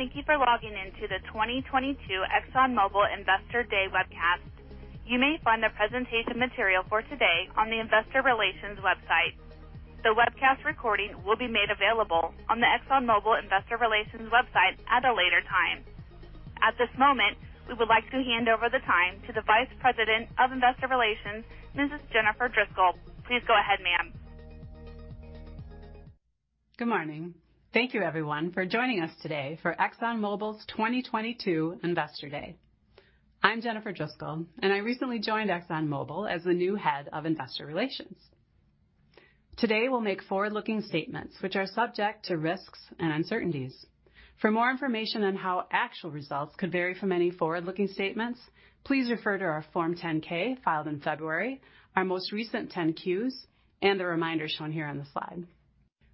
Thank you for logging in to the 2022 ExxonMobil Investor Day webcast. You may find the presentation material for today on the investor relations website. The webcast recording will be made available on the ExxonMobil investor relations website at a later time. At this moment, we would like to hand over the time to the Vice President of Investor Relations, Mrs. Jennifer Driscoll. Please go ahead, ma'am. Good morning. Thank you everyone for joining us today for ExxonMobil's 2022 Investor Day. I'm Jennifer Driscoll, and I recently joined ExxonMobil as the new head of investor relations. Today, we'll make forward-looking statements which are subject to risks and uncertainties. For more information on how actual results could vary from any forward-looking statements, please refer to our Form 10-K filed in February, our most recent 10-Qs, and the remainder shown here on the slide.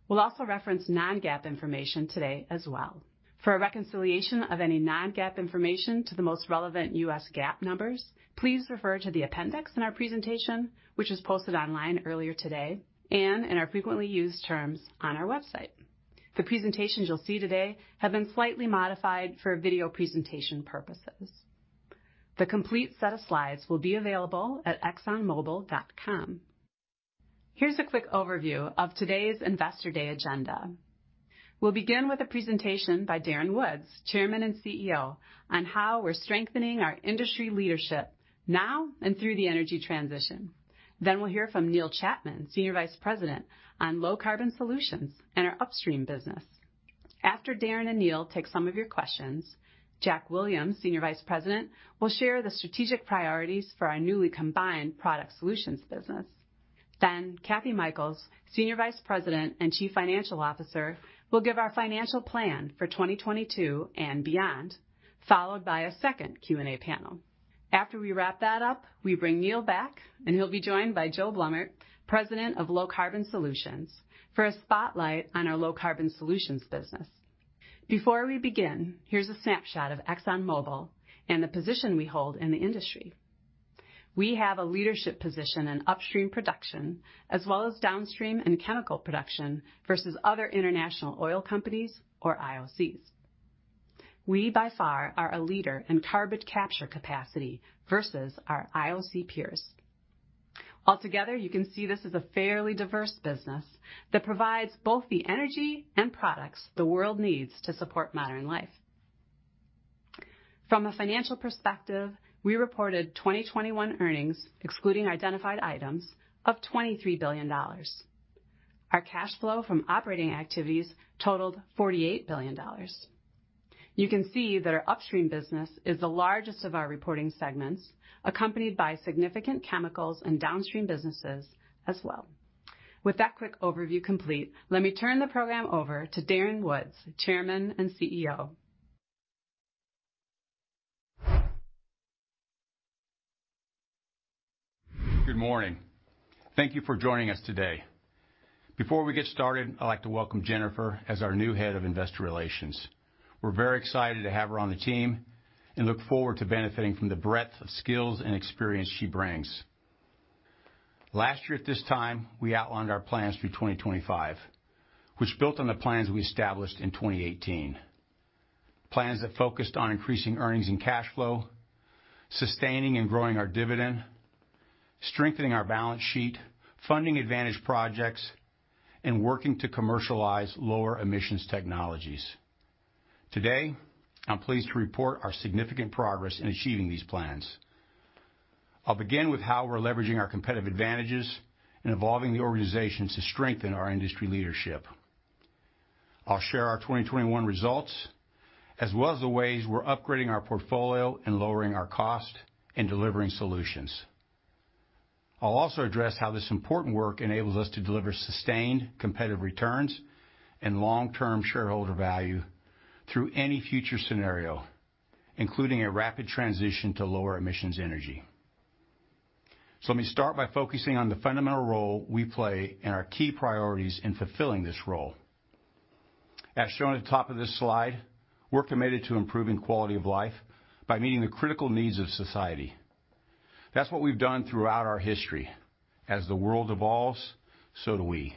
We'll also reference non-GAAP information today as well. For a reconciliation of any non-GAAP information to the most relevant US GAAP numbers, please refer to the appendix in our presentation, which was posted online earlier today, and in our frequently used terms on our website. The presentations you'll see today have been slightly modified for video presentation purposes. The complete set of slides will be available at exxonmobil.com. Here's a quick overview of today's Investor Day agenda. We'll begin with a presentation by Darren Woods, Chairman and CEO, on how we're strengthening our industry leadership now and through the energy transition. We'll hear from Neil Chapman, Senior Vice President, on low-carbon solutions in our upstream business. After Darren and Neil take some of your questions, Jack Williams, Senior Vice President, will share the strategic priorities for our newly combined product solutions business. Kathy Mikells, Senior Vice President and Chief Financial Officer, will give our financial plan for 2022 and beyond, followed by a second Q&A panel. After we wrap that up, we bring Neil back, and he'll be joined by Joe Blommaert, President of Low Carbon Solutions, for a spotlight on our low-carbon solutions business. Before we begin, here's a snapshot of ExxonMobil and the position we hold in the industry. We have a leadership position in upstream production as well as downstream and chemical production versus other international oil companies or IOCs. We, by far, are a leader in carbon capture capacity versus our IOC peers. Altogether, you can see this is a fairly diverse business that provides both the energy and products the world needs to support modern life. From a financial perspective, we reported 2021 earnings excluding identified items of $23 billion. Our cash flow from operating activities totaled $48 billion. You can see that our upstream business is the largest of our reporting segments, accompanied by significant chemicals and downstream businesses as well. With that quick overview complete, let me turn the program over to Darren Woods, Chairman and CEO. Good morning. Thank you for joining us today. Before we get started, I'd like to welcome Jennifer as our new head of investor relations. We're very excited to have her on the team and look forward to benefiting from the breadth of skills and experience she brings. Last year at this time, we outlined our plans through 2025, which built on the plans we established in 2018. Plans that focused on increasing earnings and cash flow, sustaining and growing our dividend, strengthening our balance sheet, funding advantage projects, and working to commercialize lower emissions technologies. Today, I'm pleased to report our significant progress in achieving these plans. I'll begin with how we're leveraging our competitive advantages and evolving the organizations to strengthen our industry leadership. I'll share our 2021 results, as well as the ways we're upgrading our portfolio and lowering our cost and delivering solutions. I'll also address how this important work enables us to deliver sustained competitive returns and long-term shareholder value through any future scenario, including a rapid transition to lower emissions energy. Let me start by focusing on the fundamental role we play and our key priorities in fulfilling this role. As shown at the top of this slide, we're committed to improving quality of life by meeting the critical needs of society. That's what we've done throughout our history. As the world evolves, so do we,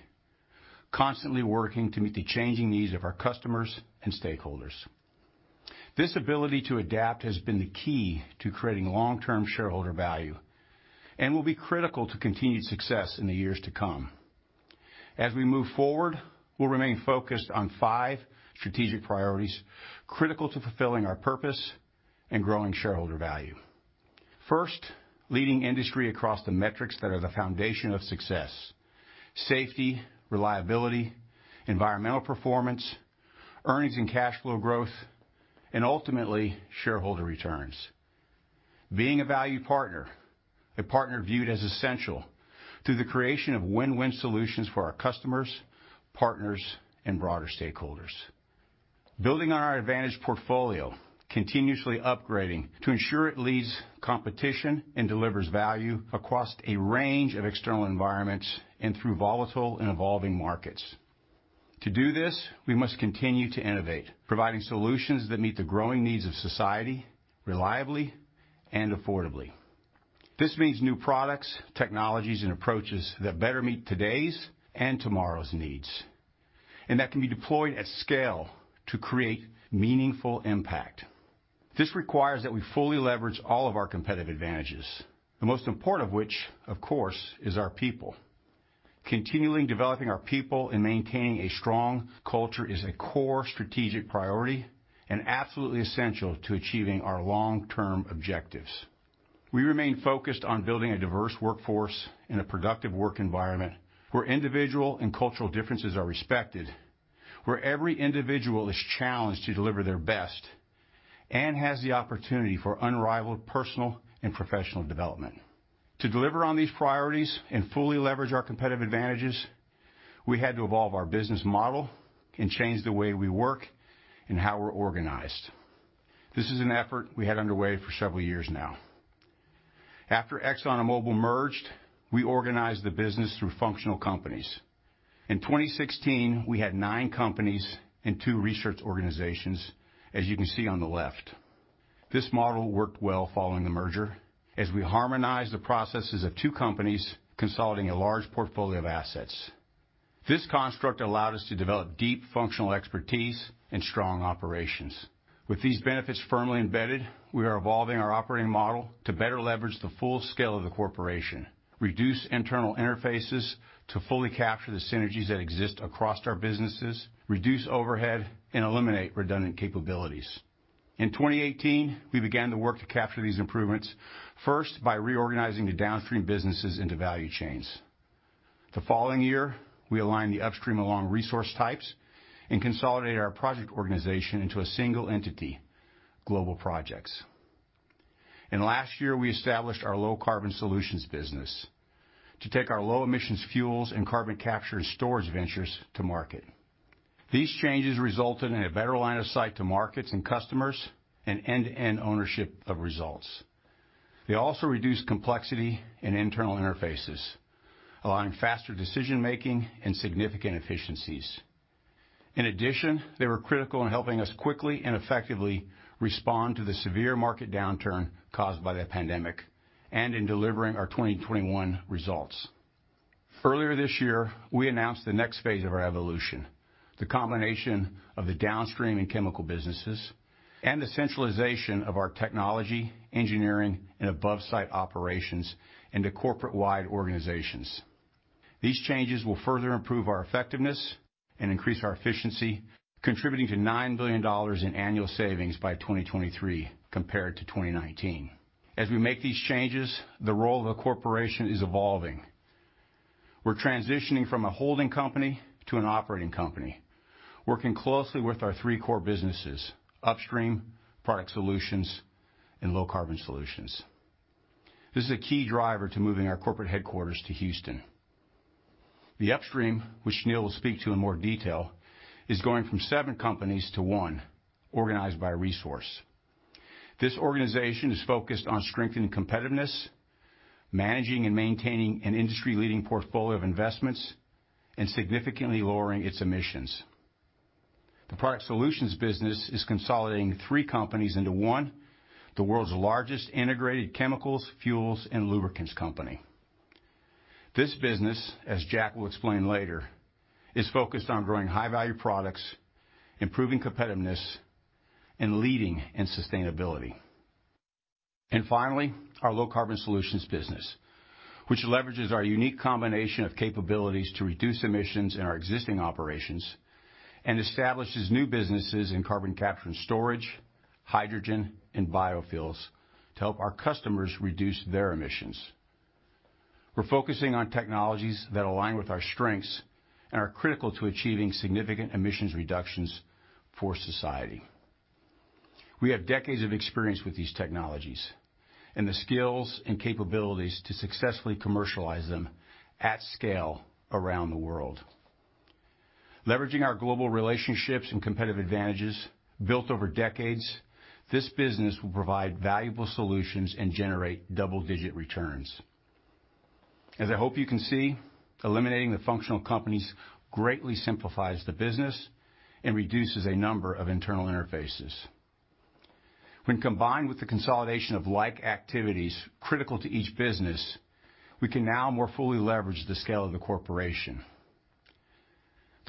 constantly working to meet the changing needs of our customers and stakeholders. This ability to adapt has been the key to creating long-term shareholder value and will be critical to continued success in the years to come. As we move forward, we'll remain focused on five strategic priorities critical to fulfilling our purpose and growing shareholder value. First, leading industry across the metrics that are the foundation of success, safety, reliability, environmental performance, earnings and cash flow growth, and ultimately, shareholder returns. Being a value partner, a partner viewed as essential through the creation of win-win solutions for our customers, partners, and broader stakeholders. Building on our advantage portfolio, continuously upgrading to ensure it leads competition and delivers value across a range of external environments and through volatile and evolving markets. To do this, we must continue to innovate, providing solutions that meet the growing needs of society reliably and affordably. This means new products, technologies, and approaches that better meet today's and tomorrow's needs, and that can be deployed at scale to create meaningful impact. This requires that we fully leverage all of our competitive advantages, the most important of which, of course, is our people. Continuing developing our people and maintaining a strong culture is a core strategic priority and absolutely essential to achieving our long-term objectives. We remain focused on building a diverse workforce and a productive work environment where individual and cultural differences are respected, where every individual is challenged to deliver their best, and has the opportunity for unrivaled personal and professional development. To deliver on these priorities and fully leverage our competitive advantages, we had to evolve our business model and change the way we work and how we're organized. This is an effort we had underway for several years now. After ExxonMobil merged, we organized the business through functional companies. In 2016, we had nine companies and two research organizations, as you can see on the left. This model worked well following the merger as we harmonized the processes of two companies consolidating a large portfolio of assets. This construct allowed us to develop deep functional expertise and strong operations. With these benefits firmly embedded, we are evolving our operating model to better leverage the full scale of the corporation, reduce internal interfaces to fully capture the synergies that exist across our businesses, reduce overhead, and eliminate redundant capabilities. In 2018, we began the work to capture these improvements, first by reorganizing the downstream businesses into value chains. The following year, we aligned the upstream along resource types and consolidated our project organization into a single entity, Global Projects. Last year, we established our Low Carbon Solutions business to take our low emissions fuels and carbon capture and storage ventures to market. These changes resulted in a better line of sight to markets and customers and end-to-end ownership of results. They also reduced complexity in internal interfaces, allowing faster decision-making and significant efficiencies. In addition, they were critical in helping us quickly and effectively respond to the severe market downturn caused by the pandemic and in delivering our 2021 results. Earlier this year, we announced the next phase of our evolution, the combination of the downstream and chemical businesses and the centralization of our technology, engineering, and above-site operations into corporate-wide organizations. These changes will further improve our effectiveness and increase our efficiency, contributing to $9 billion in annual savings by 2023 compared to 2019. As we make these changes, the role of a corporation is evolving. We're transitioning from a holding company to an operating company, working closely with our three core businesses, Upstream, Product Solutions, and Low-Carbon Solutions. This is a key driver to moving our corporate headquarters to Houston. The Upstream, which Neil will speak to in more detail, is going from seven companies to one organized by resource. This organization is focused on strengthening competitiveness, managing and maintaining an industry-leading portfolio of investments, and significantly lowering its emissions. The Product Solutions business is consolidating three companies into one, the world's largest integrated chemicals, fuels, and lubricants company. This business, as Jack will explain later, is focused on growing high-value products, improving competitiveness, and leading in sustainability. Finally, our Low Carbon Solutions business, which leverages our unique combination of capabilities to reduce emissions in our existing operations and establishes new businesses in carbon capture and storage, hydrogen, and biofuels to help our customers reduce their emissions. We're focusing on technologies that align with our strengths and are critical to achieving significant emissions reductions for society. We have decades of experience with these technologies and the skills and capabilities to successfully commercialize them at scale around the world. Leveraging our global relationships and competitive advantages built over decades, this business will provide valuable solutions and generate double-digit returns. As I hope you can see, eliminating the functional companies greatly simplifies the business and reduces a number of internal interfaces. When combined with the consolidation of like activities critical to each business, we can now more fully leverage the scale of the corporation.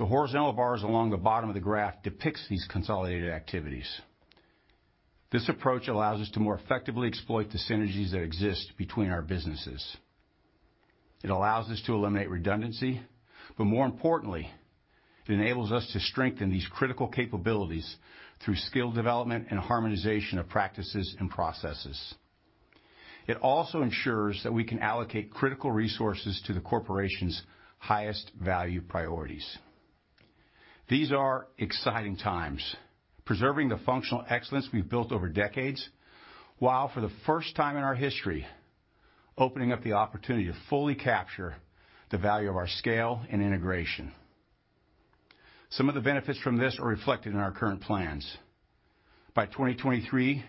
The horizontal bars along the bottom of the graph depicts these consolidated activities. This approach allows us to more effectively exploit the synergies that exist between our businesses. It allows us to eliminate redundancy, but more importantly, it enables us to strengthen these critical capabilities through skill development and harmonization of practices and processes. It also ensures that we can allocate critical resources to the corporation's highest value priorities. These are exciting times, preserving the functional excellence we've built over decades, while for the first time in our history, opening up the opportunity to fully capture the value of our scale and integration. Some of the benefits from this are reflected in our current plans. By 2023,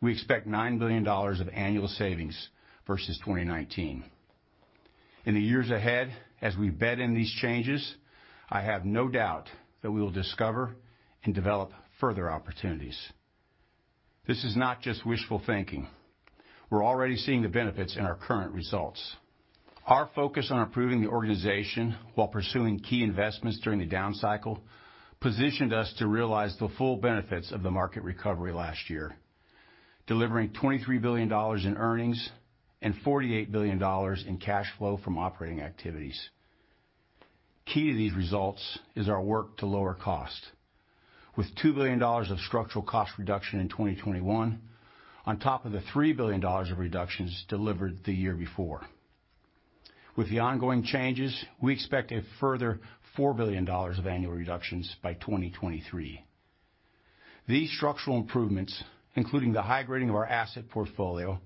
we expect $9 billion of annual savings versus 2019. In the years ahead, as we've bet in these changes, I have no doubt that we will discover and develop further opportunities. This is not just wishful thinking. We're already seeing the benefits in our current results. Our focus on improving the organization while pursuing key investments during the down cycle, positioned us to realize the full benefits of the market recovery last year, delivering $23 billion in earnings and $48 billion in cash flow from operating activities. Key to these results is our work to lower cost. With $2 billion of structural cost reduction in 2021, on top of the $3 billion of reductions delivered the year before. With the ongoing changes, we expect a further $4 billion of annual reductions by 2023. These structural improvements, including the high grading of our asset portfolio,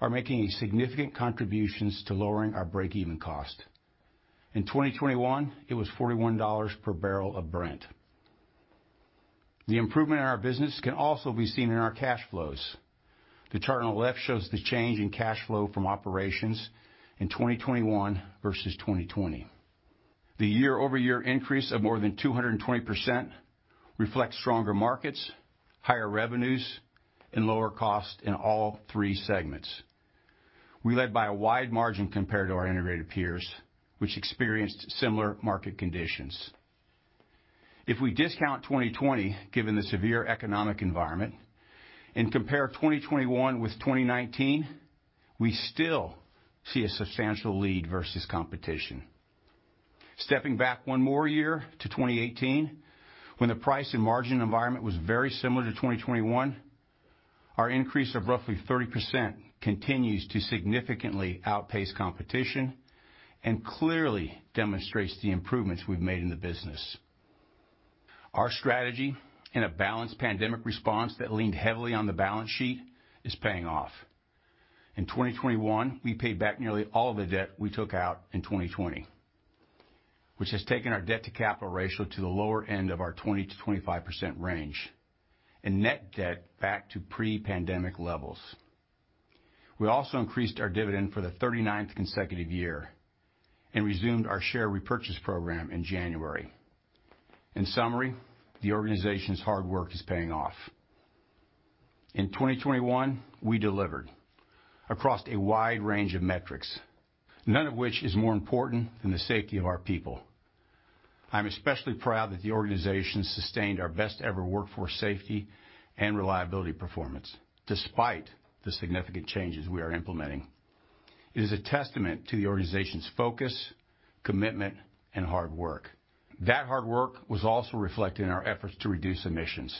are making significant contributions to lowering our break-even cost. In 2021, it was $41 per barrel of Brent. The improvement in our business can also be seen in our cash flows. The chart on the left shows the change in cash flow from operations in 2021 versus 2020. The year-over-year increase of more than 220% reflects stronger markets, higher revenues, and lower costs in all three segments. We led by a wide margin compared to our integrated peers, which experienced similar market conditions. If we discount 2020, given the severe economic environment, and compare 2021 with 2019, we still see a substantial lead versus competition. Stepping back one more year to 2018, when the price and margin environment was very similar to 2021, our increase of roughly 30% continues to significantly outpace competition and clearly demonstrates the improvements we've made in the business. Our strategy in a balanced pandemic response that leaned heavily on the balance sheet is paying off. In 2021, we paid back nearly all the debt we took out in 2020, which has taken our debt-to-capital ratio to the lower end of our 20%-25% range, and net debt back to pre-pandemic levels. We also increased our dividend for the 39th consecutive year and resumed our share repurchase program in January. In summary, the organization's hard work is paying off. In 2021, we delivered across a wide range of metrics, none of which is more important than the safety of our people. I'm especially proud that the organization sustained our best ever workforce safety and reliability performance, despite the significant changes we are implementing. It is a testament to the organization's focus, commitment, and hard work. That hard work was also reflected in our efforts to reduce emissions.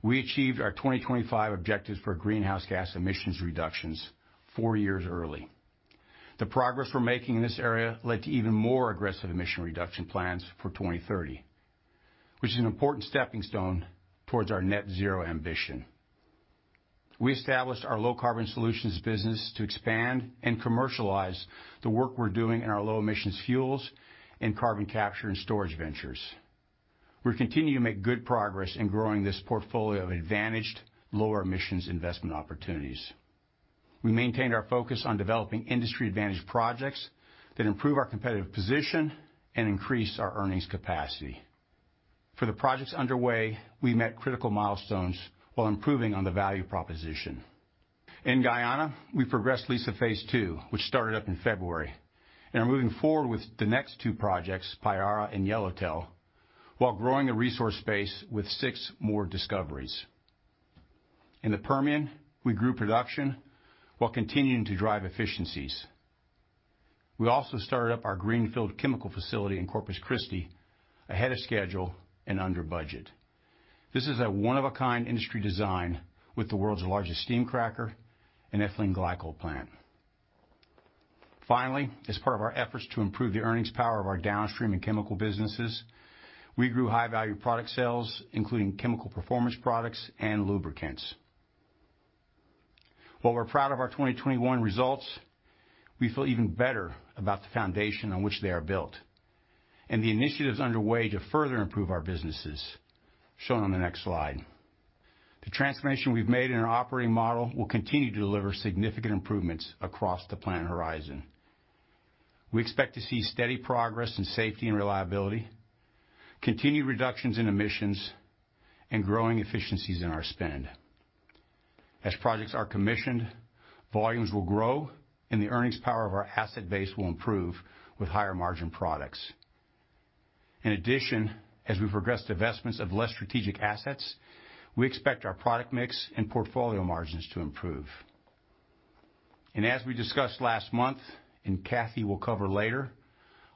We achieved our 2025 objectives for greenhouse gas emissions reductions four years early. The progress we're making in this area led to even more aggressive emission reduction plans for 2030, which is an important stepping stone towards our net zero ambition. We established our Low Carbon Solutions business to expand and commercialize the work we're doing in our low emissions fuels and carbon capture and storage ventures. We're continuing to make good progress in growing this portfolio of advantaged lower emissions investment opportunities. We maintained our focus on developing industry-advantaged projects that improve our competitive position and increase our earnings capacity. For the projects underway, we met critical milestones while improving on the value proposition. In Guyana, we progressed Liza Phase Two, which started up in February, and are moving forward with the next two projects, Payara and Yellowtail, while growing the resource base with six more discoveries. In the Permian, we grew production while continuing to drive efficiencies. We also started up our greenfield chemical facility in Corpus Christi ahead of schedule and under budget. This is a one-of-a-kind industry design with the world's largest steam cracker and ethylene glycol plant. Finally, as part of our efforts to improve the earnings power of our downstream and chemical businesses, we grew high-value product sales, including chemical performance products and lubricants. While we're proud of our 2021 results, we feel even better about the foundation on which they are built and the initiatives underway to further improve our businesses, shown on the next slide. The transformation we've made in our operating model will continue to deliver significant improvements across the planned horizon. We expect to see steady progress in safety and reliability, continued reductions in emissions, and growing efficiencies in our spend. As projects are commissioned, volumes will grow and the earnings power of our asset base will improve with higher margin products. In addition, as we've progressed divestments of less strategic assets, we expect our product mix and portfolio margins to improve. As we discussed last month, and Kathy will cover later,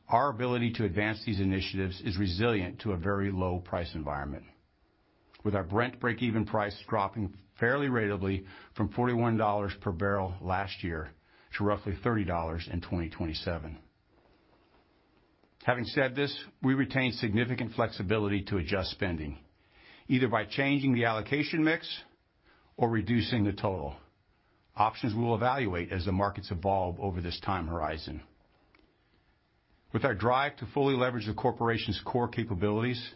our ability to advance these initiatives is resilient to a very low price environment. With our Brent break-even price dropping fairly ratably from $41 per barrel last year to roughly $30 in 2027. Having said this, we retain significant flexibility to adjust spending, either by changing the allocation mix or reducing the total. Options we'll evaluate as the markets evolve over this time horizon. With our drive to fully leverage the corporation's core capabilities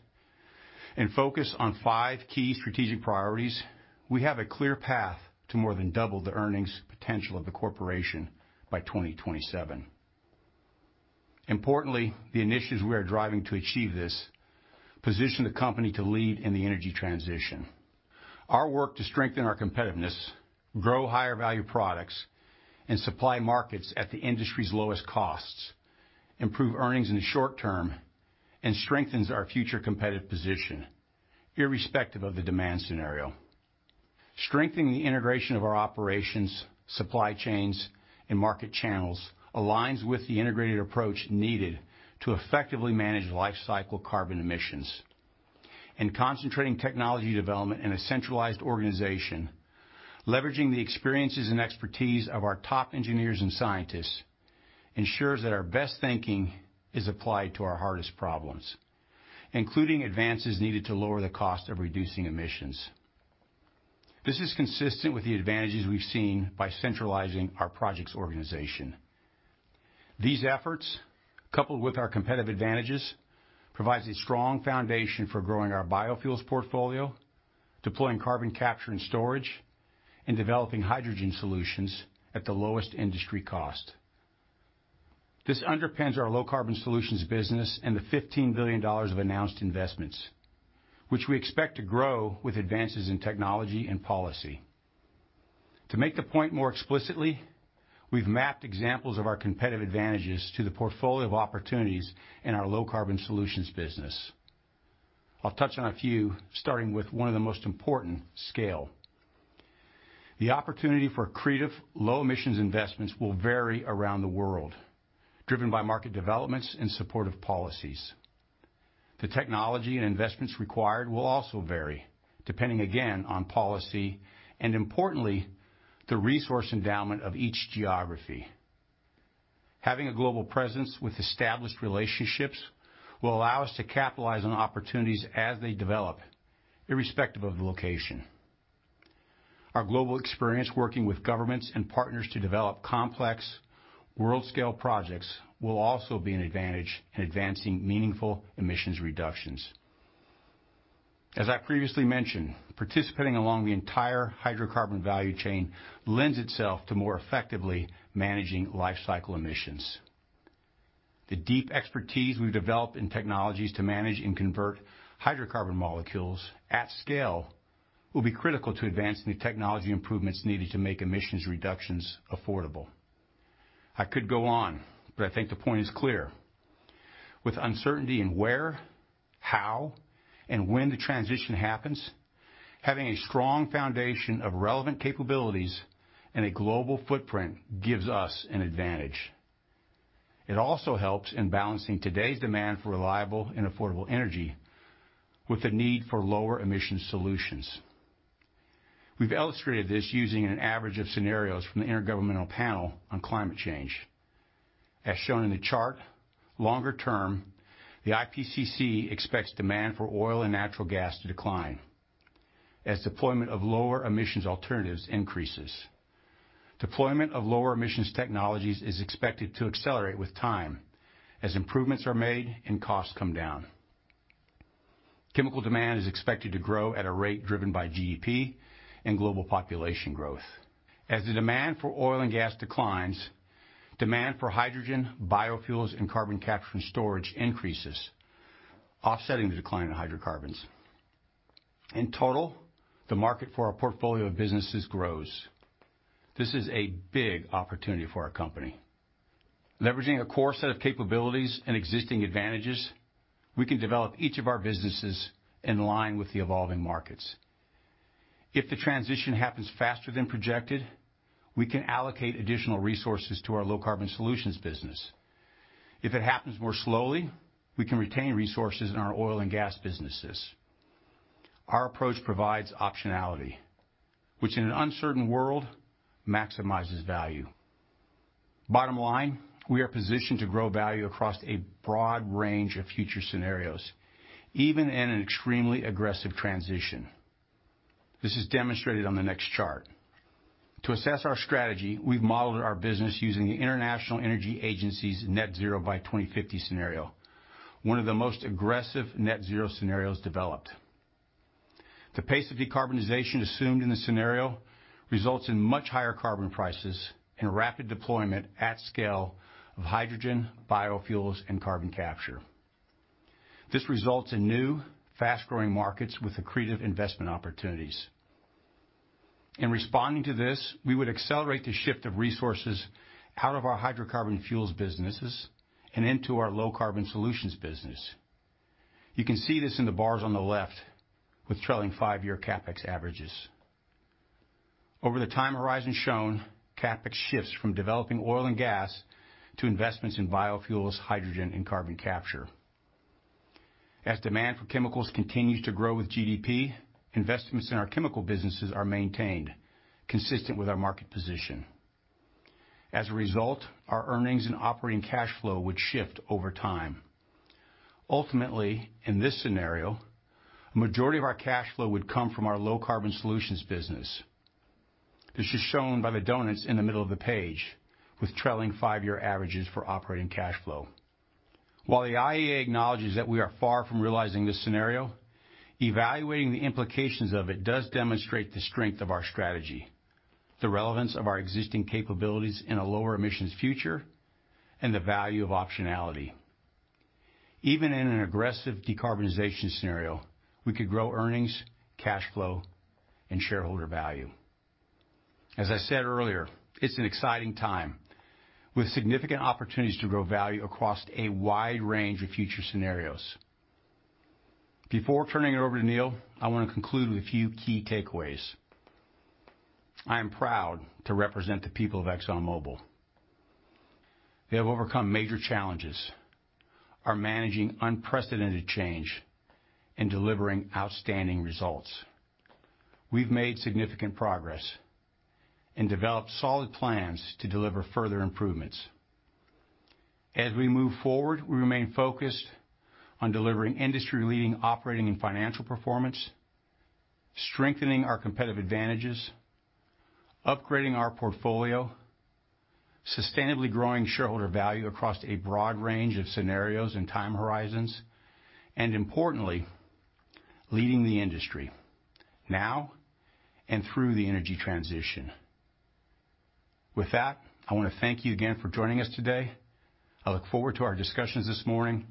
and focus on 5 key strategic priorities, we have a clear path to more than double the earnings potential of the corporation by 2027. Importantly, the initiatives we are driving to achieve this position the company to lead in the energy transition. Our work to strengthen our competitiveness, grow higher value products, and supply markets at the industry's lowest costs, improve earnings in the short term, and strengthens our future competitive position irrespective of the demand scenario. Strengthening the integration of our operations, supply chains, and market channels aligns with the integrated approach needed to effectively manage lifecycle carbon emissions. Concentrating technology development in a centralized organization, leveraging the experiences and expertise of our top engineers and scientists ensures that our best thinking is applied to our hardest problems, including advances needed to lower the cost of reducing emissions. This is consistent with the advantages we've seen by centralizing our projects organization. These efforts, coupled with our competitive advantages, provides a strong foundation for growing our biofuels portfolio, deploying carbon capture and storage, and developing hydrogen solutions at the lowest industry cost. This underpins our low-carbon solutions business and the $15 billion of announced investments, which we expect to grow with advances in technology and policy. To make the point more explicitly, we've mapped examples of our competitive advantages to the portfolio of opportunities in our low-carbon solutions business. I'll touch on a few, starting with one of the most important, scale. The opportunity for accretive low emissions investments will vary around the world, driven by market developments and supportive policies. The technology and investments required will also vary depending, again, on policy and importantly, the resource endowment of each geography. Having a global presence with established relationships will allow us to capitalize on opportunities as they develop, irrespective of the location. Our global experience working with governments and partners to develop complex world scale projects will also be an advantage in advancing meaningful emissions reductions. As I previously mentioned, participating along the entire hydrocarbon value chain lends itself to more effectively managing lifecycle emissions. The deep expertise we've developed in technologies to manage and convert hydrocarbon molecules at scale will be critical to advancing the technology improvements needed to make emissions reductions affordable. I could go on, but I think the point is clear. With uncertainty in where, how, and when the transition happens, having a strong foundation of relevant capabilities and a global footprint gives us an advantage. It also helps in balancing today's demand for reliable and affordable energy with the need for lower emission solutions. We've illustrated this using an average of scenarios from the Intergovernmental Panel on Climate Change. As shown in the chart, longer term, the IPCC expects demand for oil and natural gas to decline as deployment of lower emissions alternatives increases. Deployment of lower emissions technologies is expected to accelerate with time as improvements are made and costs come down. Chemical demand is expected to grow at a rate driven by GDP and global population growth. As the demand for oil and gas declines, demand for hydrogen, biofuels, and carbon capture and storage increases, offsetting the decline in hydrocarbons. In total, the market for our portfolio of businesses grows. This is a big opportunity for our company. Leveraging a core set of capabilities and existing advantages, we can develop each of our businesses in line with the evolving markets. If the transition happens faster than projected, we can allocate additional resources to our Low Carbon Solutions business. If it happens more slowly, we can retain resources in our oil and gas businesses. Our approach provides optionality, which in an uncertain world maximizes value. Bottom line, we are positioned to grow value across a broad range of future scenarios, even in an extremely aggressive transition. This is demonstrated on the next chart. To assess our strategy, we've modeled our business using the International Energy Agency's net zero by 2050 scenario, one of the most aggressive net zero scenarios developed. The pace of decarbonization assumed in the scenario results in much higher carbon prices and rapid deployment at scale of hydrogen, biofuels, and carbon capture. This results in new fast-growing markets with accretive investment opportunities. In responding to this, we would accelerate the shift of resources out of our hydrocarbon fuels businesses and into our low-carbon solutions business. You can see this in the bars on the left with trailing five-year CapEx averages. Over the time horizon shown, CapEx shifts from developing oil and gas to investments in biofuels, hydrogen, and carbon capture. As demand for chemicals continues to grow with GDP, investments in our chemical businesses are maintained consistent with our market position. As a result, our earnings and operating cash flow would shift over time. Ultimately, in this scenario, majority of our cash flow would come from our Low Carbon Solutions business. This is shown by the donuts in the middle of the page with trailing five-year averages for operating cash flow. While the IEA acknowledges that we are far from realizing this scenario, evaluating the implications of it does demonstrate the strength of our strategy, the relevance of our existing capabilities in a lower emissions future, and the value of optionality. Even in an aggressive decarbonization scenario, we could grow earnings, cash flow, and shareholder value. As I said earlier, it's an exciting time with significant opportunities to grow value across a wide range of future scenarios. Before turning it over to Neil, I wanna conclude with a few key takeaways. I am proud to represent the people of ExxonMobil. They have overcome major challenges, are managing unprecedented change, and delivering outstanding results. We've made significant progress and developed solid plans to deliver further improvements. As we move forward, we remain focused on delivering industry-leading operating and financial performance, strengthening our competitive advantages, upgrading our portfolio, sustainably growing shareholder value across a broad range of scenarios and time horizons, and importantly, leading the industry now and through the energy transition. With that, I wanna thank you again for joining us today. I look forward to our discussions this morning.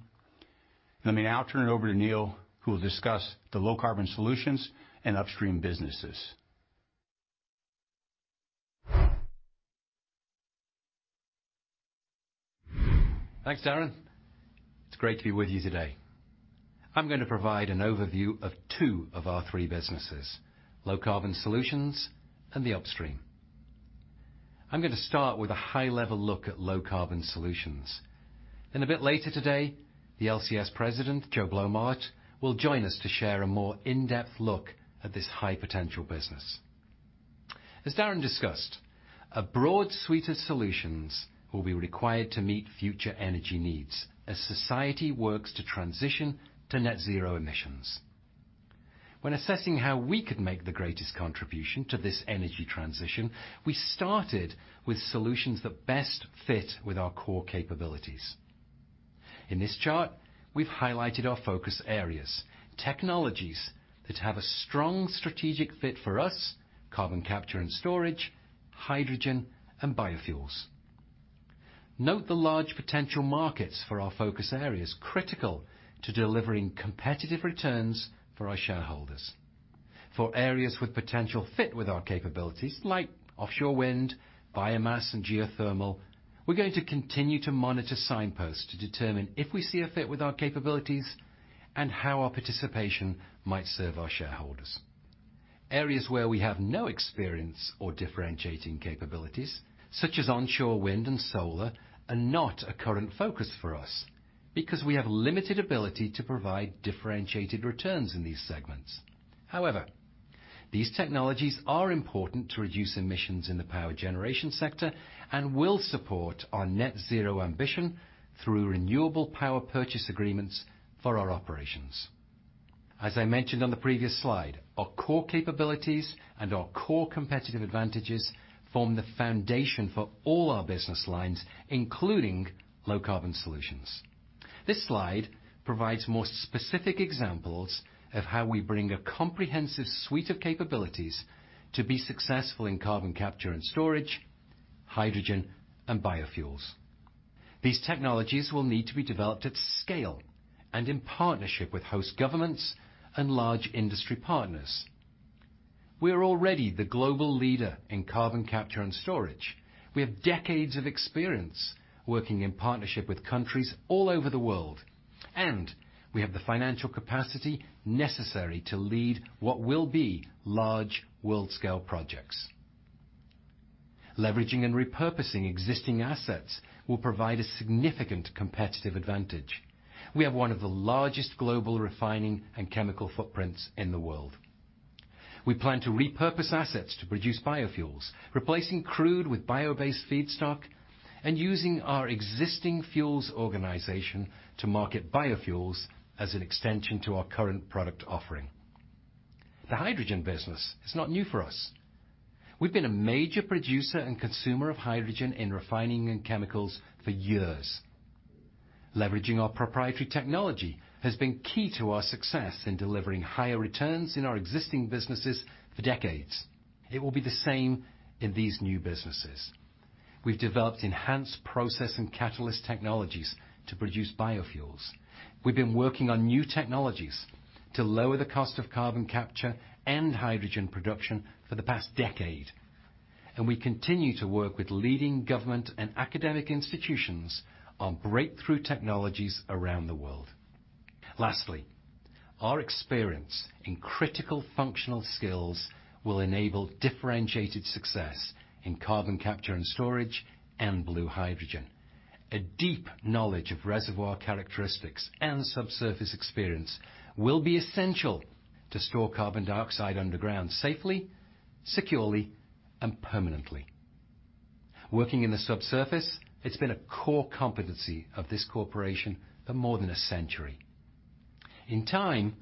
Let me now turn it over to Neil, who will discuss the Low Carbon Solutions and upstream businesses. Thanks, Darren. It's great to be with you today. I'm gonna provide an overview of two of our three businesses, Low Carbon Solutions and the Upstream. I'm gonna start with a high-level look at Low Carbon Solutions, and a bit later today, the LCS president, Joe Blommaert, will join us to share a more in-depth look at this high-potential business. As Darren discussed, a broad suite of solutions will be required to meet future energy needs as society works to transition to net zero emissions. When assessing how we could make the greatest contribution to this energy transition, we started with solutions that best fit with our core capabilities. In this chart, we've highlighted our focus areas, technologies that have a strong strategic fit for us, carbon capture and storage, hydrogen, and biofuels. Note the large potential markets for our focus areas critical to delivering competitive returns for our shareholders. For areas with potential fit with our capabilities like offshore wind, biomass, and geothermal, we're going to continue to monitor signposts to determine if we see a fit with our capabilities and how our participation might serve our shareholders. Areas where we have no experience or differentiating capabilities, such as onshore wind and solar, are not a current focus for us because we have limited ability to provide differentiated returns in these segments. However, these technologies are important to reduce emissions in the power generation sector and will support our net zero ambition through renewable power purchase agreements for our operations. As I mentioned on the previous slide, our core capabilities and our core competitive advantages form the foundation for all our business lines, including low carbon solutions. This slide provides more specific examples of how we bring a comprehensive suite of capabilities to be successful in carbon capture and storage, hydrogen, and biofuels. These technologies will need to be developed at scale and in partnership with host governments and large industry partners. We are already the global leader in carbon capture and storage. We have decades of experience working in partnership with countries all over the world, and we have the financial capacity necessary to lead what will be large world-scale projects. Leveraging and repurposing existing assets will provide a significant competitive advantage. We have one of the largest global refining and chemical footprints in the world. We plan to repurpose assets to produce biofuels, replacing crude with bio-based feedstock, and using our existing fuels organization to market biofuels as an extension to our current product offering. The hydrogen business is not new for us. We've been a major producer and consumer of hydrogen in refining and chemicals for years. Leveraging our proprietary technology has been key to our success in delivering higher returns in our existing businesses for decades. It will be the same in these new businesses. We've developed enhanced process and catalyst technologies to produce biofuels. We've been working on new technologies to lower the cost of carbon capture and hydrogen production for the past decade, and we continue to work with leading government and academic institutions on breakthrough technologies around the world. Lastly, our experience in critical functional skills will enable differentiated success in carbon capture and storage and blue hydrogen. A deep knowledge of reservoir characteristics and subsurface experience will be essential to store carbon dioxide underground safely, securely, and permanently. Working in the subsurface, it's been a core competency of this corporation for more than a century. In time,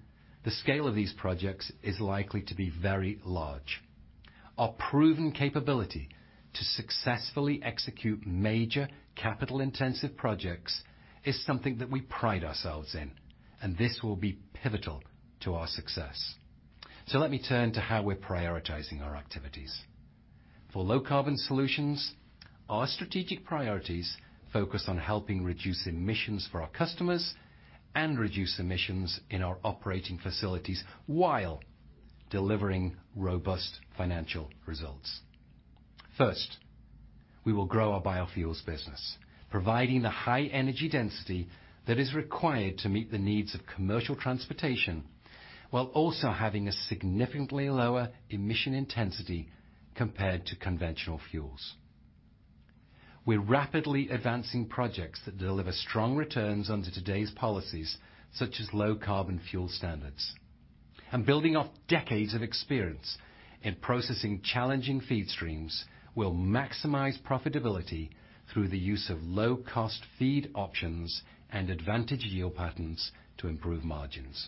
the scale of these projects is likely to be very large. Our proven capability to successfully execute major capital-intensive projects is something that we pride ourselves in, and this will be pivotal to our success. Let me turn to how we're prioritizing our activities. For low-carbon solutions, our strategic priorities focus on helping reduce emissions for our customers and reduce emissions in our operating facilities while delivering robust financial results. First, we will grow our biofuels business, providing the high energy density that is required to meet the needs of commercial transportation, while also having a significantly lower emission intensity compared to conventional fuels. We're rapidly advancing projects that deliver strong returns under today's policies, such as Low-Carbon Fuel Standards. Building off decades of experience in processing challenging feed streams will maximize profitability through the use of low-cost feed options and advantage yield patterns to improve margins.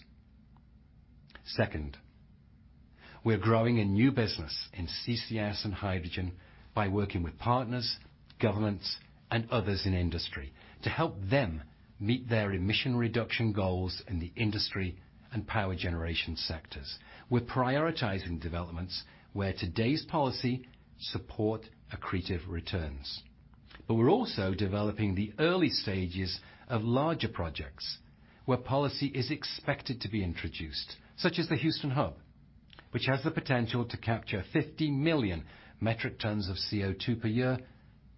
Second, we're growing a new business in CCS and hydrogen by working with partners, governments, and others in industry to help them meet their emission reduction goals in the industry and power generation sectors. We're prioritizing developments where today's policy support accretive returns, but we're also developing the early stages of larger projects where policy is expected to be introduced, such as the Houston Hub, which has the potential to capture 50 million metric tons of CO2 per year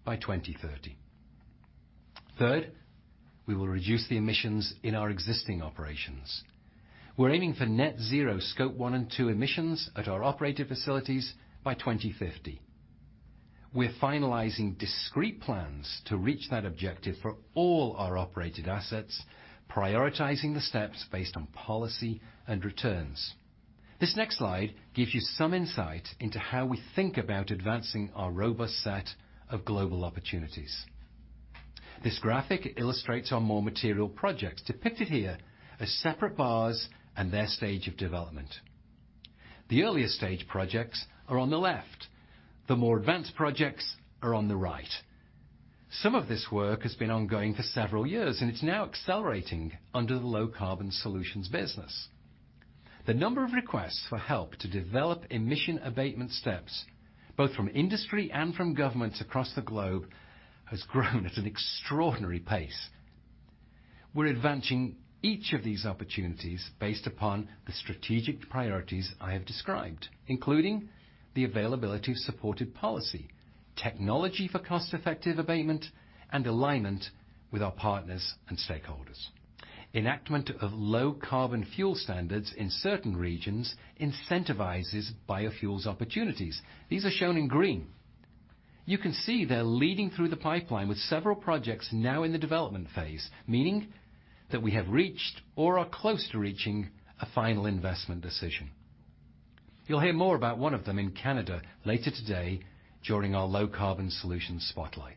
by 2030. Third, we will reduce the emissions in our existing operations. We're aiming for net zero Scope 1 and 2 emissions at our operated facilities by 2050. We're finalizing discrete plans to reach that objective for all our operated assets, prioritizing the steps based on policy and returns. This next slide gives you some insight into how we think about advancing our robust set of global opportunities. This graphic illustrates our more material projects depicted here as separate bars and their stage of development. The earlier stage projects are on the left. The more advanced projects are on the right. Some of this work has been ongoing for several years, and it's now accelerating under the low-carbon solutions business. The number of requests for help to develop emission abatement steps, both from industry and from governments across the globe, has grown at an extraordinary pace. We're advancing each of these opportunities based upon the strategic priorities I have described, including the availability of supported policy, technology for cost-effective abatement, and alignment with our partners and stakeholders. Enactment of low-carbon fuel standards in certain regions incentivizes biofuels opportunities. These are shown in green. You can see they're leading through the pipeline with several projects now in the development phase, meaning that we have reached or are close to reaching a Final Investment Decision. You'll hear more about one of them in Canada later today during our low-carbon solution spotlight.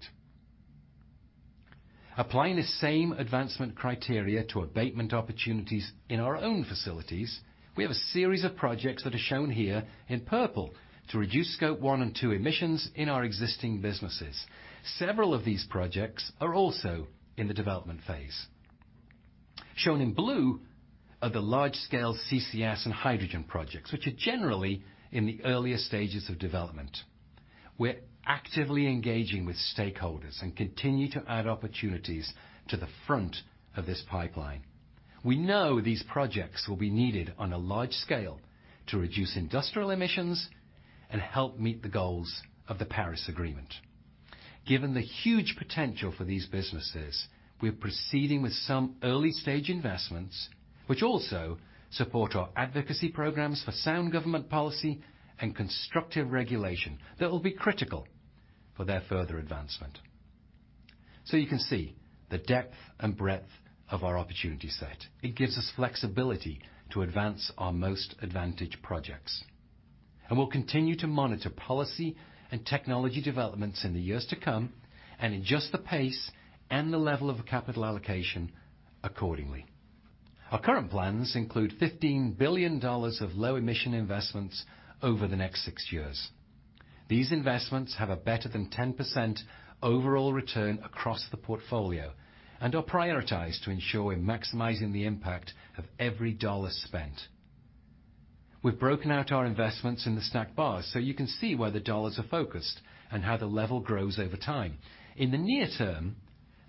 Applying the same advancement criteria to abatement opportunities in our own facilities, we have a series of projects that are shown here in purple to reduce Scope 1 and 2 emissions in our existing businesses. Several of these projects are also in the development phase. Shown in blue are the large-scale CCS and hydrogen projects, which are generally in the earlier stages of development. We're actively engaging with stakeholders and continue to add opportunities to the front of this pipeline. We know these projects will be needed on a large scale to reduce industrial emissions and help meet the goals of the Paris Agreement. Given the huge potential for these businesses, we're proceeding with some early-stage investments, which also support our advocacy programs for sound government policy and constructive regulation that will be critical for their further advancement. You can see the depth and breadth of our opportunity set. It gives us flexibility to advance our most advantaged projects, and we'll continue to monitor policy and technology developments in the years to come and adjust the pace and the level of capital allocation accordingly. Our current plans include $15 billion of low-emission investments over the next six years. These investments have a better than 10% overall return across the portfolio and are prioritized to ensure we're maximizing the impact of every dollar spent. We've broken out our investments in the stacked bars, so you can see where the dollars are focused and how the level grows over time. In the near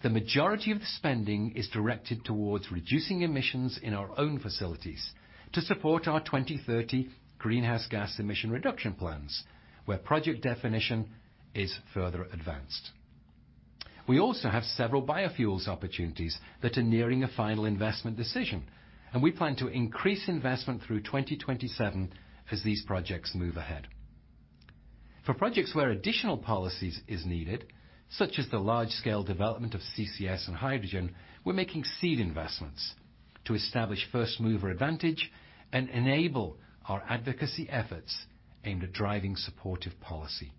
term, the majority of the spending is directed towards reducing emissions in our own facilities to support our 2030 greenhouse gas emission reduction plans, where project definition is further advanced. We also have several biofuels opportunities that are nearing a final investment decision, and we plan to increase investment through 2027 as these projects move ahead. For projects where additional policy is needed, such as the large-scale development of CCS and hydrogen, we're making seed investments. To establish first-mover advantage and enable our advocacy efforts aimed at driving supportive policy.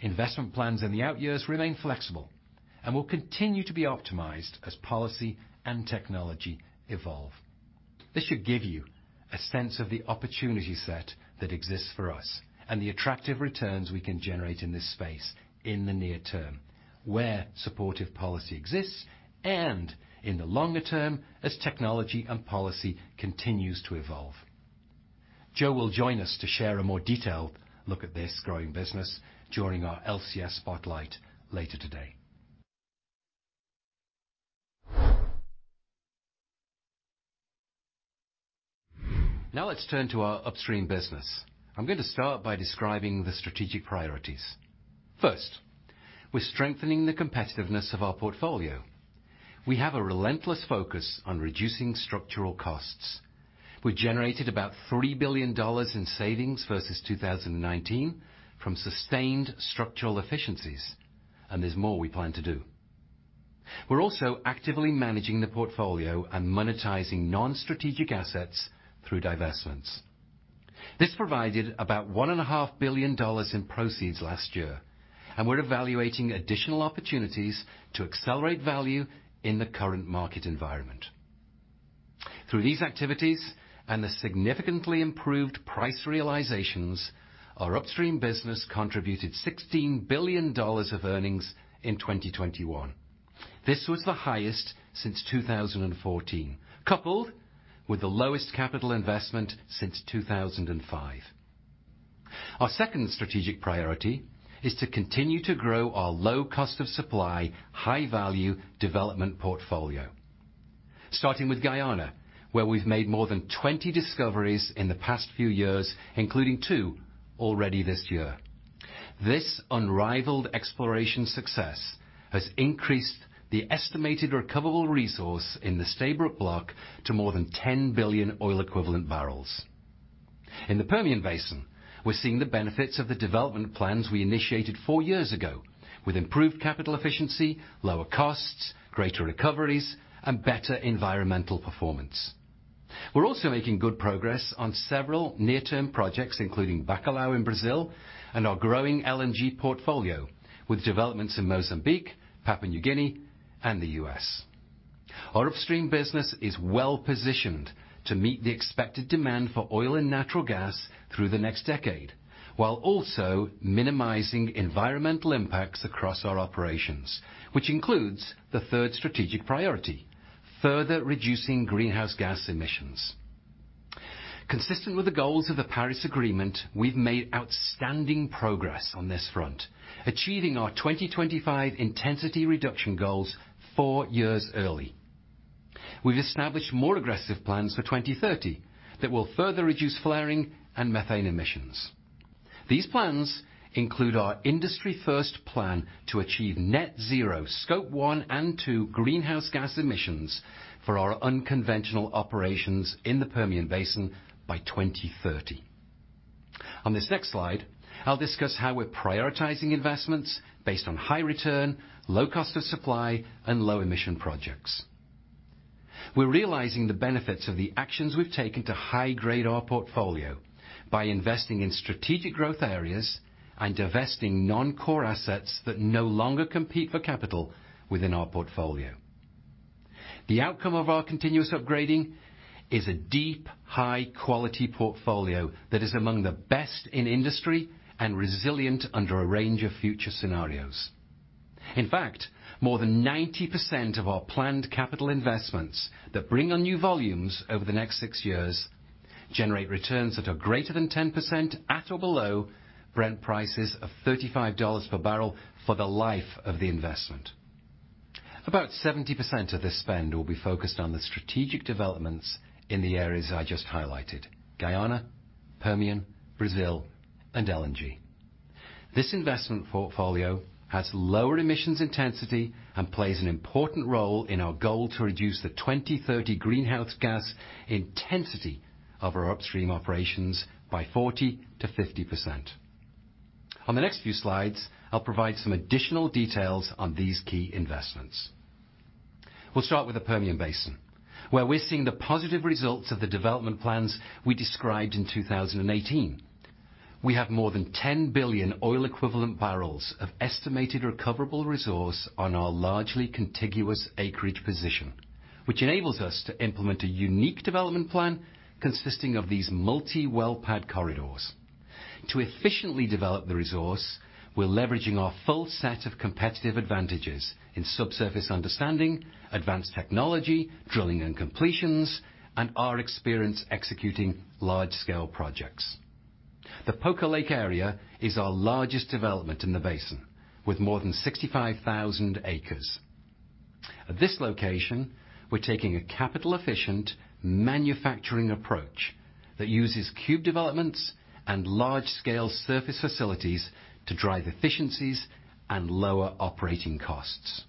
Investment plans in the outyears remain flexible and will continue to be optimized as policy and technology evolve. This should give you a sense of the opportunity set that exists for us and the attractive returns we can generate in this space in the near term, where supportive policy exists, and in the longer term, as technology and policy continues to evolve. Joe will join us to share a more detailed look at this growing business during our LCS spotlight later today. Now let's turn to our upstream business. I'm going to start by describing the strategic priorities. First, we're strengthening the competitiveness of our portfolio. We have a relentless focus on reducing structural costs. We generated about $3 billion in savings versus 2019 from sustained structural efficiencies, and there's more we plan to do. We're also actively managing the portfolio and monetizing non-strategic assets through divestments. This provided about $1.5 billion in proceeds last year, and we're evaluating additional opportunities to accelerate value in the current market environment. Through these activities and the significantly improved price realizations, our upstream business contributed $16 billion of earnings in 2021. This was the highest since 2014, coupled with the lowest capital investment since 2005. Our second strategic priority is to continue to grow our low cost of supply, high-value development portfolio. Starting with Guyana, where we've made more than 20 discoveries in the past few years, including two already this year. This unrivaled exploration success has increased the estimated recoverable resource in the Stabroek Block to more than 10 billion oil-equivalent barrels. In the Permian Basin, we're seeing the benefits of the development plans we initiated 4 years ago with improved capital efficiency, lower costs, greater recoveries, and better environmental performance. We're also making good progress on several near-term projects, including Bacalhau in Brazil and our growing LNG portfolio, with developments in Mozambique, Papua New Guinea, and the U.S. Our upstream business is well-positioned to meet the expected demand for oil and natural gas through the next decade, while also minimizing environmental impacts across our operations, which includes the third strategic priority, further reducing greenhouse gas emissions. Consistent with the goals of the Paris Agreement, we've made outstanding progress on this front, achieving our 2025 intensity reduction goals four years early. We've established more aggressive plans for 2030 that will further reduce flaring and methane emissions. These plans include our industry-first plan to achieve net zero Scope 1 and 2 greenhouse gas emissions for our unconventional operations in the Permian Basin by 2030. On this next slide, I'll discuss how we're prioritizing investments based on high return, low cost of supply, and low-emission projects. We're realizing the benefits of the actions we've taken to high-grade our portfolio by investing in strategic growth areas and divesting non-core assets that no longer compete for capital within our portfolio. The outcome of our continuous upgrading is a deep, high-quality portfolio that is among the best in industry and resilient under a range of future scenarios. In fact, more than 90% of our planned capital investments that bring on new volumes over the next six years generate returns that are greater than 10% at or below Brent prices of $35 per barrel for the life of the investment. About 70% of this spend will be focused on the strategic developments in the areas I just highlighted, Guyana, Permian, Brazil, and LNG. This investment portfolio has lower emissions intensity and plays an important role in our goal to reduce the 2030 greenhouse gas intensity of our upstream operations by 40%-50%. On the next few slides, I'll provide some additional details on these key investments. We'll start with the Permian Basin, where we're seeing the positive results of the development plans we described in 2018. We have more than 10 billion oil equivalent barrels of estimated recoverable resource on our largely contiguous acreage position, which enables us to implement a unique development plan consisting of these multi-well pad corridors. To efficiently develop the resource, we're leveraging our full set of competitive advantages in subsurface understanding, advanced technology, drilling and completions, and our experience executing large-scale projects. The Poker Lake area is our largest development in the basin, with more than 65,000 acres. At this location, we're taking a capital-efficient manufacturing approach that uses cube developments and large-scale surface facilities to drive efficiencies and lower operating costs.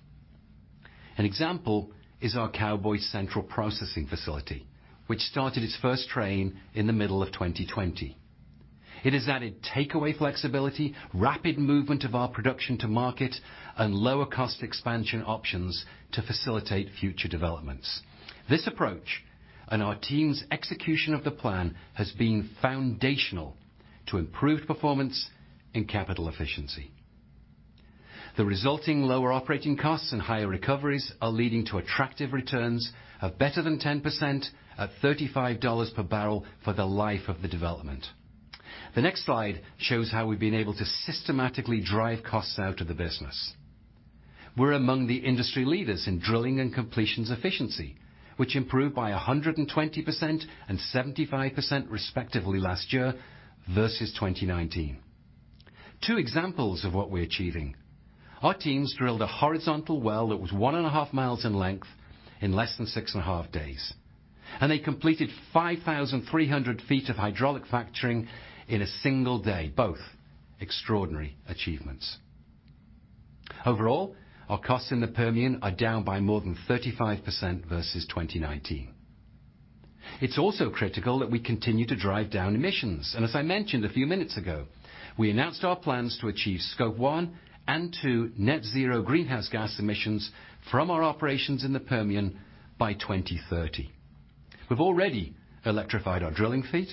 An example is our Cowboy Central Processing Facility, which started its first train in the middle of 2020. It has added takeaway flexibility, rapid movement of our production to market, and lower cost expansion options to facilitate future developments. This approach and our team's execution of the plan has been foundational to improved performance and capital efficiency. The resulting lower operating costs and higher recoveries are leading to attractive returns of better than 10% at $35 per barrel for the life of the development. The next slide shows how we've been able to systematically drive costs out of the business. We're among the industry leaders in drilling and completions efficiency, which improved by 120% and 75% respectively last year versus 2019. Two examples of what we're achieving. Our teams drilled a horizontal well that was one and a half miles in length in less than six and a half days, and they completed 5,300 feet of hydraulic fracturing in a single day. Both extraordinary achievements. Overall, our costs in the Permian are down by more than 35% versus 2019. It's also critical that we continue to drive down emissions, and as I mentioned a few minutes ago, we announced our plans to achieve Scope 1 and 2 net zero greenhouse gas emissions from our operations in the Permian by 2030. We've already electrified our drilling fleet,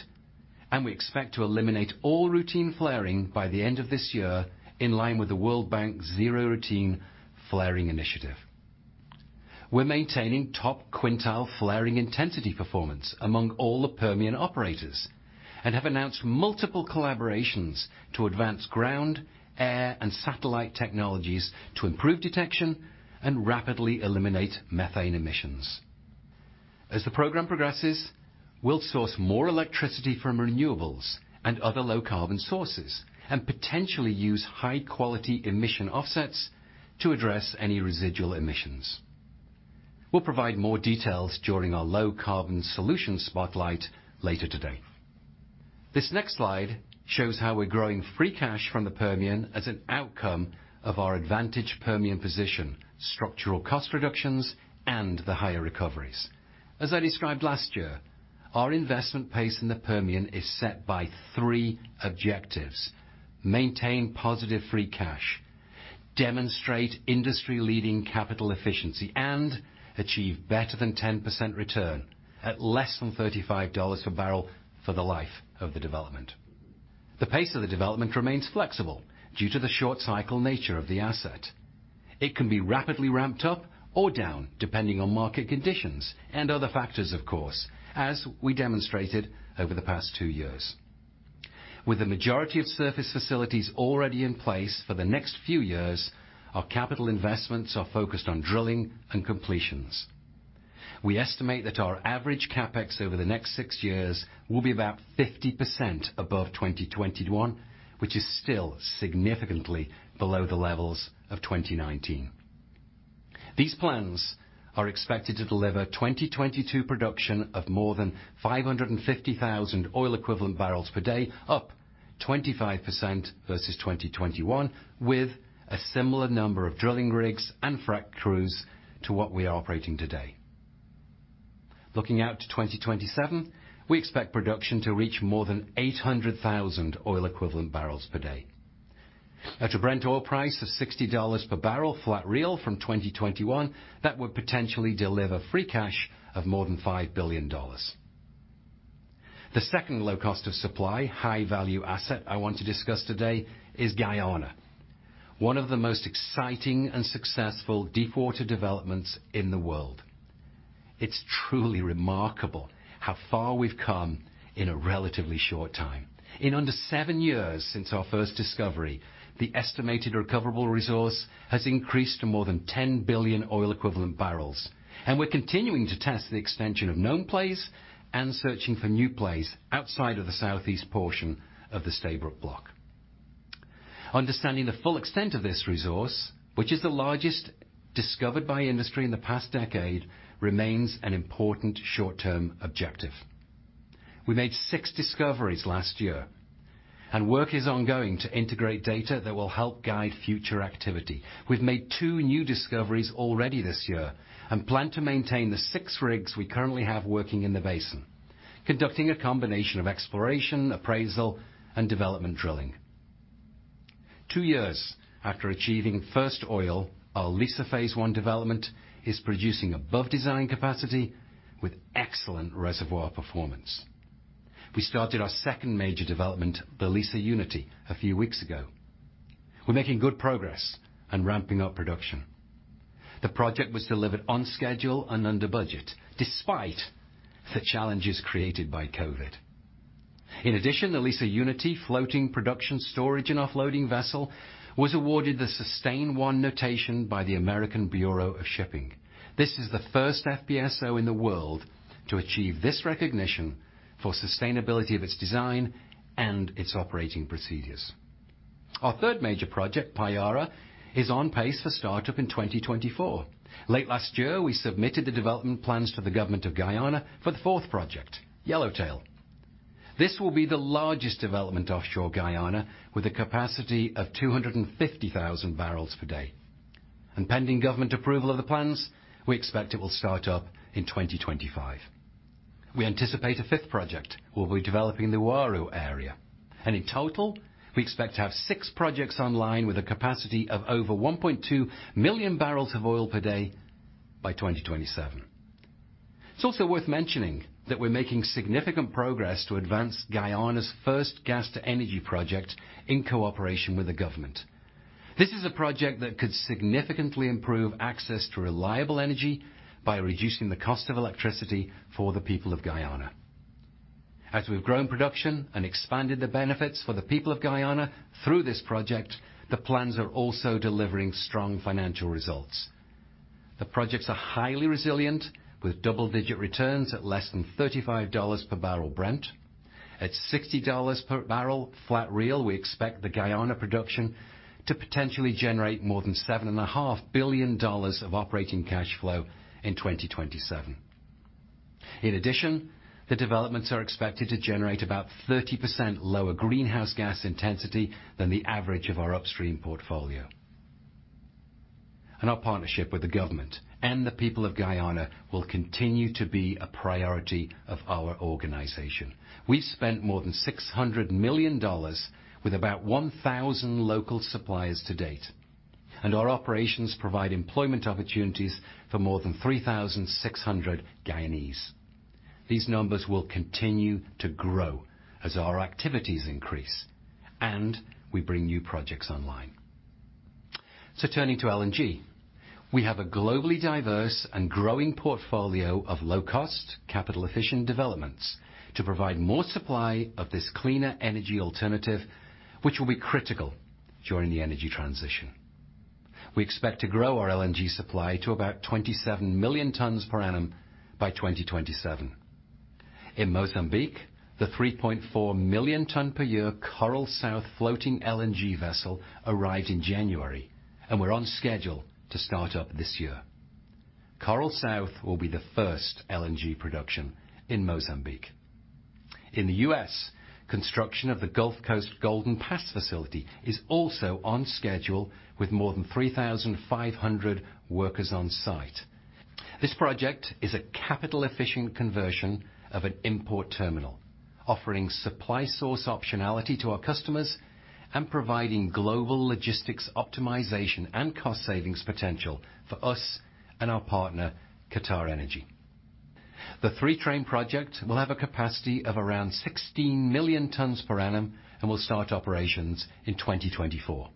and we expect to eliminate all routine flaring by the end of this year in line with the World Bank Zero Routine Flaring initiative. We're maintaining top quintile flaring intensity performance among all the Permian operators and have announced multiple collaborations to advance ground, air, and satellite technologies to improve detection and rapidly eliminate methane emissions. As the program progresses, we'll source more electricity from renewables and other low carbon sources and potentially use high-quality emission offsets to address any residual emissions. We'll provide more details during our Low Carbon Solution spotlight later today. This next slide shows how we're growing free cash from the Permian as an outcome of our advantage Permian position, structural cost reductions, and the higher recoveries. As I described last year, our investment pace in the Permian is set by three objectives. Maintain positive free cash, demonstrate industry-leading capital efficiency, and achieve better than 10% return at less than $35 per barrel for the life of the development. The pace of the development remains flexible due to the short cycle nature of the asset. It can be rapidly ramped up or down, depending on market conditions and other factors, of course, as we demonstrated over the past two years. With the majority of surface facilities already in place for the next few years, our capital investments are focused on drilling and completions. We estimate that our average CapEx over the next six years will be about 50% above 2021, which is still significantly below the levels of 2019. These plans are expected to deliver 2022 production of more than 550,000 oil equivalent barrels per day, up 25% versus 2021 with a similar number of drilling rigs and frack crews to what we are operating today. Looking out to 2027, we expect production to reach more than 800,000 oil equivalent barrels per day. At a Brent oil price of $60 per barrel, flat real from 2021, that would potentially deliver free cash of more than $5 billion. The second low cost of supply, high-value asset I want to discuss today is Guyana, one of the most exciting and successful deep-water developments in the world. It's truly remarkable how far we've come in a relatively short time. In under seven years since our first discovery, the estimated recoverable resource has increased to more than 10 billion oil-equivalent barrels. We're continuing to test the extension of known plays and searching for new plays outside of the southeast portion of the Stabroek Block. Understanding the full extent of this resource, which is the largest discovered by industry in the past decade, remains an important short-term objective. We made six discoveries last year, and work is ongoing to integrate data that will help guide future activity. We've made two new discoveries already this year and plan to maintain the six rigs we currently have working in the basin, conducting a combination of exploration, appraisal, and development drilling. Two years after achieving first oil, our Liza Phase I development is producing above design capacity with excellent reservoir performance. We started our second major development, the Liza Unity, a few weeks ago. We're making good progress and ramping up production. The project was delivered on schedule and under budget despite the challenges created by COVID. In addition, the Liza Unity floating production storage and offloading vessel was awarded the SUSTAIN-1 notation by the American Bureau of Shipping. This is the first FPSO in the world to achieve this recognition for sustainability of its design and its operating procedures. Our third major project, Payara, is on pace for startup in 2024. Late last year, we submitted the development plans to the government of Guyana for the fourth project, Yellowtail. This will be the largest development offshore Guyana with a capacity of 250,000 barrels per day. Pending government approval of the plans, we expect it will start up in 2025. We anticipate a fifth project we'll be developing the Uaru area. In total, we expect to have six projects online with a capacity of over 1.2 million barrels of oil per day by 2027. It's also worth mentioning that we're making significant progress to advance Guyana's first gas to energy project in cooperation with the government. This is a project that could significantly improve access to reliable energy by reducing the cost of electricity for the people of Guyana. As we've grown production and expanded the benefits for the people of Guyana through this project, the projects are also delivering strong financial results. The projects are highly resilient with double-digit returns at less than $35 per barrel Brent. At $60 per barrel Brent crude, we expect the Guyana production to potentially generate more than $7.5 billion of operating cash flow in 2027. In addition, the developments are expected to generate about 30% lower greenhouse gas intensity than the average of our upstream portfolio. Our partnership with the government and the people of Guyana will continue to be a priority of our organization. We've spent more than $600 million with about 1,000 local suppliers to date, and our operations provide employment opportunities for more than 3,600 Guyanese. These numbers will continue to grow as our activities increase and we bring new projects online. Turning to LNG. We have a globally diverse and growing portfolio of low-cost capital-efficient developments to provide more supply of this cleaner energy alternative, which will be critical during the energy transition. We expect to grow our LNG supply to about 27 million tons per annum by 2027. In Mozambique, the 3.4 million ton per year Coral South floating LNG vessel arrived in January, and we're on schedule to start up this year. Coral South will be the first LNG production in Mozambique. In the U.S., construction of the Gulf Coast Golden Pass facility is also on schedule with more than 3,500 workers on site. This project is a capital-efficient conversion of an import terminal, offering supply source optionality to our customers and providing global logistics optimization and cost savings potential for us and our partner, QatarEnergy. The three train project will have a capacity of around 16 million tons per annum and will start operations in 2024.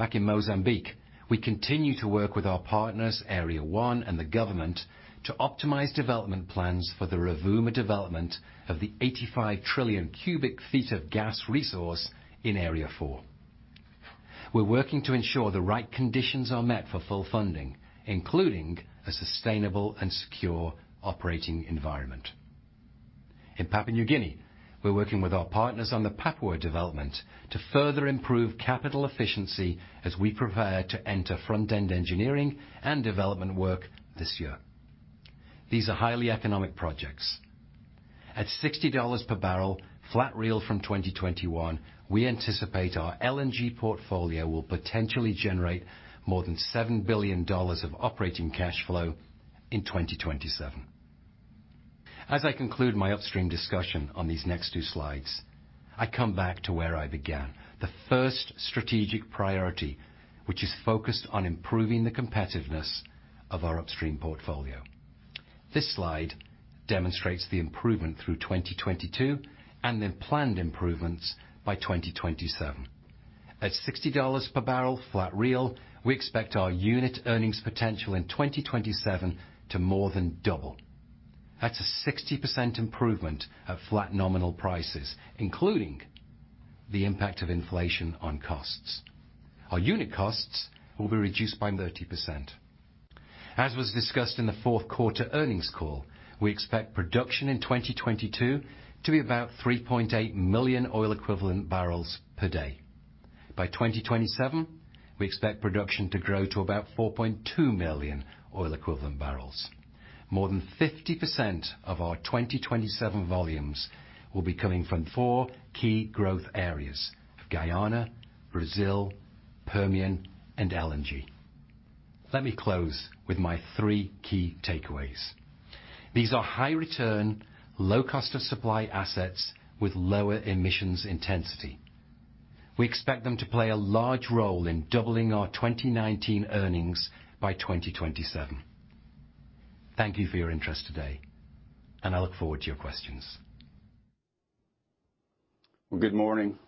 Back in Mozambique, we continue to work with our partners, Area one and the government, to optimize development plans for the Rovuma development of the 85 trillion cubic feet of gas resource in Area four. We're working to ensure the right conditions are met for full funding, including a sustainable and secure operating environment. In Papua New Guinea, we're working with our partners on the Papua development to further improve capital efficiency as we prepare to enter front-end engineering and development work this year. These are highly economic projects. At $60 per barrel, flat real from 2021, we anticipate our LNG portfolio will potentially generate more than $7 billion of operating cash flow in 2027. As I conclude my upstream discussion on these next two slides, I come back to where I began, the first strategic priority, which is focused on improving the competitiveness of our upstream portfolio. This slide demonstrates the improvement through 2022 and the planned improvements by 2027. At $60 per barrel flat real, we expect our unit earnings potential in 2027 to more than double. That's a 60% improvement at flat nominal prices, including the impact of inflation on costs. Our unit costs will be reduced by 30%. As was discussed in the Q4 earnings call, we expect production in 2022 to be about 3.8 million oil equivalent barrels per day. By 2027, we expect production to grow to about 4.2 million oil equivalent barrels. More than 50% of our 2027 volumes will be coming from four key growth areas, Guyana, Brazil, Permian, and LNG. Let me close with my three key takeaways. These are high return, low cost of supply assets with lower emissions intensity. We expect them to play a large role in doubling our 2019 earnings by 2027. Thank you for your interest today, and I look forward to your questions. Well, good morning.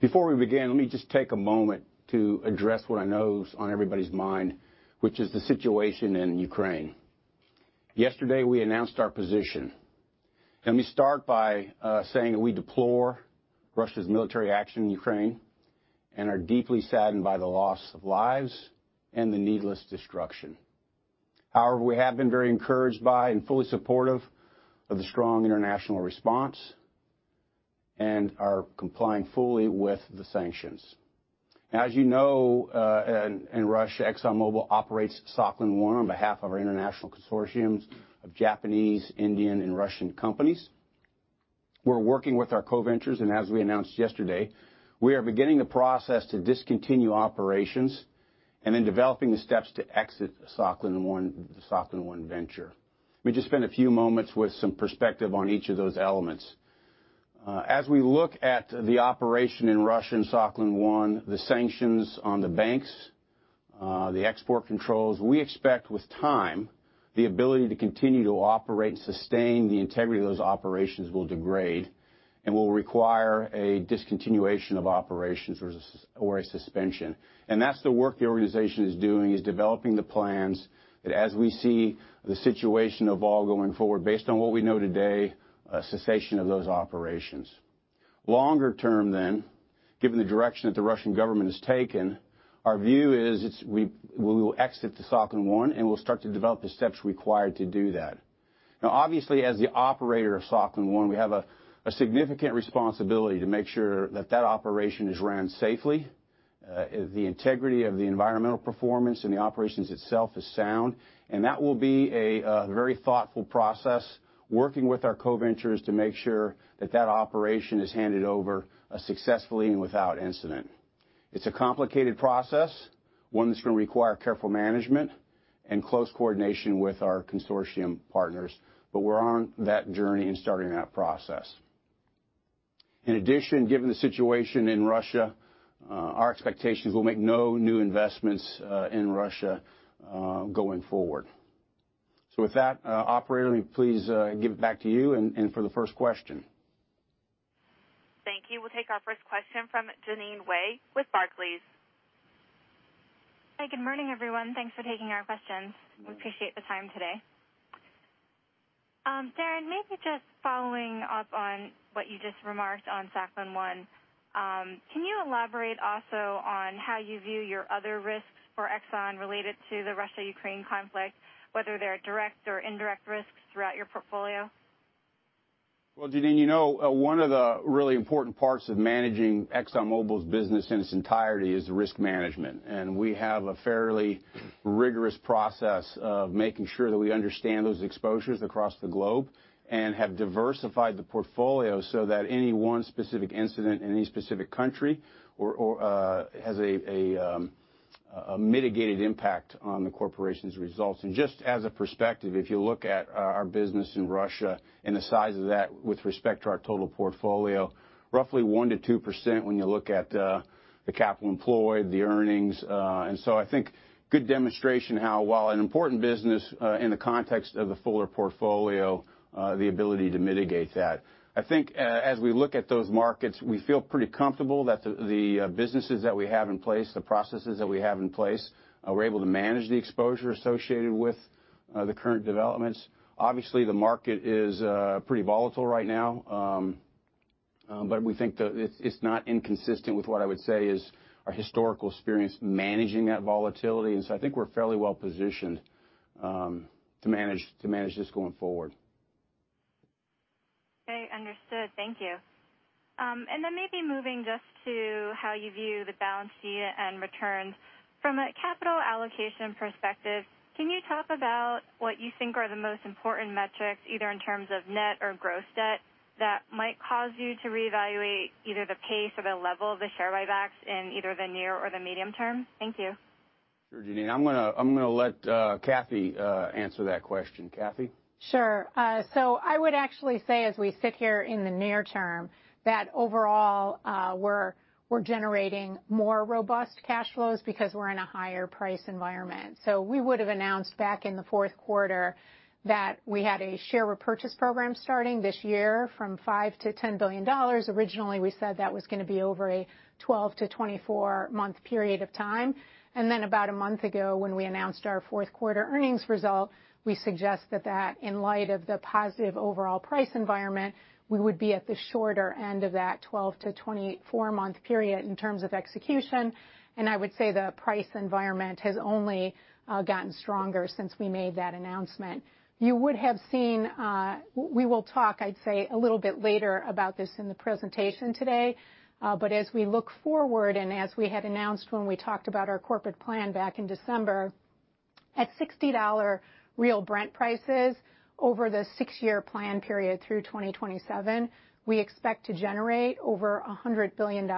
Before we begin, let me just take a moment to address what I know is on everybody's mind, which is the situation in Ukraine. Yesterday, we announced our position. Let me start by saying that we deplore Russia's military action in Ukraine and are deeply saddened by the loss of lives and the needless destruction. However, we have been very encouraged by and fully supportive of the strong international response and are complying fully with the sanctions. As you know, in Russia, ExxonMobil operates Sakhalin-1 on behalf of our international consortiums of Japanese, Indian, and Russian companies. We're working with our co-ventures, and as we announced yesterday, we are beginning the process to discontinue operations and then developing the steps to exit Sakhalin-1 venture. Let me just spend a few moments with some perspective on each of those elements. As we look at the operation in Russia and Sakhalin-1, the sanctions on the banks, the export controls, we expect with time, the ability to continue to operate and sustain the integrity of those operations will degrade and will require a discontinuation of operations or a suspension. That's the work the organization is doing, is developing the plans that as we see the situation evolve going forward, based on what we know today, a cessation of those operations. Longer term then, given the direction that the Russian government has taken, our view is we will exit the Sakhalin-1, and we'll start to develop the steps required to do that. Now, obviously, as the operator of Sakhalin-1, we have a significant responsibility to make sure that that operation is ran safely, the integrity of the environmental performance and the operations itself is sound. That will be a very thoughtful process working with our co-ventures to make sure that operation is handed over successfully and without incident. It's a complicated process, one that's gonna require careful management and close coordination with our consortium partners, but we're on that journey in starting that process. In addition, given the situation in Russia, our expectations, we'll make no new investments in Russia going forward. With that, operator, please, give it back to you and for the first question. Thank you. We'll take our first question from Jeanine Wai with Barclays. Hi, good morning, everyone. Thanks for taking our questions. We appreciate the time today. Darren, maybe just following up on what you just remarked on Sakhalin-1, can you elaborate also on how you view your other risks for Exxon related to the Russia-Ukraine conflict, whether they're direct or indirect risks throughout your portfolio? Well, Jeanine, you know, one of the really important parts of managing ExxonMobil's business in its entirety is risk management. We have a fairly rigorous process of making sure that we understand those exposures across the globe and have diversified the portfolio so that any one specific incident in any specific country or has a mitigated impact on the corporation's results. Just as a perspective, if you look at our business in Russia and the size of that with respect to our total portfolio, roughly 1%-2% when you look at the capital employed, the earnings. I think good demonstration how while an important business, in the context of the fuller portfolio, the ability to mitigate that. I think as we look at those markets, we feel pretty comfortable that the businesses that we have in place, the processes that we have in place, we're able to manage the exposure associated with the current developments. Obviously, the market is pretty volatile right now. We think it's not inconsistent with what I would say is our historical experience managing that volatility. I think we're fairly well positioned to manage this going forward. Okay. Understood. Thank you. Maybe moving just to how you view the balance sheet and returns. From a capital allocation perspective, can you talk about what you think are the most important metrics, either in terms of net or gross debt, that might cause you to reevaluate either the pace or the level of the share buybacks in either the near or the medium term? Thank you. Sure, Jeanine. I'm gonna let Kathy answer that question. Kathy? Sure. I would actually say as we sit here in the near term, that overall, we're generating more robust cash flows because we're in a higher price environment. We would've announced back in the Q4 that we had a share repurchase program starting this year from $5 billion-$10 billion. Originally, we said that was gonna be over a 12-24 month period of time. Then about a month ago, when we announced our Q4 earnings result, we suggest that that in light of the positive overall price environment, we would be at the shorter end of that 12-24 month period in terms of execution. I would say the price environment has only gotten stronger since we made that announcement. You would have seen... We will talk, I'd say, a little bit later about this in the presentation today. As we look forward and as we had announced when we talked about our corporate plan back in December, at $60 real Brent prices over the six-year plan period through 2027, we expect to generate over $100 billion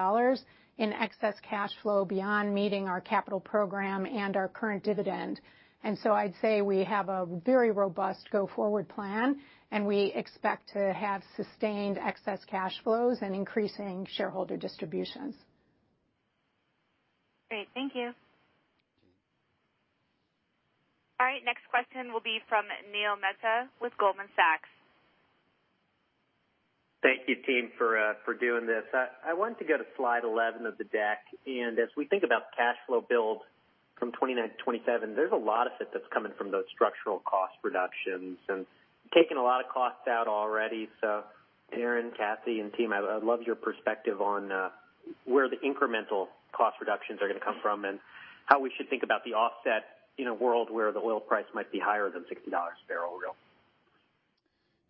in excess cash flow beyond meeting our capital program and our current dividend. I'd say we have a very robust go-forward plan, and we expect to have sustained excess cash flows and increasing shareholder distributions. Great. Thank you. Janine. All right, next question will be from Neil Mehta with Goldman Sachs. Thank you, team, for doing this. I wanted to go to slide 11 of the deck. As we think about cash flow build from 2027 to 2029, there's a lot of it that's coming from those structural cost reductions and taking a lot of costs out already. Darren, Kathy, and team, I'd love your perspective on where the incremental cost reductions are gonna come from and how we should think about the offset in a world where the oil price might be higher than $60 a barrel real.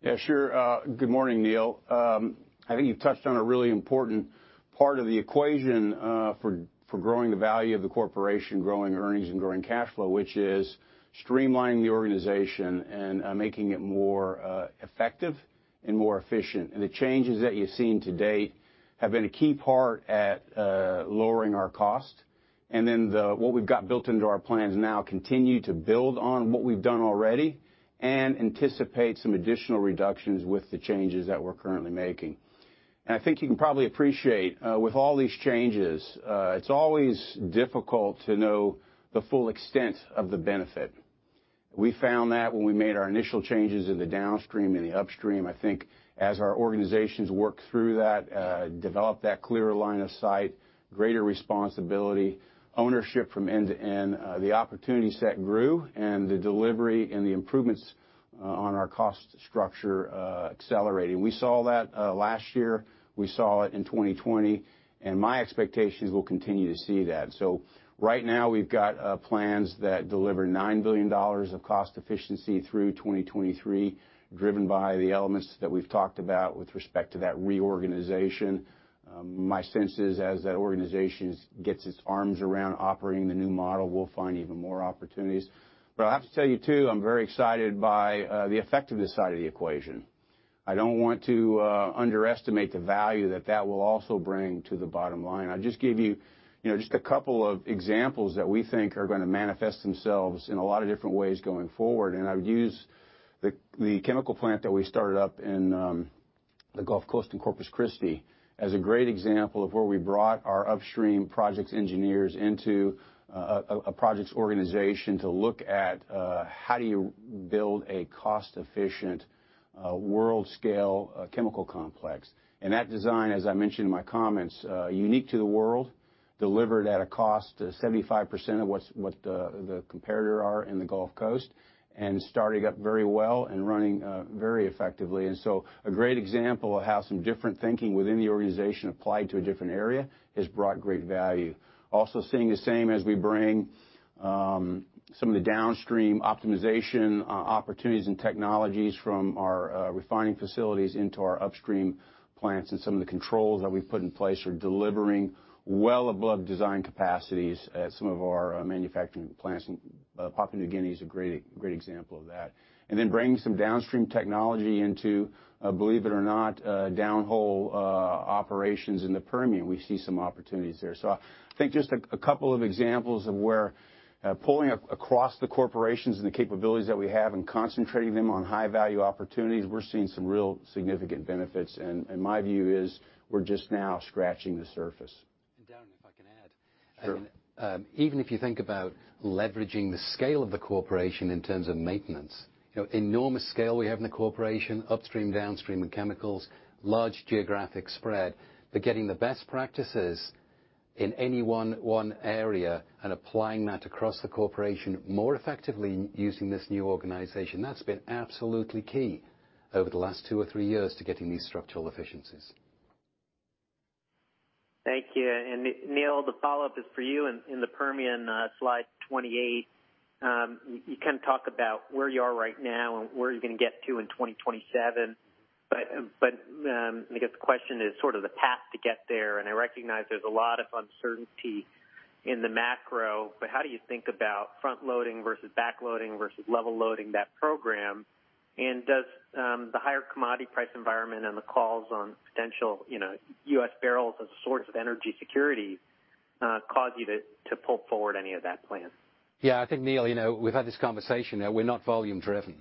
Yeah, sure. Good morning, Neil. I think you've touched on a really important part of the equation for growing the value of the corporation, growing earnings, and growing cash flow, which is streamlining the organization and making it more effective and more efficient. The changes that you've seen to date have been a key part at lowering our cost. What we've got built into our plans now continue to build on what we've done already and anticipate some additional reductions with the changes that we're currently making. I think you can probably appreciate with all these changes, it's always difficult to know the full extent of the benefit. We found that when we made our initial changes in the downstream and the upstream. I think as our organizations work through that, develop that clearer line of sight, greater responsibility, ownership from end to end, the opportunity set grew and the delivery and the improvements, on our cost structure, accelerated. We saw that, last year. We saw it in 2020, and my expectation is we'll continue to see that. Right now we've got, plans that deliver $9 billion of cost efficiency through 2023, driven by the elements that we've talked about with respect to that reorganization. My sense is, as that organization gets its arms around operating the new model, we'll find even more opportunities. I have to tell you too, I'm very excited by, the effectiveness side of the equation. I don't want to, underestimate the value that that will also bring to the bottom line. I just gave you know, just a couple of examples that we think are gonna manifest themselves in a lot of different ways going forward. I would use the chemical plant that we started up in the Gulf Coast in Corpus Christi as a great example of where we brought our upstream projects engineers into a projects organization to look at how do you build a cost-efficient world-scale chemical complex. That design, as I mentioned in my comments, unique to the world, delivered at a cost of 75% of what the competitors are in the Gulf Coast, and starting up very well and running very effectively. A great example of how some different thinking within the organization applied to a different area has brought great value. Seeing the same as we bring some of the downstream optimization opportunities and technologies from our refining facilities into our upstream plants and some of the controls that we've put in place are delivering well above design capacities at some of our manufacturing plants, and Papua New Guinea is a great example of that. Then bringing some downstream technology into, believe it or not, downhole operations in the Permian. We see some opportunities there. I think just a couple of examples of where pulling across the corporation and the capabilities that we have and concentrating them on high-value opportunities, we're seeing some real significant benefits. My view is we're just now scratching the surface. Darren, if I can add. Sure. Even if you think about leveraging the scale of the corporation in terms of maintenance, you know, enormous scale we have in the corporation, upstream, downstream, and chemicals, large geographic spread, but getting the best practices in any one area and applying that across the corporation more effectively using this new organization, that's been absolutely key over the last two or three years to getting these structural efficiencies. Thank you. Neil, the follow-up is for you. In the Permian, slide 28, you can talk about where you are right now and where you're gonna get to in 2027. I guess the question is sort of the path to get there, and I recognize there's a lot of uncertainty in the macro, but how do you think about front-loading versus back-loading versus level loading that program? Does the higher commodity price environment and the calls on potential, you know, U.S. barrels as a source of energy security cause you to pull forward any of that plan? Yeah, I think, Neil, you know, we've had this conversation. Now we're not volume driven.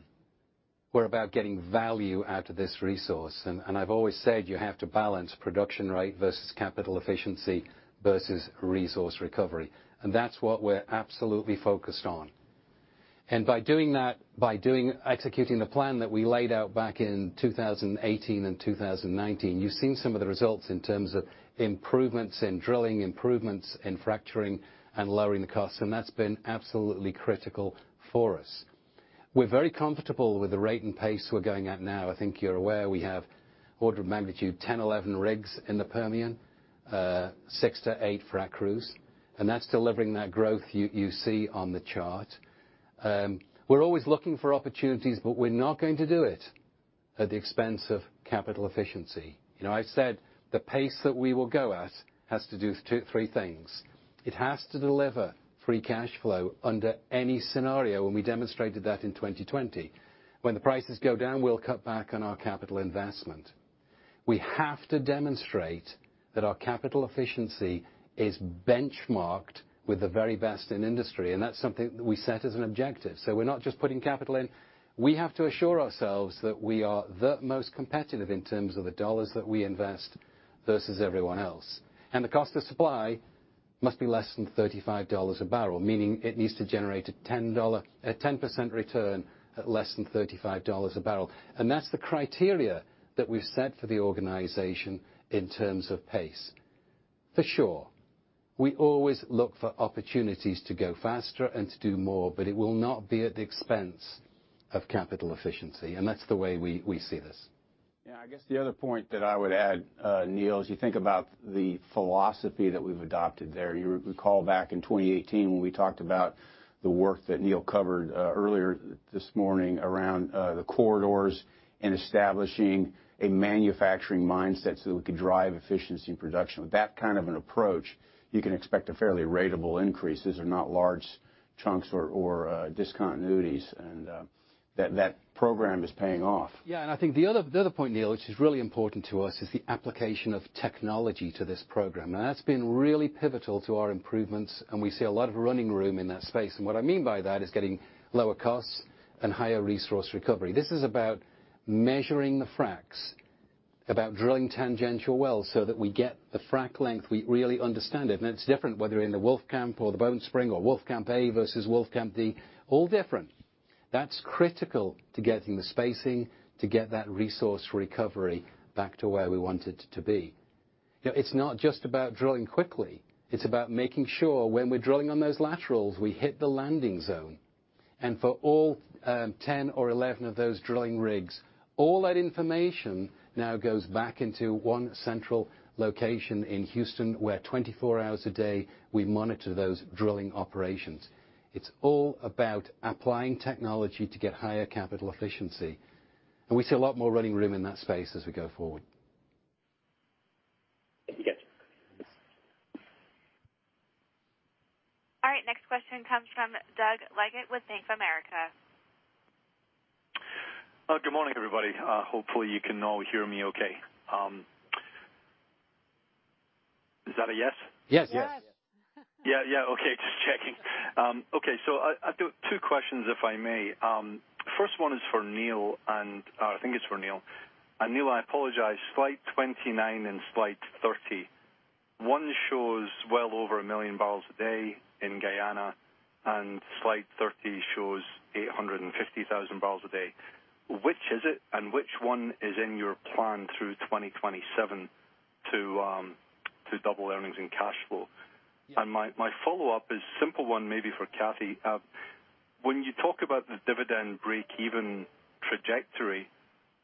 We're about getting value out of this resource. I've always said, you have to balance production rate versus capital efficiency versus resource recovery. That's what we're absolutely focused on. By doing that, executing the plan that we laid out back in 2018 and 2019, you've seen some of the results in terms of improvements in drilling, improvements in fracturing and lowering the costs, and that's been absolutely critical for us. We're very comfortable with the rate and pace we're going at now. I think you're aware we have order of magnitude 10, 11 rigs in the Permian, six-eight frac crews, and that's delivering that growth you see on the chart. We're always looking for opportunities, but we're not going to do it at the expense of capital efficiency. You know, I've said the pace that we will go at has to do two, three things. It has to deliver free cash flow under any scenario, and we demonstrated that in 2020. When the prices go down, we'll cut back on our capital investment. We have to demonstrate that our capital efficiency is benchmarked with the very best in industry, and that's something that we set as an objective. We're not just putting capital in. We have to assure ourselves that we are the most competitive in terms of the dollars that we invest versus everyone else. The cost of supply must be less than $35 a barrel, meaning it needs to generate a 10% return at less than $35 a barrel. That's the criteria that we've set for the organization in terms of pace. For sure, we always look for opportunities to go faster and to do more, but it will not be at the expense of capital efficiency, and that's the way we see this. Yeah, I guess the other point that I would add, Neil, as you think about the philosophy that we've adopted there, you recall back in 2018 when we talked about the work that Neil covered earlier this morning around the corridors and establishing a manufacturing mindset so that we could drive efficiency and production. With that kind of an approach, you can expect a fairly ratable increase. These are not large chunks or discontinuities, and that program is paying off. Yeah, I think the other point, Neil, which is really important to us, is the application of technology to this program. That's been really pivotal to our improvements, and we see a lot of running room in that space. What I mean by that is getting lower costs and higher resource recovery. This is about measuring the fracs, about drilling tangential wells so that we get the frac length, we really understand it. It's different whether in the Wolfcamp or the Bone Spring or Wolfcamp A versus Wolfcamp D, all different. That's critical to getting the spacing to get that resource recovery back to where we want it to be. You know, it's not just about drilling quickly. It's about making sure when we're drilling on those laterals, we hit the landing zone. For all, 10 or 11 of those drilling rigs, all that information now goes back into one central location in Houston, where 24 hours a day, we monitor those drilling operations. It's all about applying technology to get higher capital efficiency. We see a lot more running room in that space as we go forward. Thank you. All right, next question comes from Doug Leggate with Bank of America. Good morning, everybody. Hopefully, you can all hear me okay. Is that a yes? Yes. Yes. Yes. Yeah, yeah, okay, just checking. I've got two questions, if I may. First one is for Neil, or I think it's for Neil. Neil, I apologize, slide 29 and slide 30. One shows well over 1 million barrels a day in Guyana, and slide 30 shows 850,000 barrels a day. Which is it, and which one is in your plan through 2027 to double earnings and cash flow? My follow-up is a simple one maybe for Kathy. When you talk about the dividend break-even trajectory,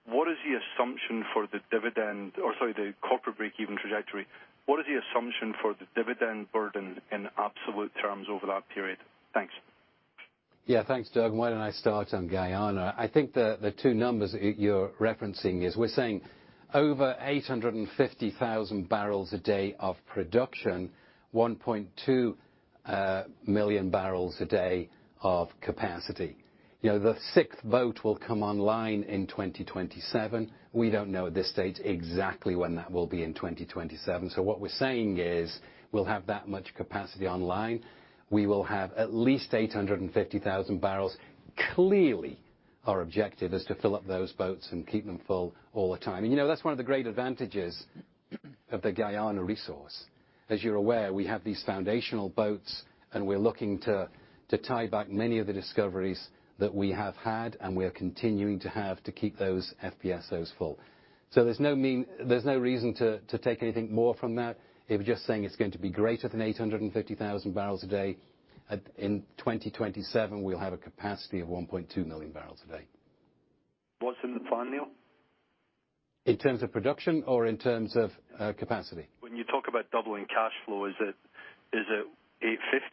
what is the assumption for the dividend or, sorry, the corporate break-even trajectory? What is the assumption for the dividend burden in absolute terms over that period? Thanks. Yeah, thanks, Doug. Why don't I start on Guyana? I think the two numbers you're referencing is we're saying over 850,000 barrels a day of production, 1.2 million barrels a day of capacity. You know, the sixth boat will come online in 2027. We don't know at this stage exactly when that will be in 2027. So what we're saying is we'll have that much capacity online. We will have at least 850,000 barrels. Clearly, our objective is to fill up those boats and keep them full all the time. You know, that's one of the great advantages of the Guyana resource. As you're aware, we have these foundational boats, and we're looking to tie back many of the discoveries that we have had and we are continuing to have to keep those FPSOs full. There's no reason to take anything more from that. It was just saying it's going to be greater than 850,000 barrels a day. In 2027, we'll have a capacity of 1.2 million barrels a day. What's in the plan, Neil? In terms of production or in terms of capacity? When you talk about doubling cash flow, is it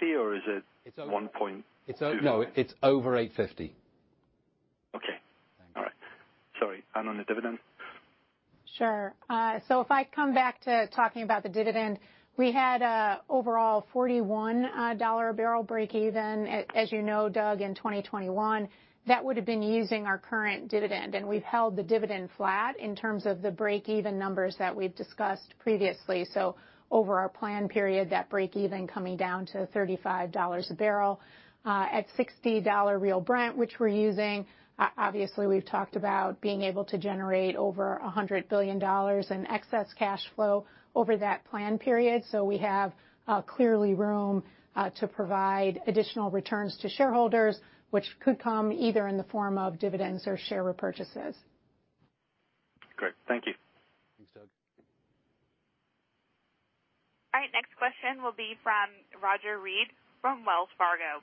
$850 or is it? It's o- 1.2? No, it's over 850. Okay. All right. Sorry. On the dividend? Sure. If I come back to talking about the dividend, we had overall $41 a barrel breakeven, as you know, Doug, in 2021. That would have been using our current dividend, and we've held the dividend flat in terms of the breakeven numbers that we've discussed previously. Over our plan period, that breakeven coming down to $35 a barrel at $60 real Brent, which we're using, obviously, we've talked about being able to generate over $100 billion in excess cash flow over that plan period. We have clearly room to provide additional returns to shareholders, which could come either in the form of dividends or share repurchases. Great. Thank you. Thanks, Doug. All right, next question will be from Roger Read from Wells Fargo.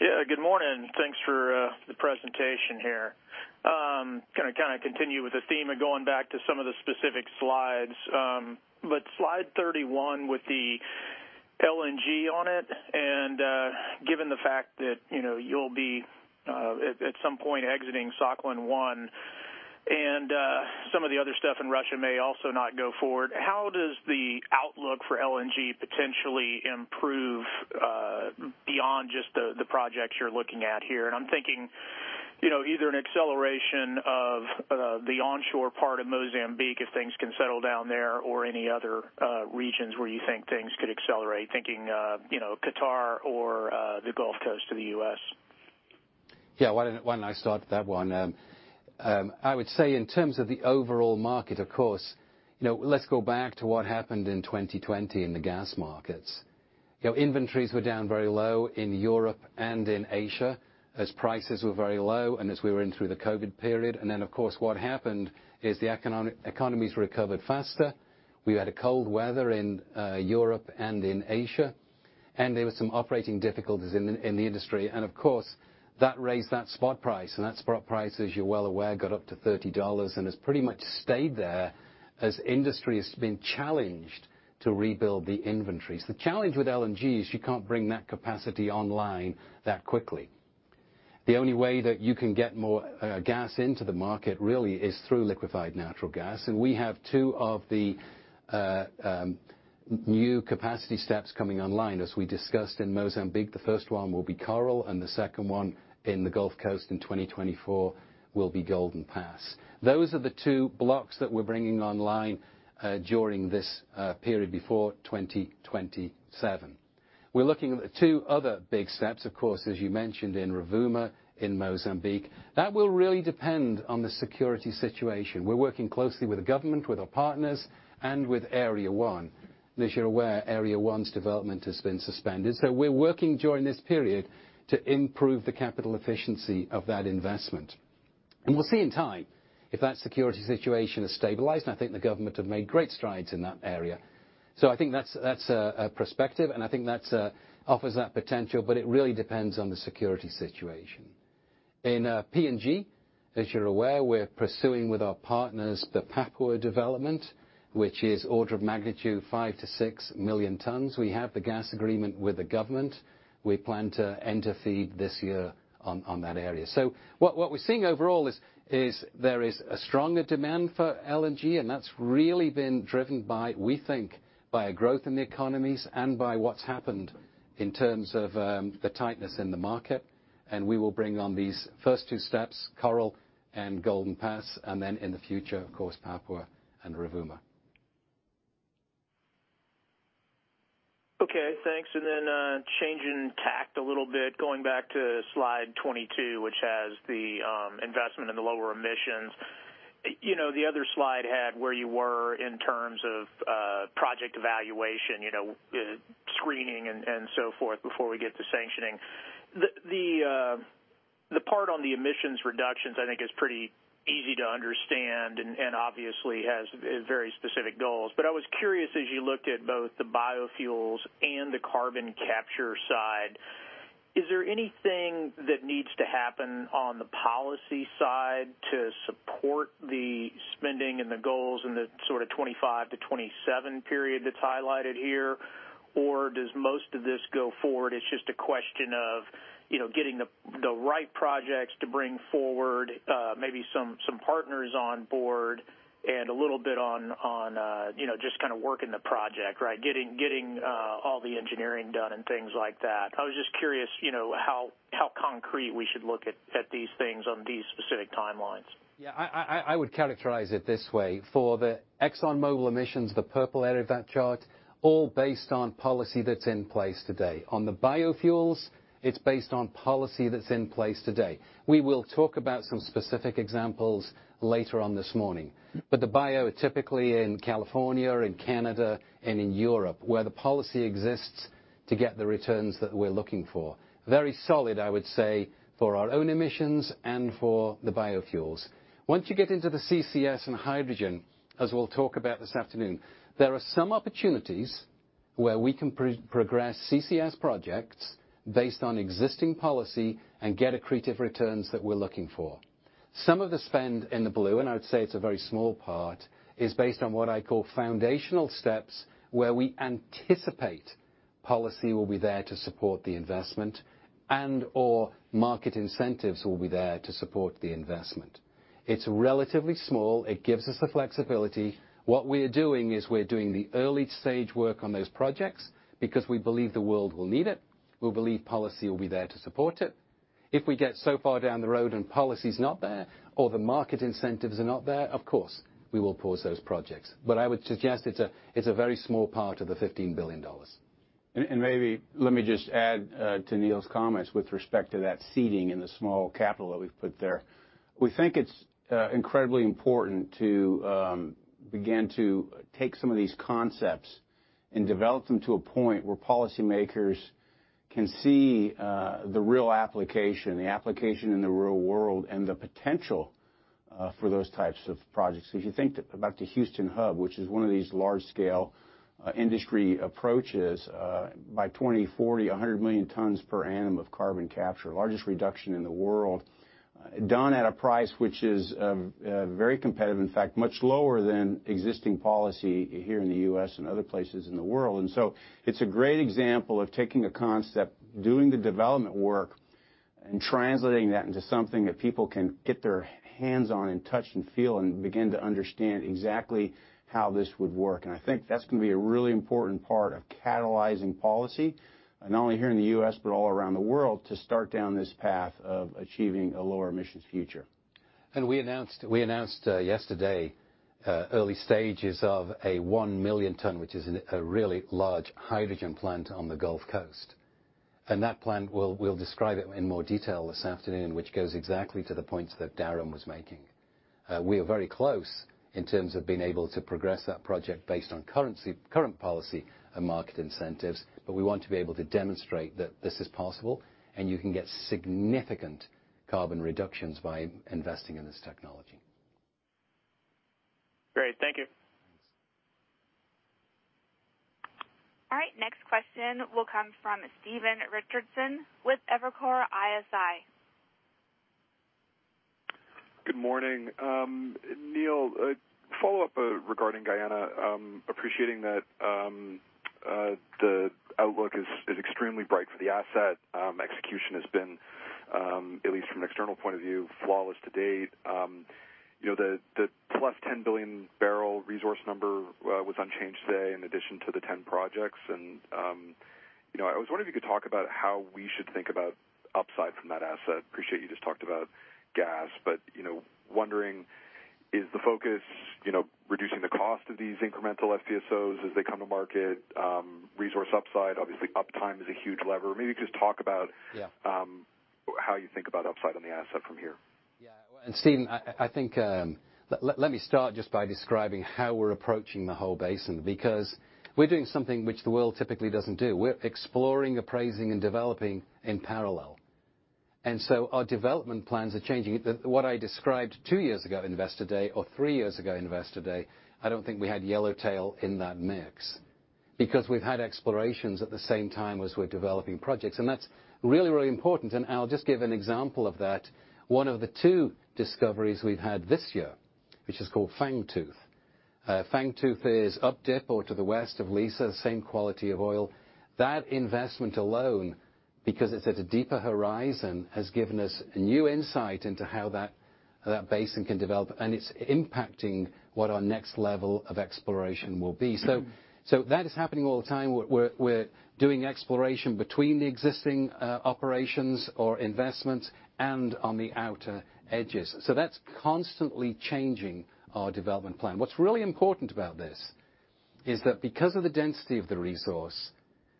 Yeah, good morning. Thanks for the presentation here. Gonna kinda continue with the theme of going back to some of the specific slides. But slide 31 with the LNG on it, and given the fact that, you know, you'll be at some point exiting Sakhalin-1, and some of the other stuff in Russia may also not go forward, how does the outlook for LNG potentially improve beyond just the projects you're looking at here? I'm thinking, you know, either an acceleration of the onshore part of Mozambique, if things can settle down there, or any other regions where you think things could accelerate. Thinking, you know, Qatar or the Gulf Coast of the U.S. Yeah. Why don't I start that one? I would say in terms of the overall market, of course, you know, let's go back to what happened in 2020 in the gas markets. You know, inventories were down very low in Europe and in Asia as prices were very low and as we were going through the COVID period. Of course, what happened is economies recovered faster. We had cold weather in Europe and in Asia, and there were some operating difficulties in the industry. Of course, that raised that spot price, and that spot price, as you're well aware, got up to $30 and has pretty much stayed there as industry has been challenged to rebuild the inventories. The challenge with LNG is you can't bring that capacity online that quickly. The only way that you can get more gas into the market really is through liquefied natural gas, and we have two of the new capacity steps coming online as we discussed in Mozambique. The first one will be Coral and the second one in the Gulf Coast in 2024 will be Golden Pass. Those are the two blocks that we're bringing online during this period before 2027. We're looking at two other big steps, of course, as you mentioned in Rovuma in Mozambique. That will really depend on the security situation. We're working closely with the government, with our partners and with Area 1. As you're aware, Area 1's development has been suspended. We're working during this period to improve the capital efficiency of that investment. We'll see in time if that security situation has stabilized, and I think the government have made great strides in that area. I think that's a perspective, and I think that's offers that potential, but it really depends on the security situation. In PNG, as you're aware, we're pursuing with our partners the Papua development, which is order of magnitude 5-6 million tons. We have the gas agreement with the government. We plan to enter FEED this year on that area. What we're seeing overall is a stronger demand for LNG, and that's really been driven by, we think, by a growth in the economies and by what's happened in terms of the tightness in the market. We will bring on these first two steps, Coral and Golden Pass, and then in the future, of course, Papua and Rovuma. Okay, thanks. Changing tack a little bit, going back to slide 22, which has the investment in the lower emissions. You know, the other slide had where you were in terms of project evaluation, you know, screening and so forth before we get to sanctioning. The part on the emissions reductions I think is pretty easy to understand and obviously has very specific goals. I was curious as you looked at both the biofuels and the carbon capture side, is there anything that needs to happen on the policy side to support the spending and the goals in the sort of 2025-2027 period that's highlighted here? Does most of this go forward? It's just a question of, you know, getting the right projects to bring forward, maybe some partners on board and a little bit on, you know, just kinda working the project, right? Getting all the engineering done and things like that. I was just curious, you know, how concrete we should look at these things on these specific timelines. Yeah, I would characterize it this way. For the ExxonMobil emissions, the purple area of that chart, all based on policy that's in place today. On the biofuels, it's based on policy that's in place today. We will talk about some specific examples later on this morning. The bio, typically in California, in Canada, and in Europe, where the policy exists to get the returns that we're looking for. Very solid, I would say, for our own emissions and for the biofuels. Once you get into the CCS and hydrogen, as we'll talk about this afternoon, there are some opportunities where we can progress CCS projects based on existing policy and get accretive returns that we're looking for. Some of the spend in the blue, I would say it's a very small part, is based on what I call foundational steps, where we anticipate policy will be there to support the investment and/or market incentives will be there to support the investment. It's relatively small. It gives us the flexibility. What we are doing is we're doing the early stage work on those projects because we believe the world will need it. We believe policy will be there to support it. If we get so far down the road and policy's not there or the market incentives are not there, of course, we will pause those projects. I would suggest it's a very small part of the $15 billion. Maybe let me just add to Neil's comments with respect to that seeding and the small capital that we've put there. We think it's incredibly important to begin to take some of these concepts and develop them to a point where policymakers can see the real application, the application in the real world and the potential for those types of projects. If you think about the Houston Hub, which is one of these large-scale industry approaches, by 2040, 100 million tons per annum of carbon capture, largest reduction in the world, done at a price which is very competitive, in fact, much lower than existing policy here in the U.S. and other places in the world. It's a great example of taking a concept, doing the development work, and translating that into something that people can get their hands on and touch and feel and begin to understand exactly how this would work. I think that's gonna be a really important part of catalyzing policy, and not only here in the U.S., but all around the world to start down this path of achieving a lower emissions future. We announced yesterday early stages of a 1 million ton, which is a really large hydrogen plant on the Gulf Coast. That plant, we'll describe it in more detail this afternoon, which goes exactly to the points that Darren was making. We are very close in terms of being able to progress that project based on current policy and market incentives, but we want to be able to demonstrate that this is possible and you can get significant carbon reductions by investing in this technology. Great. Thank you. Question will come from Stephen Richardson with Evercore ISI. Good morning. Neil, a follow-up regarding Guyana. Appreciating that the outlook is extremely bright for the asset. Execution has been at least from an external point of view, flawless to date. You know, the plus-10 billion barrel resource number was unchanged today in addition to the 10 projects and you know, I was wondering if you could talk about how we should think about upside from that asset. Appreciate you just talked about gas, but you know, wondering is the focus, you know, reducing the cost of these incremental FPSOs as they come to market, resource upside, obviously uptime is a huge lever. Maybe just talk about- Yeah. How do you think about upside on the asset from here? Stephen, I think, let me start just by describing how we're approaching the whole basin, because we're doing something which the world typically doesn't do. We're exploring, appraising, and developing in parallel. Our development plans are changing. What I described two years ago Investor Day or three years ago Investor Day, I don't think we had Yellowtail in that mix. Because we've had explorations at the same time as we're developing projects, and that's really, really important. I'll just give an example of that. One of the two discoveries we've had this year, which is called Fangtooth. Fangtooth is up dip or to the west of Liza, same quality of oil. That investment alone, because it's at a deeper horizon, has given us new insight into how that basin can develop, and it's impacting what our next level of exploration will be. So that is happening all the time. We're doing exploration between the existing operations or investments and on the outer edges. So that's constantly changing our development plan. What's really important about this is that because of the density of the resource,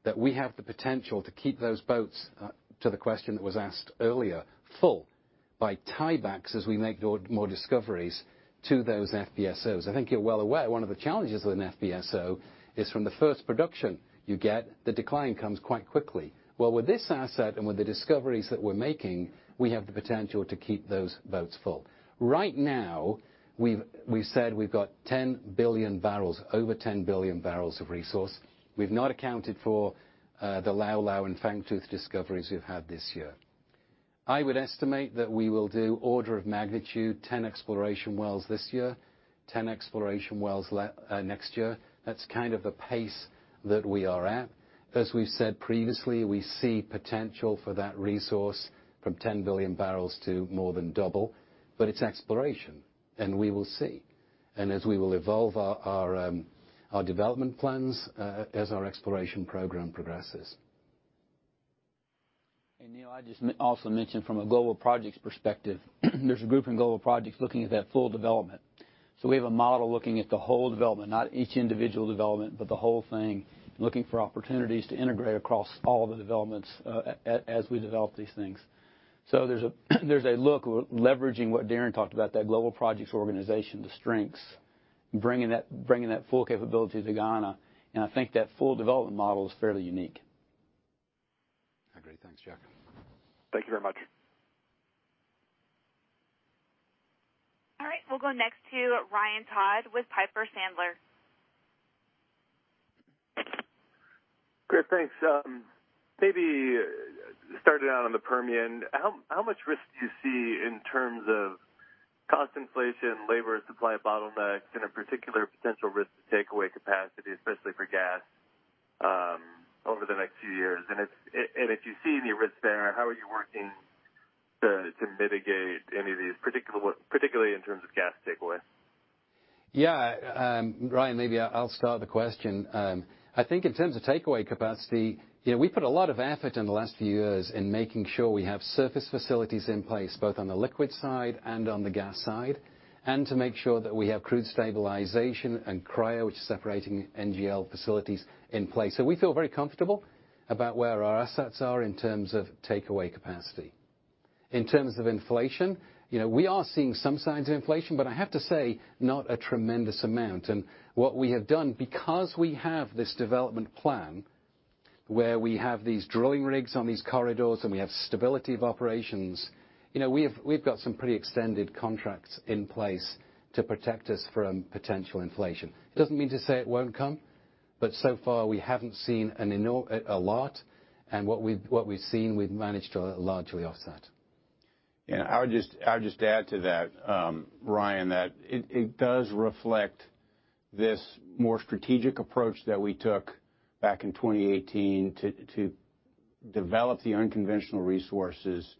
that we have the potential to keep those boats, to the question that was asked earlier, full by tiebacks as we make more discoveries to those FPSOs. I think you're well aware, one of the challenges with an FPSO is from the first production you get, the decline comes quite quickly. Well, with this asset and with the discoveries that we're making, we have the potential to keep those boats full. Right now, we've said we've got 10 billion barrels, over 10 billion barrels of resource. We've not accounted for the Lau Lau and Fangtooth discoveries we've had this year. I would estimate that we will do order of magnitude, 10 exploration wells this year, 10 exploration wells next year. That's kind of the pace that we are at. As we've said previously, we see potential for that resource from 10 billion barrels to more than double, but it's exploration, and we will see. As we will evolve our development plans as our exploration program progresses. Neil, I'll also mention from a global projects perspective, there's a group in global projects looking at that full development. We have a model looking at the whole development, not each individual development, but the whole thing, looking for opportunities to integrate across all the developments, as we develop these things. There's a look, we're leveraging what Darren talked about, that global projects organization, the strengths, bringing that full capability to Guyana. I think that full development model is fairly unique. I agree. Thanks, Jack. Thank you very much. All right, we'll go next to Ryan Todd with Piper Sandler. Great. Thanks. Maybe starting out on the Permian, how much risk do you see in terms of cost inflation, labor supply bottlenecks, and in particular, potential risk to takeaway capacity, especially for gas, over the next few years? If you see any risks there, how are you working to mitigate any of these, particularly in terms of gas takeaway? Yeah. Ryan, maybe I'll start the question. I think in terms of takeaway capacity, you know, we put a lot of effort in the last few years in making sure we have surface facilities in place, both on the liquid side and on the gas side, and to make sure that we have crude stabilization and cryo, which is separating NGL facilities in place. We feel very comfortable about where our assets are in terms of takeaway capacity. In terms of inflation, you know, we are seeing some signs of inflation, but I have to say, not a tremendous amount. What we have done, because we have this development plan where we have these drilling rigs on these corridors, and we have stability of operations, you know, we've got some pretty extended contracts in place to protect us from potential inflation. It doesn't mean to say it won't come, but so far, we haven't seen a lot, and what we've seen, we've managed to largely offset. Yeah. I would just add to that, Ryan, that it does reflect this more strategic approach that we took back in 2018 to develop the unconventional resources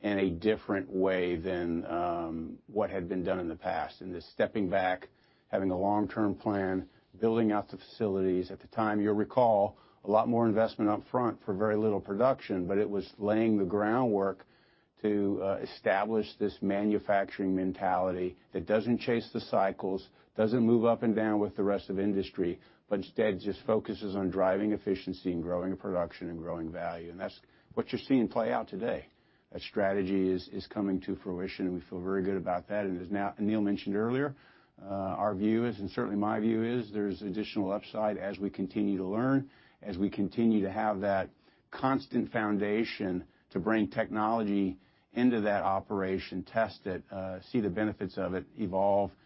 in a different way than what had been done in the past. This stepping back, having a long-term plan, building out the facilities. At the time, you'll recall a lot more investment up front for very little production, but it was laying the groundwork to establish this manufacturing mentality that doesn't chase the cycles, doesn't move up and down with the rest of industry, but instead just focuses on driving efficiency and growing production and growing value. That's what you're seeing play out today. That strategy is coming to fruition, and we feel very good about that. As Neil mentioned earlier, our view is, and certainly my view is, there's additional upside as we continue to learn, as we continue to have that constant foundation to bring technology into that operation, test it, see the benefits of it, evolve and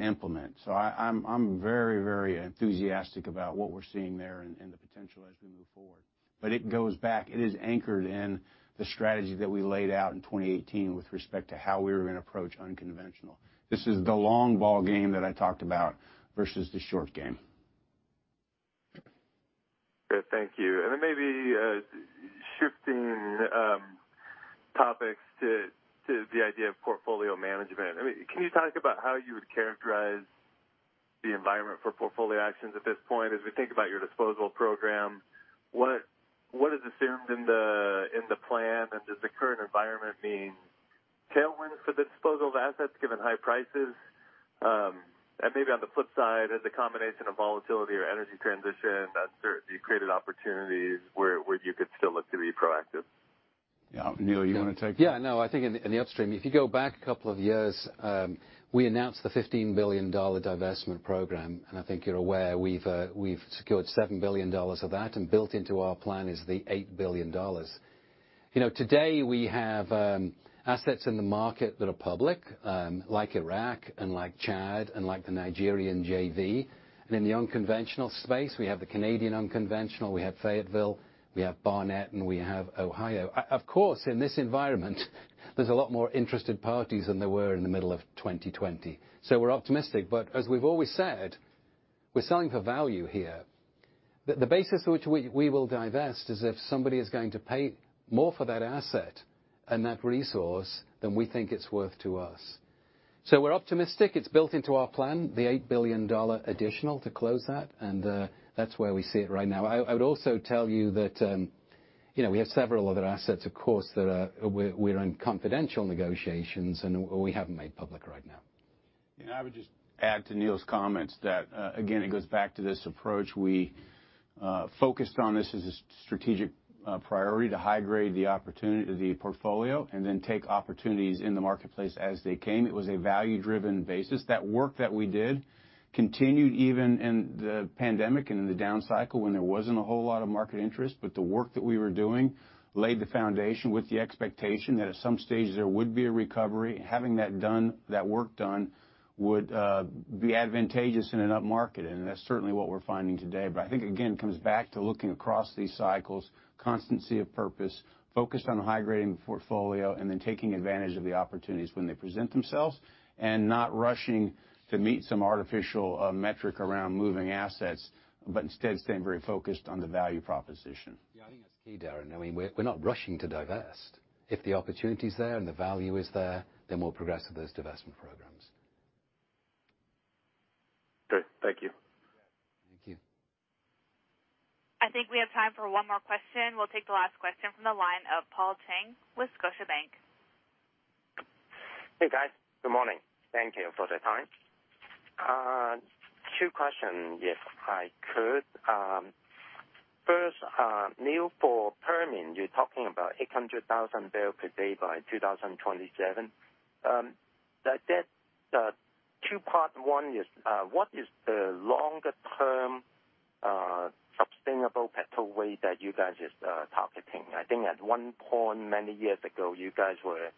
implement. I'm very, very enthusiastic about what we're seeing there and the potential as we move forward. It goes back. It is anchored in the strategy that we laid out in 2018 with respect to how we were gonna approach unconventional. This is the long ball game that I talked about versus the short game. Thank you. Maybe shifting topics to the idea of portfolio management. I mean, can you talk about how you would characterize the environment for portfolio actions at this point as we think about your disposal program? What is assumed in the plan, and does the current environment mean tailwinds for the disposal of assets given high prices? Maybe on the flip side, is the combination of volatility or energy transition that's certainly created opportunities where you could still look to be proactive. Yeah. Neil, you wanna take that? No, I think in the upstream, if you go back a couple of years, we announced the $15 billion divestment program. I think you're aware, we've secured $7 billion of that, and built into our plan is the $8 billion. You know, today we have assets in the market that are public, like Iraq and like Chad, and like the Nigerian JV. In the unconventional space, we have the Canadian unconventional, we have Fayetteville, we have Barnett, and we have Ohio. Of course, in this environment there's a lot more interested parties than there were in the middle of 2020. We're optimistic, but as we've always said, we're selling for value here. The basis for which we will divest is if somebody is going to pay more for that asset and that resource than we think it's worth to us. We're optimistic. It's built into our plan, the $8 billion additional to close that, and that's where we see it right now. I would also tell you that, you know, we have several other assets, of course, that we're in confidential negotiations and we haven't made public right now. Yeah. I would just add to Neil's comments that, again, it goes back to this approach. We focused on this as a strategic priority to high grade the opportunity, the portfolio and then take opportunities in the marketplace as they came. It was a value-driven basis. That work that we did continued even in the pandemic and in the down cycle when there wasn't a whole lot of market interest. But the work that we were doing laid the foundation with the expectation that at some stage there would be a recovery. Having that done, that work done would be advantageous in an up market. That's certainly what we're finding today. I think, again, it comes back to looking across these cycles, constancy of purpose, focused on high grading the portfolio, and then taking advantage of the opportunities when they present themselves, and not rushing to meet some artificial, metric around moving assets, but instead staying very focused on the value proposition. Yeah, I think that's key, Darren. I mean, we're not rushing to divest. If the opportunity's there and the value is there, then we'll progress with those divestment programs. Great. Thank you. Thank you. I think we have time for one more question. We'll take the last question from the line of Paul Cheng with Scotiabank. Hey, guys. Good morning. Thank you for the time. Two questions, if I could. First, Neil, for Permian, you're talking about 800,000 barrel per day by 2027. That's a two-part. One is, what is the longer-term, sustainable production rate that you guys is targeting? I think at one point many years ago, you guys were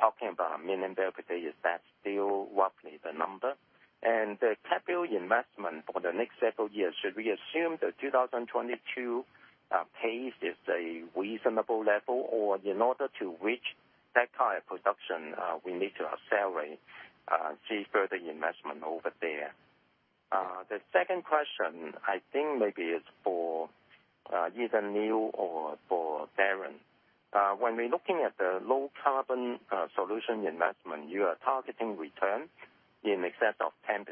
talking about a million barrel per day. Is that still roughly the number? And the capital investment for the next several years, should we assume the 2022 pace is a reasonable level, or in order to reach that kind of production, we need to accelerate, see further investment over there? The second question, I think maybe is for, either Neil or for Darren. When we're looking at the low carbon solution investment, you are targeting return in excess of 10%.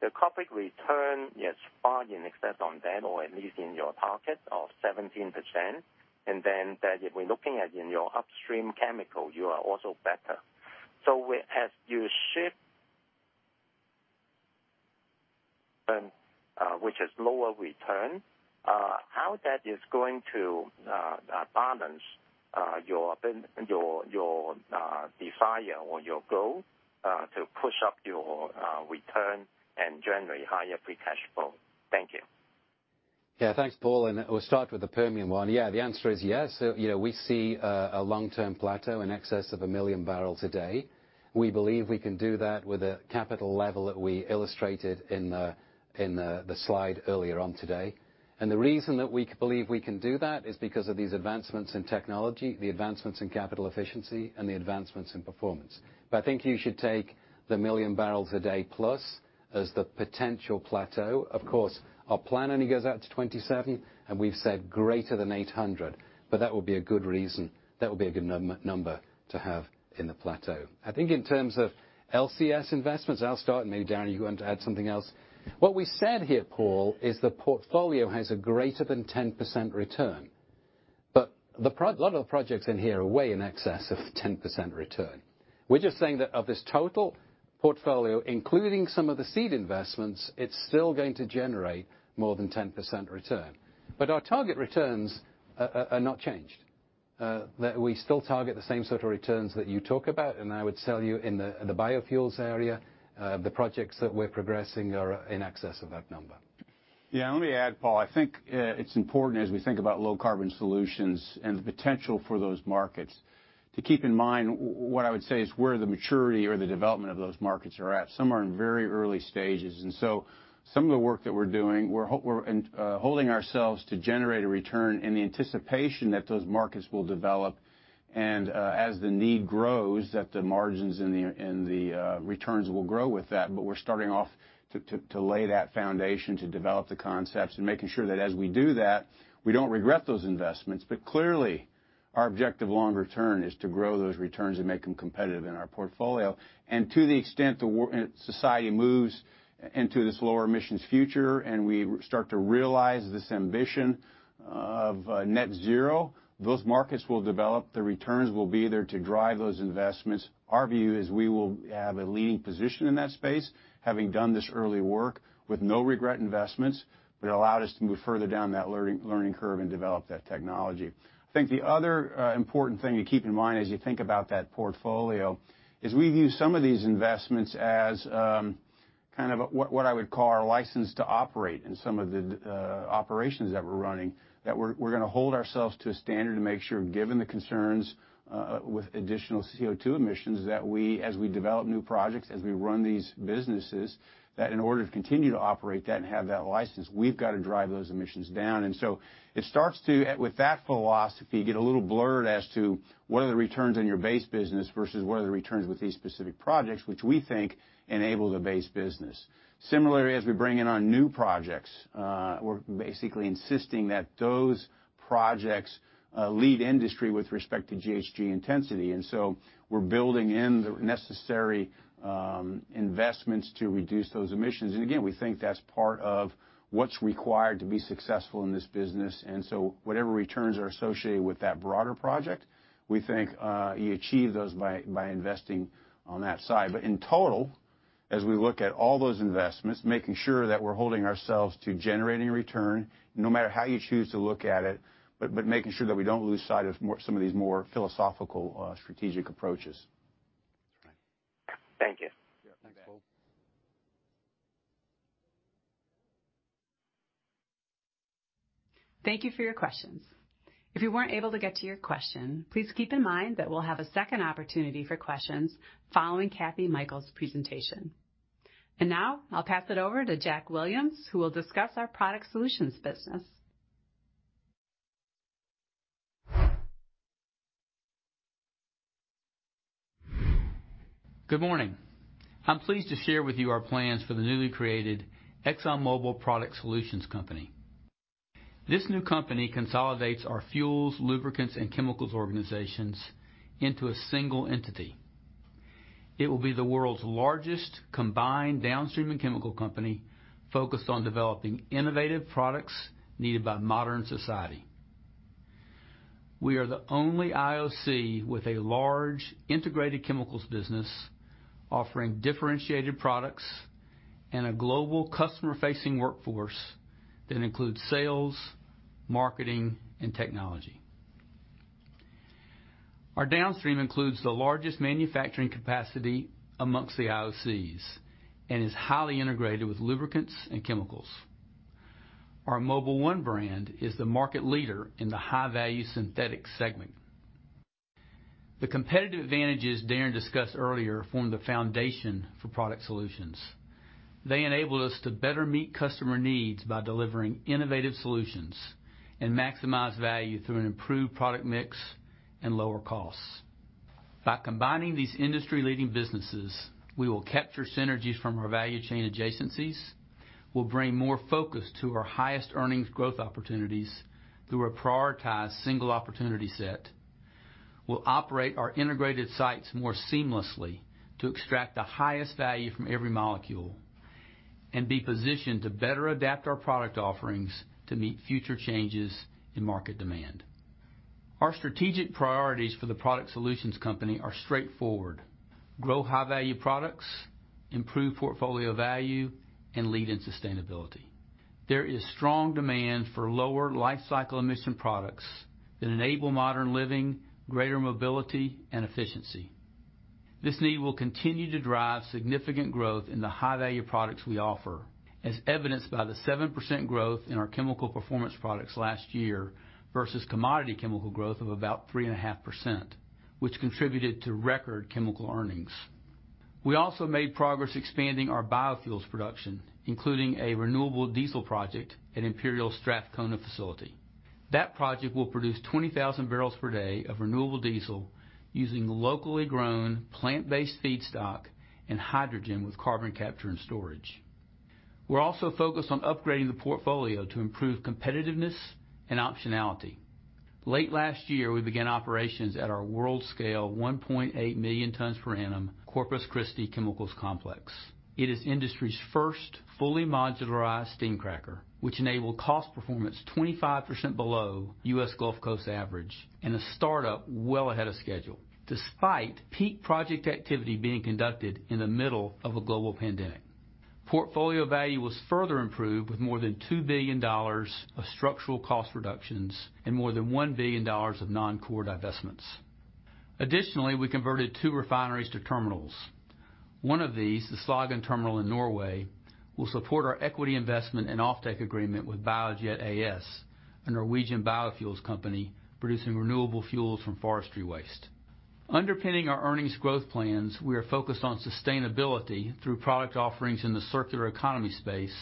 The corporate return is far in excess of that or at least in your target of 17%. Then if we're looking at in your upstream chemical, you are also better. As you shift, which is lower return, how that is going to balance your benchmark or your desire or your goal to push up your return and generate higher free cash flow? Thank you. Yeah. Thanks, Paul, and we'll start with the Permian one. Yeah, the answer is yes. You know, we see a long-term plateau in excess of 1 million barrels a day. We believe we can do that with a capital level that we illustrated in the slide earlier today. The reason that we believe we can do that is because of these advancements in technology, the advancements in capital efficiency, and the advancements in performance. I think you should take the 1 million barrels a day plus as the potential plateau. Of course, our plan only goes out to 2027, and we've said greater than 800, but that would be a good reason. That would be a good number to have in the plateau. I think in terms of LCS investments, I'll start, and maybe Darren, you want to add something else. What we said here, Paul, is the portfolio has a greater than 10% return. A lot of the projects in here are way in excess of 10% return. We're just saying that of this total portfolio, including some of the seed investments, it's still going to generate more than 10% return. Our target returns are not changed, that we still target the same sort of returns that you talk about, and I would tell you in the biofuels area, the projects that we're progressing are in excess of that number. Yeah. Let me add, Paul. I think it's important as we think about low-carbon solutions and the potential for those markets to keep in mind what I would say is where the maturity or the development of those markets are at. Some are in very early stages, and so some of the work that we're doing, we're holding ourselves to generate a return in the anticipation that those markets will develop, and as the need grows, that the margins and the returns will grow with that. We're starting off to lay that foundation to develop the concepts and making sure that as we do that, we don't regret those investments. Clearly, our objective long-term return is to grow those returns and make them competitive in our portfolio. To the extent society moves into this lower emissions future, and we start to realize this ambition of net zero, those markets will develop, the returns will be there to drive those investments. Our view is we will have a leading position in that space, having done this early work with no regret investments that allowed us to move further down that learning curve and develop that technology. I think the other important thing to keep in mind as you think about that portfolio is we view some of these investments as kind of what I would call our license to operate in some of the operations that we're running that we're gonna hold ourselves to a standard to make sure, given the concerns with additional CO2 emissions, that we as we develop new projects as we run these businesses that in order to continue to operate that and have that license, we've gotta drive those emissions down. It starts to with that philosophy get a little blurred as to what are the returns on your base business versus what are the returns with these specific projects, which we think enable the base business. Similarly, as we bring in our new projects, we're basically insisting that those projects lead industry with respect to GHG intensity. We're building in the necessary investments to reduce those emissions. We think that's part of what's required to be successful in this business. Whatever returns are associated with that broader project, we think you achieve those by investing on that side. In total, as we look at all those investments, making sure that we're holding ourselves to generating return, no matter how you choose to look at it, but making sure that we don't lose sight of some of these more philosophical strategic approaches. That's right. Thank you. Yeah. Thanks, Paul. Thank you for your questions. If you weren't able to get to your question, please keep in mind that we'll have a second opportunity for questions following Kathryn Mikells' presentation. Now I'll pass it over to Jack Williams, who will discuss our Product Solutions business. Good morning. I'm pleased to share with you our plans for the newly created ExxonMobil Product Solutions company. This new company consolidates our fuels, lubricants, and chemicals organizations into a single entity. It will be the world's largest combined downstream and chemical company, focused on developing innovative products needed by modern society. We are the only IOC with a large integrated chemicals business, offering differentiated products and a global customer-facing workforce that includes sales, marketing, and technology. Our downstream includes the largest manufacturing capacity among the IOCs and is highly integrated with lubricants and chemicals. Our Mobil 1 brand is the market leader in the high-value synthetics segment. The competitive advantages Darren discussed earlier form the foundation for Product Solutions. They enable us to better meet customer needs by delivering innovative solutions and maximize value through an improved product mix and lower costs. By combining these industry-leading businesses, we will capture synergies from our value chain adjacencies, we'll bring more focus to our highest earnings growth opportunities through a prioritized single opportunity set. We'll operate our integrated sites more seamlessly to extract the highest value from every molecule and be positioned to better adapt our product offerings to meet future changes in market demand. Our strategic priorities for the Product Solutions Company are straightforward, grow high-value products, improve portfolio value, and lead in sustainability. There is strong demand for lower lifecycle emission products that enable modern living, greater mobility, and efficiency. This need will continue to drive significant growth in the high-value products we offer, as evidenced by the 7% growth in our chemical performance products last year versus commodity chemical growth of about 3.5%, which contributed to record chemical earnings. We also made progress expanding our biofuels production, including a renewable diesel project at Imperial's Strathcona facility. That project will produce 20,000 barrels per day of renewable diesel using locally grown plant-based feedstock and hydrogen with carbon capture and storage. We're also focused on upgrading the portfolio to improve competitiveness and optionality. Late last year, we began operations at our world-scale 1.8 million tons per annum Corpus Christi chemicals complex. It is industry's first fully modularized steam cracker, which enabled cost performance 25% below U.S. Gulf Coast average and a startup well ahead of schedule, despite peak project activity being conducted in the middle of a global pandemic. Portfolio value was further improved with more than $2 billion of structural cost reductions and more than $1 billion of non-core divestments. Additionally, we converted two refineries to terminals. One of these, the Slagen terminal in Norway, will support our equity investment and offtake agreement with Biojet AS, a Norwegian biofuels company producing renewable fuels from forestry waste. Underpinning our earnings growth plans, we are focused on sustainability through product offerings in the circular economy space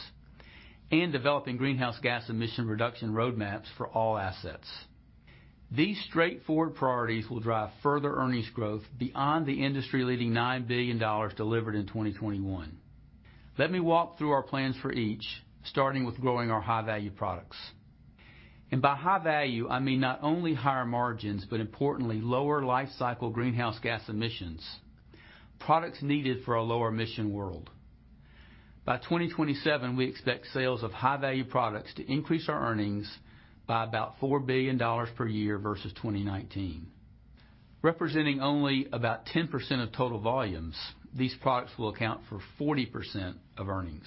and developing greenhouse gas emission reduction roadmaps for all assets. These straightforward priorities will drive further earnings growth beyond the industry-leading $9 billion delivered in 2021. Let me walk through our plans for each, starting with growing our high-value products. By high value, I mean not only higher margins, but importantly, lower lifecycle greenhouse gas emissions, products needed for a lower emission world. By 2027, we expect sales of high-value products to increase our earnings by about $4 billion per year versus 2019. Representing only about 10% of total volumes, these products will account for 40% of earnings.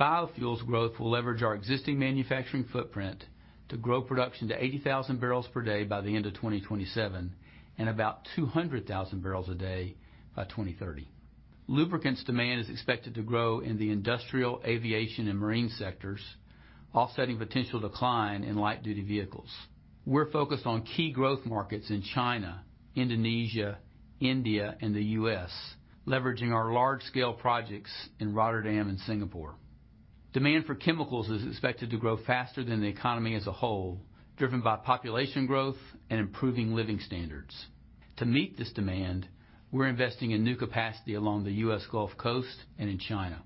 Biofuels growth will leverage our existing manufacturing footprint to grow production to 80,000 barrels per day by the end of 2027 and about 200,000 barrels a day by 2030. Lubricants demand is expected to grow in the industrial aviation and marine sectors, offsetting potential decline in light-duty vehicles. We're focused on key growth markets in China, Indonesia, India, and the U.S., leveraging our large-scale projects in Rotterdam and Singapore. Demand for chemicals is expected to grow faster than the economy as a whole, driven by population growth and improving living standards. To meet this demand, we're investing in new capacity along the U.S. Gulf Coast and in China.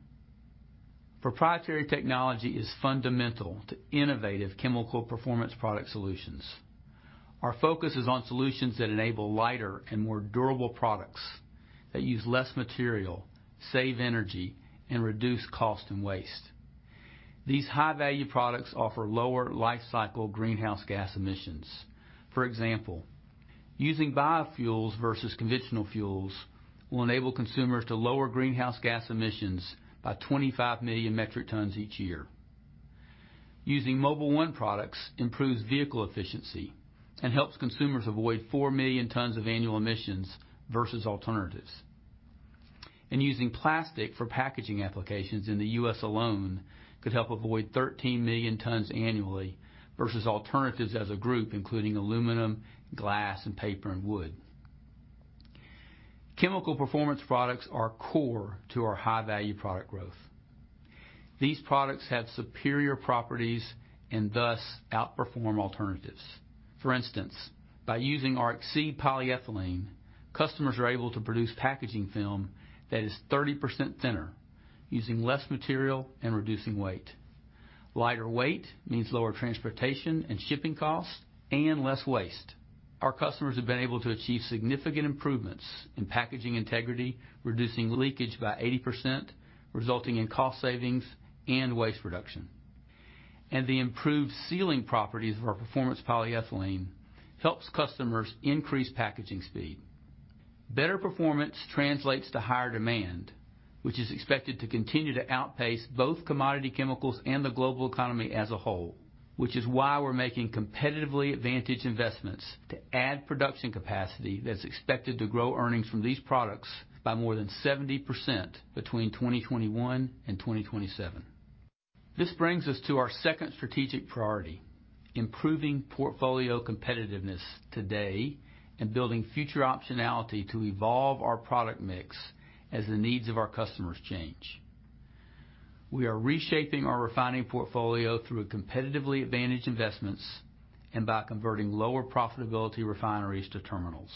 Proprietary technology is fundamental to innovative chemical performance product solutions. Our focus is on solutions that enable lighter and more durable products that use less material, save energy, and reduce cost and waste. These high-value products offer lower lifecycle greenhouse gas emissions. For example, using biofuels versus conventional fuels will enable consumers to lower greenhouse gas emissions by 25 million metric tons each year. Using Mobil 1 products improves vehicle efficiency and helps consumers avoid 4 million tons of annual emissions versus alternatives. Using plastic for packaging applications in the U.S. alone could help avoid 13 million tons annually versus alternatives as a group, including aluminum, glass, and paper and wood. Chemical performance products are core to our high-value product growth. These products have superior properties and thus outperform alternatives. For instance, by using our Exceed polyethylene, customers are able to produce packaging film that is 30% thinner, using less material and reducing weight. Lighter weight means lower transportation and shipping costs and less waste. Our customers have been able to achieve significant improvements in packaging integrity, reducing leakage by 80%, resulting in cost savings and waste reduction. The improved sealing properties of our performance polyethylene helps customers increase packaging speed. Better performance translates to higher demand, which is expected to continue to outpace both commodity chemicals and the global economy as a whole, which is why we're making competitively advantaged investments to add production capacity that's expected to grow earnings from these products by more than 70% between 2021 and 2027. This brings us to our second strategic priority, improving portfolio competitiveness today and building future optionality to evolve our product mix as the needs of our customers change. We are reshaping our refining portfolio through competitively advantaged investments and by converting lower profitability refineries to terminals.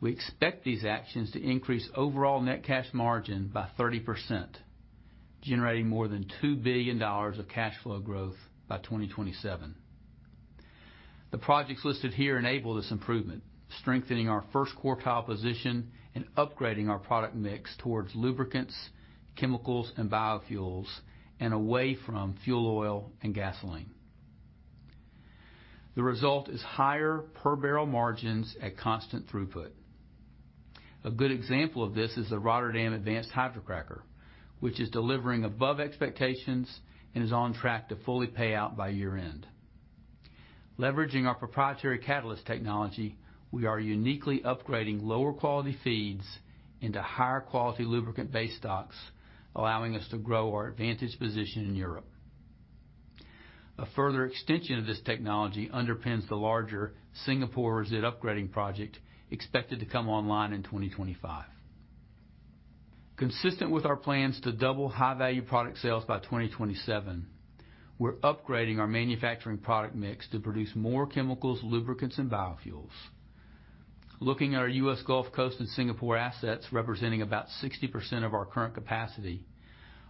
We expect these actions to increase overall net cash margin by 30%, generating more than $2 billion of cash flow growth by 2027. The projects listed here enable this improvement, strengthening our first quartile position and upgrading our product mix towards lubricants, chemicals, and biofuels, and away from fuel oil and gasoline. The result is higher per barrel margins at constant throughput. A good example of this is the Rotterdam Advanced Hydrocracker, which is delivering above expectations and is on track to fully pay out by year-end. Leveraging our proprietary catalyst technology, we are uniquely upgrading lower quality feeds into higher quality lubricant-based stocks, allowing us to grow our advantage position in Europe. A further extension of this technology underpins the larger Singapore Resid Upgrade Project expected to come online in 2025. Consistent with our plans to double high-value product sales by 2027, we're upgrading our manufacturing product mix to produce more chemicals, lubricants, and biofuels. Looking at our U.S. Gulf Coast and Singapore assets, representing about 60% of our current capacity,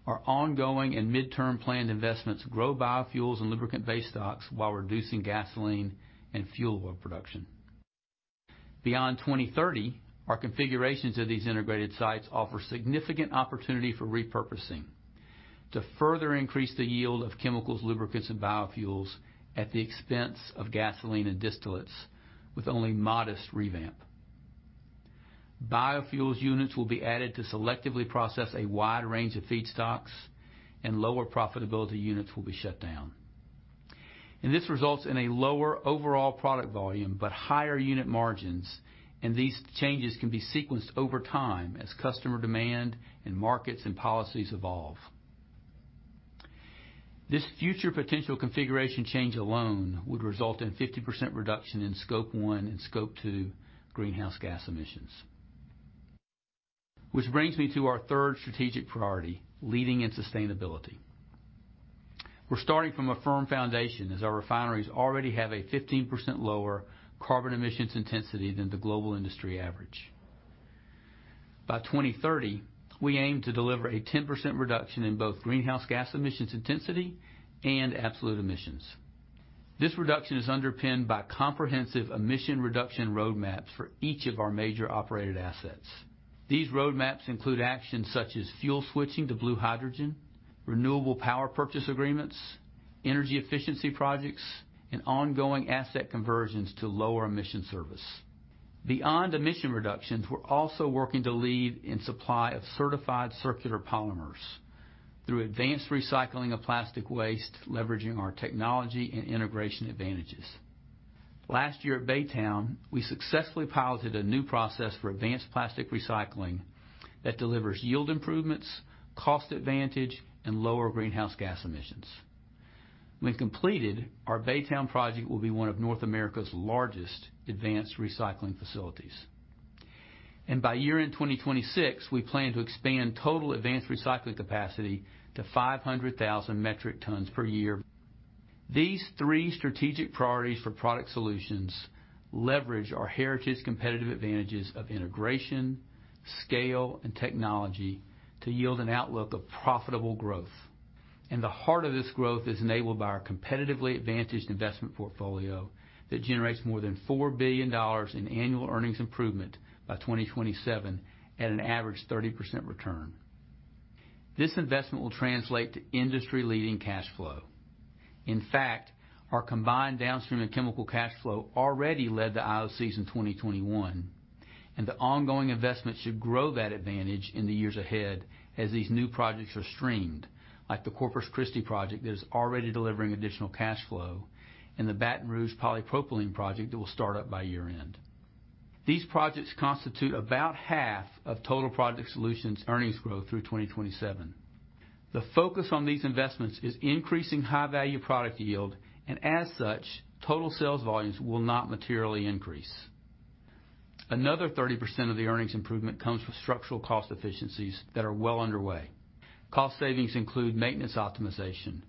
our ongoing and midterm planned investments grow biofuels and lubricant base stocks while reducing gasoline and fuel oil production. Beyond 2030, our configurations of these integrated sites offer significant opportunity for repurposing to further increase the yield of chemicals, lubricants, and biofuels at the expense of gasoline and distillates with only modest revamp. Biofuels units will be added to selectively process a wide range of feedstocks and lower profitability units will be shut down. This results in a lower overall product volume, but higher unit margins, and these changes can be sequenced over time as customer demand and markets and policies evolve. This future potential configuration change alone would result in 50% reduction in Scope 1 and Scope 2 greenhouse gas emissions. Which brings me to our third strategic priority, leading in sustainability. We're starting from a firm foundation as our refineries already have a 15% lower carbon emissions intensity than the global industry average. By 2030, we aim to deliver a 10% reduction in both greenhouse gas emissions intensity and absolute emissions. This reduction is underpinned by comprehensive emission reduction roadmaps for each of our major operated assets. These roadmaps include actions such as fuel switching to blue hydrogen, renewable power purchase agreements, energy efficiency projects, and ongoing asset conversions to lower emission service. Beyond emission reductions, we're also working to lead in supply of certified circular polymers through advanced recycling of plastic waste, leveraging our technology and integration advantages. Last year at Baytown, we successfully piloted a new process for advanced plastic recycling that delivers yield improvements, cost advantage, and lower greenhouse gas emissions. When completed, our Baytown project will be one of North America's largest advanced recycling facilities. By year-end 2026, we plan to expand total advanced recycling capacity to 500,000 metric tons per year. These three strategic priorities for Product Solutions leverage our heritage competitive advantages of integration, scale, and technology to yield an outlook of profitable growth. The heart of this growth is enabled by our competitively advantaged investment portfolio that generates more than $4 billion in annual earnings improvement by 2027 at an average 30% return. This investment will translate to industry-leading cash flow. In fact, our combined downstream and chemical cash flow already led the IOCs in 2021, and the ongoing investment should grow that advantage in the years ahead as these new projects are streamed, like the Corpus Christi project that is already delivering additional cash flow and the Baton Rouge polypropylene project that will start up by year-end. These projects constitute about half of total Product Solutions earnings growth through 2027. The focus on these investments is increasing high-value product yield, and as such, total sales volumes will not materially increase. Another 30% of the earnings improvement comes from structural cost efficiencies that are well underway. Cost savings include maintenance optimization,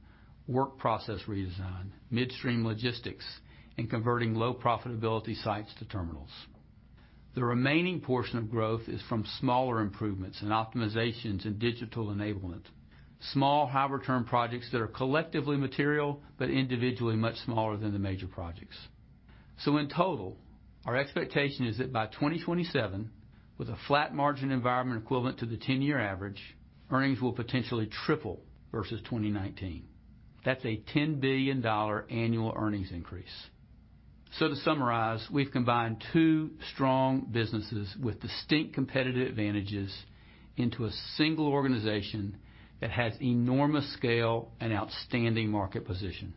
work process redesign, midstream logistics, and converting low profitability sites to terminals. The remaining portion of growth is from smaller improvements and optimizations in digital enablement, small high-return projects that are collectively material but individually much smaller than the major projects. In total, our expectation is that by 2027, with a flat margin environment equivalent to the 10-year average, earnings will potentially triple versus 2019. That's a $10 billion annual earnings increase. To summarize, we've combined two strong businesses with distinct competitive advantages into a single organization that has enormous scale and outstanding market position.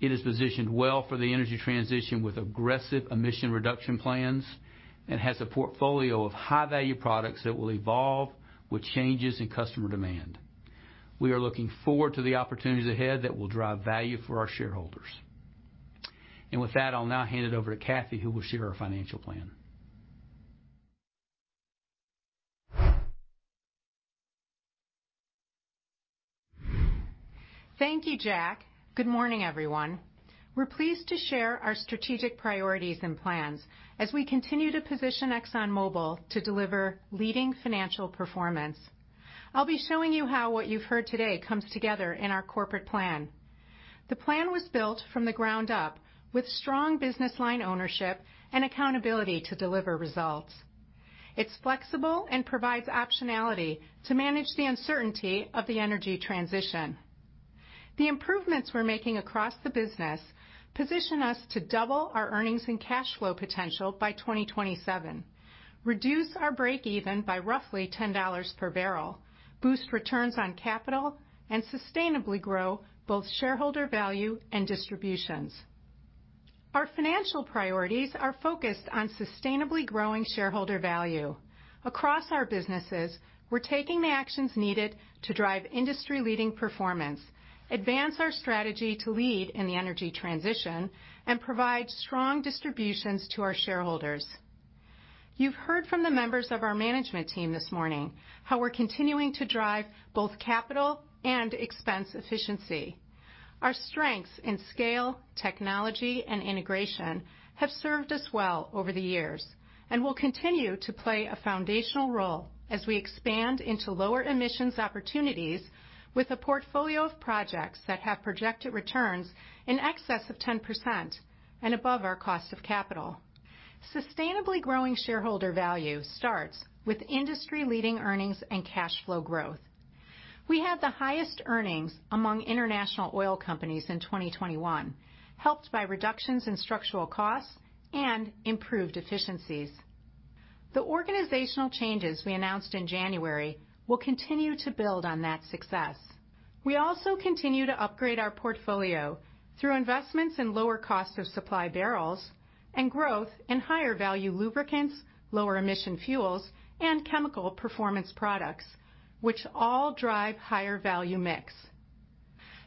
It is positioned well for the energy transition with aggressive emission reduction plans and has a portfolio of high-value products that will evolve with changes in customer demand. We are looking forward to the opportunities ahead that will drive value for our shareholders. With that, I'll now hand it over to Kathy, who will share our financial plan. Thank you, Jack. Good morning, everyone. We're pleased to share our strategic priorities and plans as we continue to position ExxonMobil to deliver leading financial performance. I'll be showing you how what you've heard today comes together in our corporate plan. The plan was built from the ground up with strong business line ownership and accountability to deliver results. It's flexible and provides optionality to manage the uncertainty of the energy transition. The improvements we're making across the business position us to double our earnings and cash flow potential by 2027, reduce our breakeven by roughly $10 per barrel, boost returns on capital, and sustainably grow both shareholder value and distributions. Our financial priorities are focused on sustainably growing shareholder value. Across our businesses, we're taking the actions needed to drive industry-leading performance, advance our strategy to lead in the energy transition, and provide strong distributions to our shareholders. You've heard from the members of our management team this morning how we're continuing to drive both capital and expense efficiency. Our strengths in scale, technology, and integration have served us well over the years and will continue to play a foundational role as we expand into lower emissions opportunities with a portfolio of projects that have projected returns in excess of 10% and above our cost of capital. Sustainably growing shareholder value starts with industry-leading earnings and cash flow growth. We had the highest earnings among international oil companies in 2021, helped by reductions in structural costs and improved efficiencies. The organizational changes we announced in January will continue to build on that success. We continue to upgrade our portfolio through investments in lower cost of supply barrels and growth in higher value lubricants, lower emission fuels, and chemical performance products, which all drive higher value mix.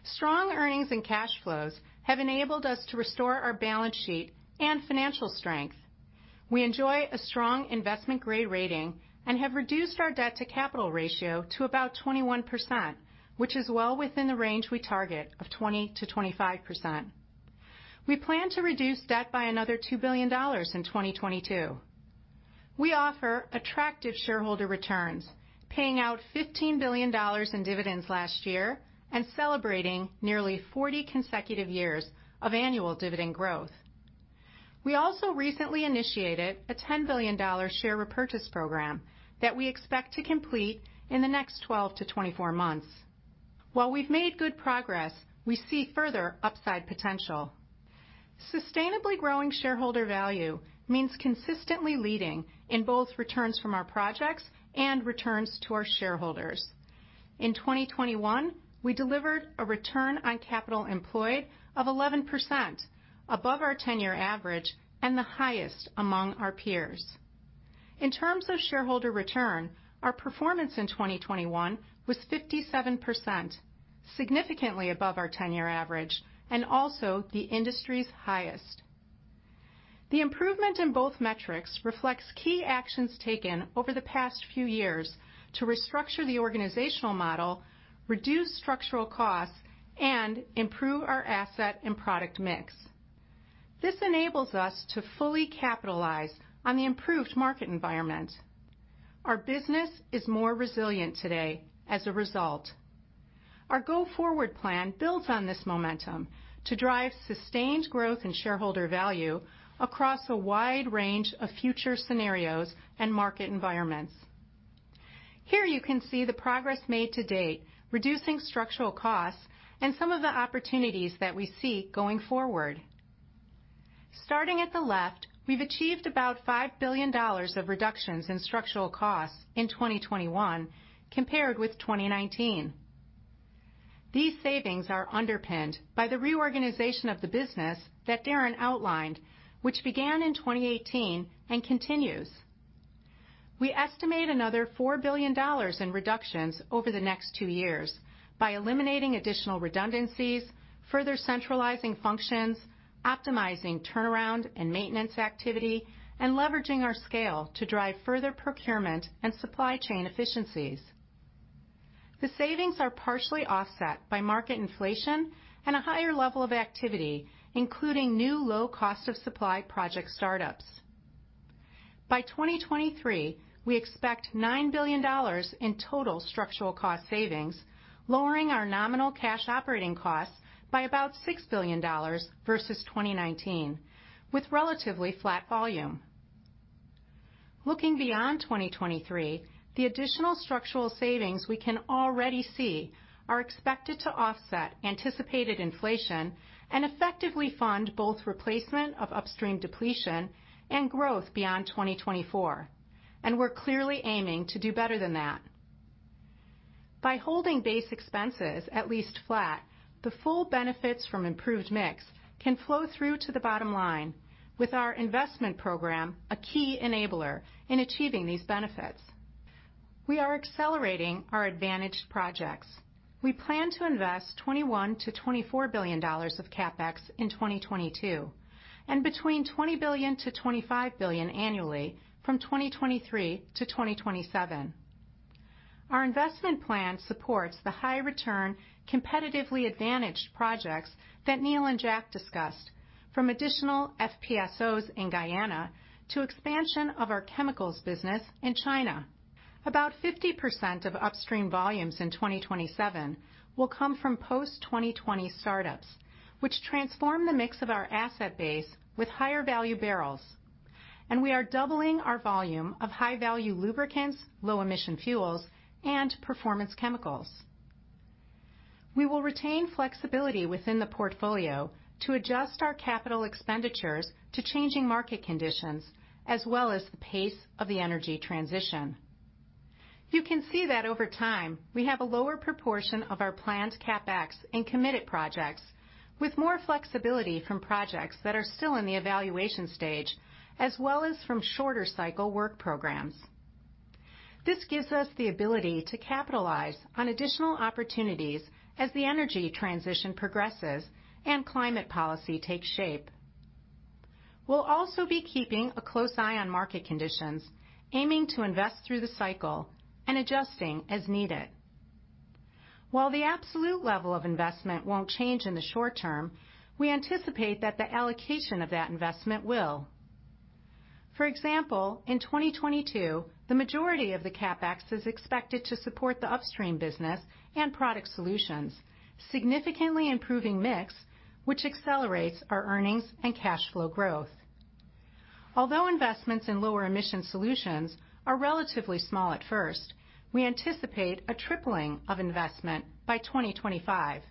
Strong earnings and cash flows have enabled us to restore our balance sheet and financial strength. We enjoy a strong investment-grade rating and have reduced our debt-to-capital ratio to about 21%, which is well within the range we target of 20%-25%. We plan to reduce debt by another $2 billion in 2022. We offer attractive shareholder returns, paying out $15 billion in dividends last year and celebrating nearly 40 consecutive years of annual dividend growth. We also recently initiated a $10 billion share repurchase program that we expect to complete in the next 12-24 months. While we've made good progress, we see further upside potential. Sustainably growing shareholder value means consistently leading in both returns from our projects and returns to our shareholders. In 2021, we delivered a return on capital employed of 11%, above our 10-year average and the highest among our peers. In terms of shareholder return, our performance in 2021 was 57%, significantly above our 10-year average and also the industry's highest. The improvement in both metrics reflects key actions taken over the past few years to restructure the organizational model, reduce structural costs, and improve our asset and product mix. This enables us to fully capitalize on the improved market environment. Our business is more resilient today as a result. Our go-forward plan builds on this momentum to drive sustained growth and shareholder value across a wide range of future scenarios and market environments. Here you can see the progress made to date, reducing structural costs and some of the opportunities that we see going forward. Starting at the left, we've achieved about $5 billion of reductions in structural costs in 2021 compared with 2019. These savings are underpinned by the reorganization of the business that Darren outlined, which began in 2018 and continues. We estimate another $4 billion in reductions over the next two years by eliminating additional redundancies, further centralizing functions, optimizing turnaround and maintenance activity, and leveraging our scale to drive further procurement and supply chain efficiencies. The savings are partially offset by market inflation and a higher level of activity, including new low cost of supply project startups. By 2023, we expect $9 billion in total structural cost savings, lowering our nominal cash operating costs by about $6 billion versus 2019 with relatively flat volume. Looking beyond 2023, the additional structural savings we can already see are expected to offset anticipated inflation and effectively fund both replacement of upstream depletion and growth beyond 2024, and we're clearly aiming to do better than that. By holding base expenses at least flat, the full benefits from improved mix can flow through to the bottom line with our investment program a key enabler in achieving these benefits. We are accelerating our advantaged projects. We plan to invest $21 billion-$24 billion of CapEx in 2022 and between $20 billion to $25 billion annually from 2023-2027. Our investment plan supports the high return, competitively advantaged projects that Neal and Jack discussed, from additional FPSOs in Guyana to expansion of our chemicals business in China. About 50% of upstream volumes in 2027 will come from post-2020 startups, which transform the mix of our asset base with higher-value barrels, and we are doubling our volume of high-value lubricants, low-emission fuels, and performance chemicals. We will retain flexibility within the portfolio to adjust our capital expenditures to changing market conditions as well as the pace of the energy transition. You can see that over time, we have a lower proportion of our planned CapEx in committed projects with more flexibility from projects that are still in the evaluation stage as well as from shorter cycle work programs. This gives us the ability to capitalize on additional opportunities as the energy transition progresses and climate policy takes shape. We'll also be keeping a close eye on market conditions, aiming to invest through the cycle and adjusting as needed. While the absolute level of investment won't change in the short term, we anticipate that the allocation of that investment will. For example, in 2022, the majority of the CapEx is expected to support the upstream business and product solutions, significantly improving mix, which accelerates our earnings and cash flow growth. Although investments in lower emission solutions are relatively small at first, we anticipate a tripling of investment by 2025.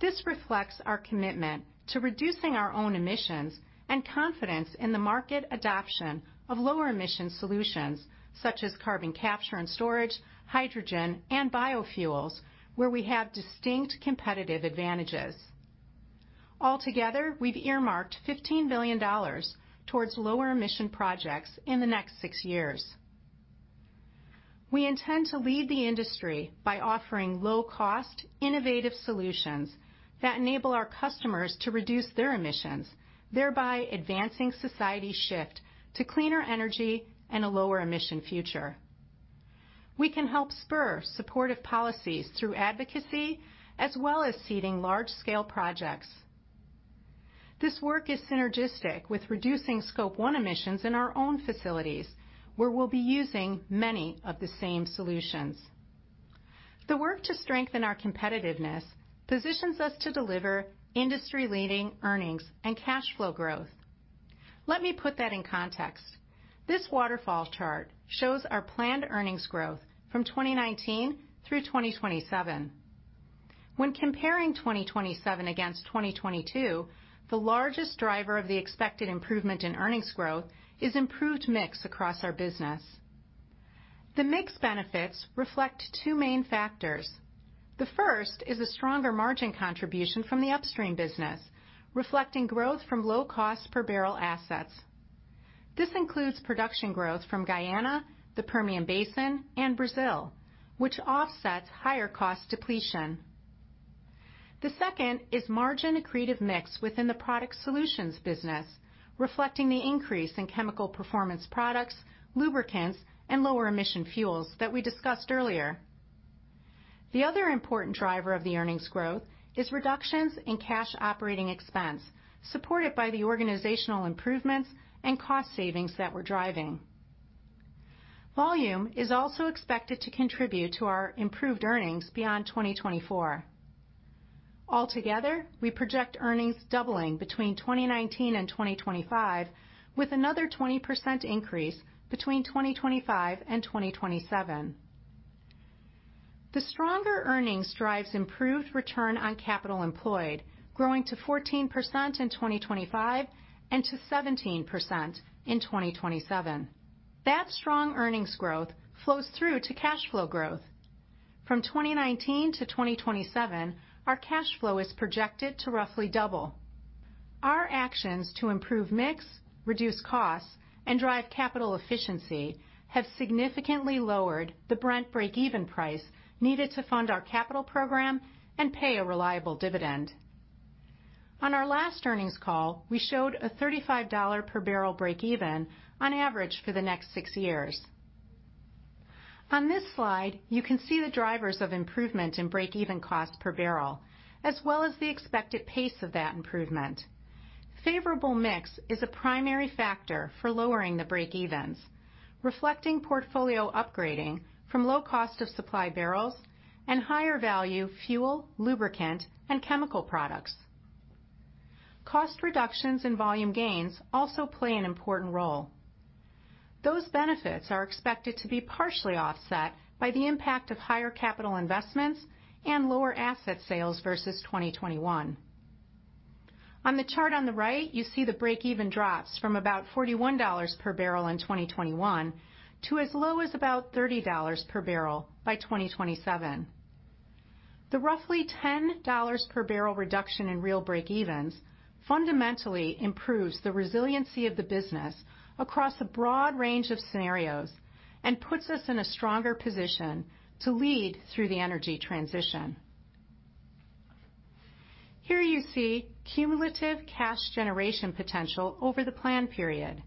This reflects our commitment to reducing our own emissions and confidence in the market adoption of lower emission solutions such as carbon capture and storage, hydrogen, and biofuels, where we have distinct competitive advantages. Altogether, we've earmarked $15 billion towards lower emission projects in the next six years. We intend to lead the industry by offering low cost, innovative solutions that enable our customers to reduce their emissions, thereby advancing society's shift to cleaner energy and a lower emission future. We can help spur supportive policies through advocacy, as well as seeding large-scale projects. This work is synergistic with reducing Scope 1 emissions in our own facilities, where we'll be using many of the same solutions. The work to strengthen our competitiveness positions us to deliver industry-leading earnings and cash flow growth. Let me put that in context. This waterfall chart shows our planned earnings growth from 2019 through 2027. When comparing 2027 against 2022, the largest driver of the expected improvement in earnings growth is improved mix across our business. The mix benefits reflect two main factors. The first is a stronger margin contribution from the upstream business, reflecting growth from low cost per barrel assets. This includes production growth from Guyana, the Permian Basin, and Brazil, which offsets higher cost depletion. The second is margin-accretive mix within the product solutions business, reflecting the increase in chemical performance products, lubricants, and lower emission fuels that we discussed earlier. The other important driver of the earnings growth is reductions in cash operating expense, supported by the organizational improvements and cost savings that we're driving. Volume is also expected to contribute to our improved earnings beyond 2024. Altogether, we project earnings doubling between 2019 and 2025, with another 20% increase between 2025 and 2027. The stronger earnings drives improved return on capital employed, growing to 14% in 2025 and to 17% in 2027. That strong earnings growth flows through to cash flow growth. From 2019-2027, our cash flow is projected to roughly double. Our actions to improve mix, reduce costs, and drive capital efficiency have significantly lowered the Brent breakeven price needed to fund our capital program and pay a reliable dividend. On our last earnings call, we showed a $35 per barrel breakeven on average for the next six years. On this slide, you can see the drivers of improvement in breakeven cost per barrel, as well as the expected pace of that improvement. Favorable mix is a primary factor for lowering the breakevens, reflecting portfolio upgrading from low cost of supply barrels and higher value fuel, lubricant, and chemical products. Cost reductions and volume gains also play an important role. Those benefits are expected to be partially offset by the impact of higher capital investments and lower asset sales versus 2021. On the chart on the right, you see the breakeven drops from about $41 per barrel in 2021 to as low as about $30 per barrel by 2027. The roughly $10 per barrel reduction in real breakevens fundamentally improves the resiliency of the business across a broad range of scenarios and puts us in a stronger position to lead through the energy transition. Here you see cumulative cash generation potential over the plan period.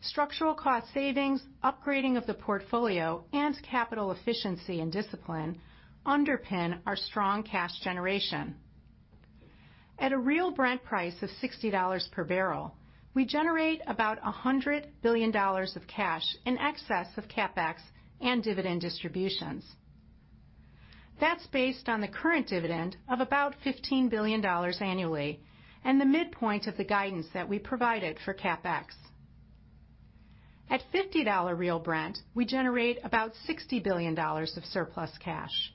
Structural cost savings, upgrading of the portfolio, and capital efficiency and discipline underpin our strong cash generation. At a real Brent price of $60 per barrel, we generate about $100 billion of cash in excess of CapEx and dividend distributions. That's based on the current dividend of about $15 billion annually and the midpoint of the guidance that we provided for CapEx. At $50 real Brent, we generate about $60 billion of surplus cash.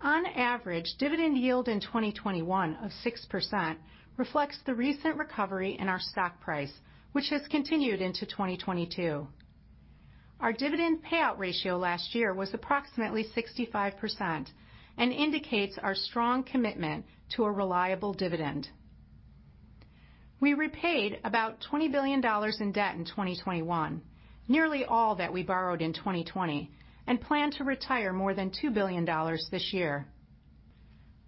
On average, dividend yield in 2021 of 6% reflects the recent recovery in our stock price, which has continued into 2022. Our dividend payout ratio last year was approximately 65% and indicates our strong commitment to a reliable dividend. We repaid about $20 billion in debt in 2021, nearly all that we borrowed in 2020, and plan to retire more than $2 billion this year.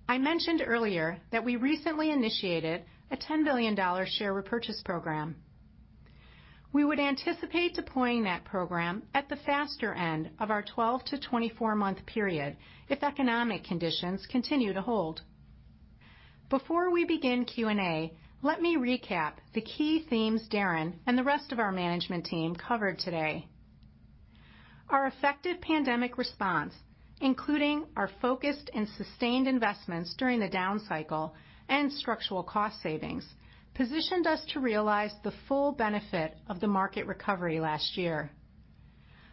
I mentioned earlier that we recently initiated a $10 billion share repurchase program. We would anticipate deploying that program at the faster end of our 12-to-24-month period if economic conditions continue to hold. Before we begin Q&A, let me recap the key themes Darren and the rest of our management team covered today. Our effective pandemic response, including our focused and sustained investments during the down cycle and structural cost savings, positioned us to realize the full benefit of the market recovery last year.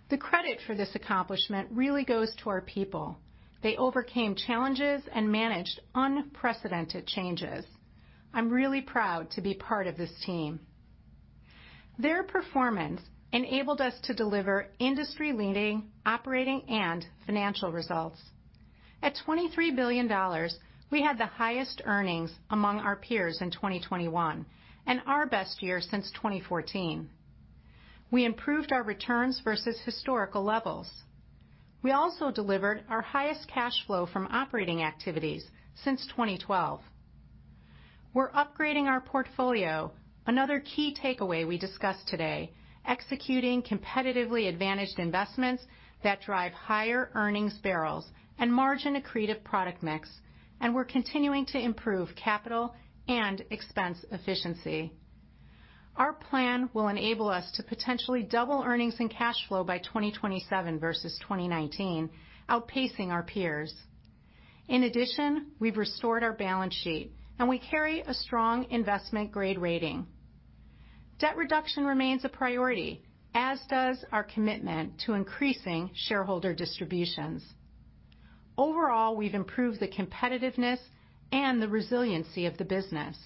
The credit for this accomplishment really goes to our people. They overcame challenges and managed unprecedented changes. I'm really proud to be part of this team. Their performance enabled us to deliver industry-leading operating and financial results. At $23 billion, we had the highest earnings among our peers in 2021 and our best year since 2014. We improved our returns versus historical levels. We also delivered our highest cash flow from operating activities since 2012. We're upgrading our portfolio, another key takeaway we discussed today, executing competitively advantaged investments that drive higher earnings barrels and margin-accretive product mix, and we're continuing to improve capital and expense efficiency. Our plan will enable us to potentially double earnings and cash flow by 2027 versus 2019, outpacing our peers. In addition, we've restored our balance sheet, and we carry a strong investment grade rating. Debt reduction remains a priority, as does our commitment to increasing shareholder distributions. Overall, we've improved the competitiveness and the resiliency of the business.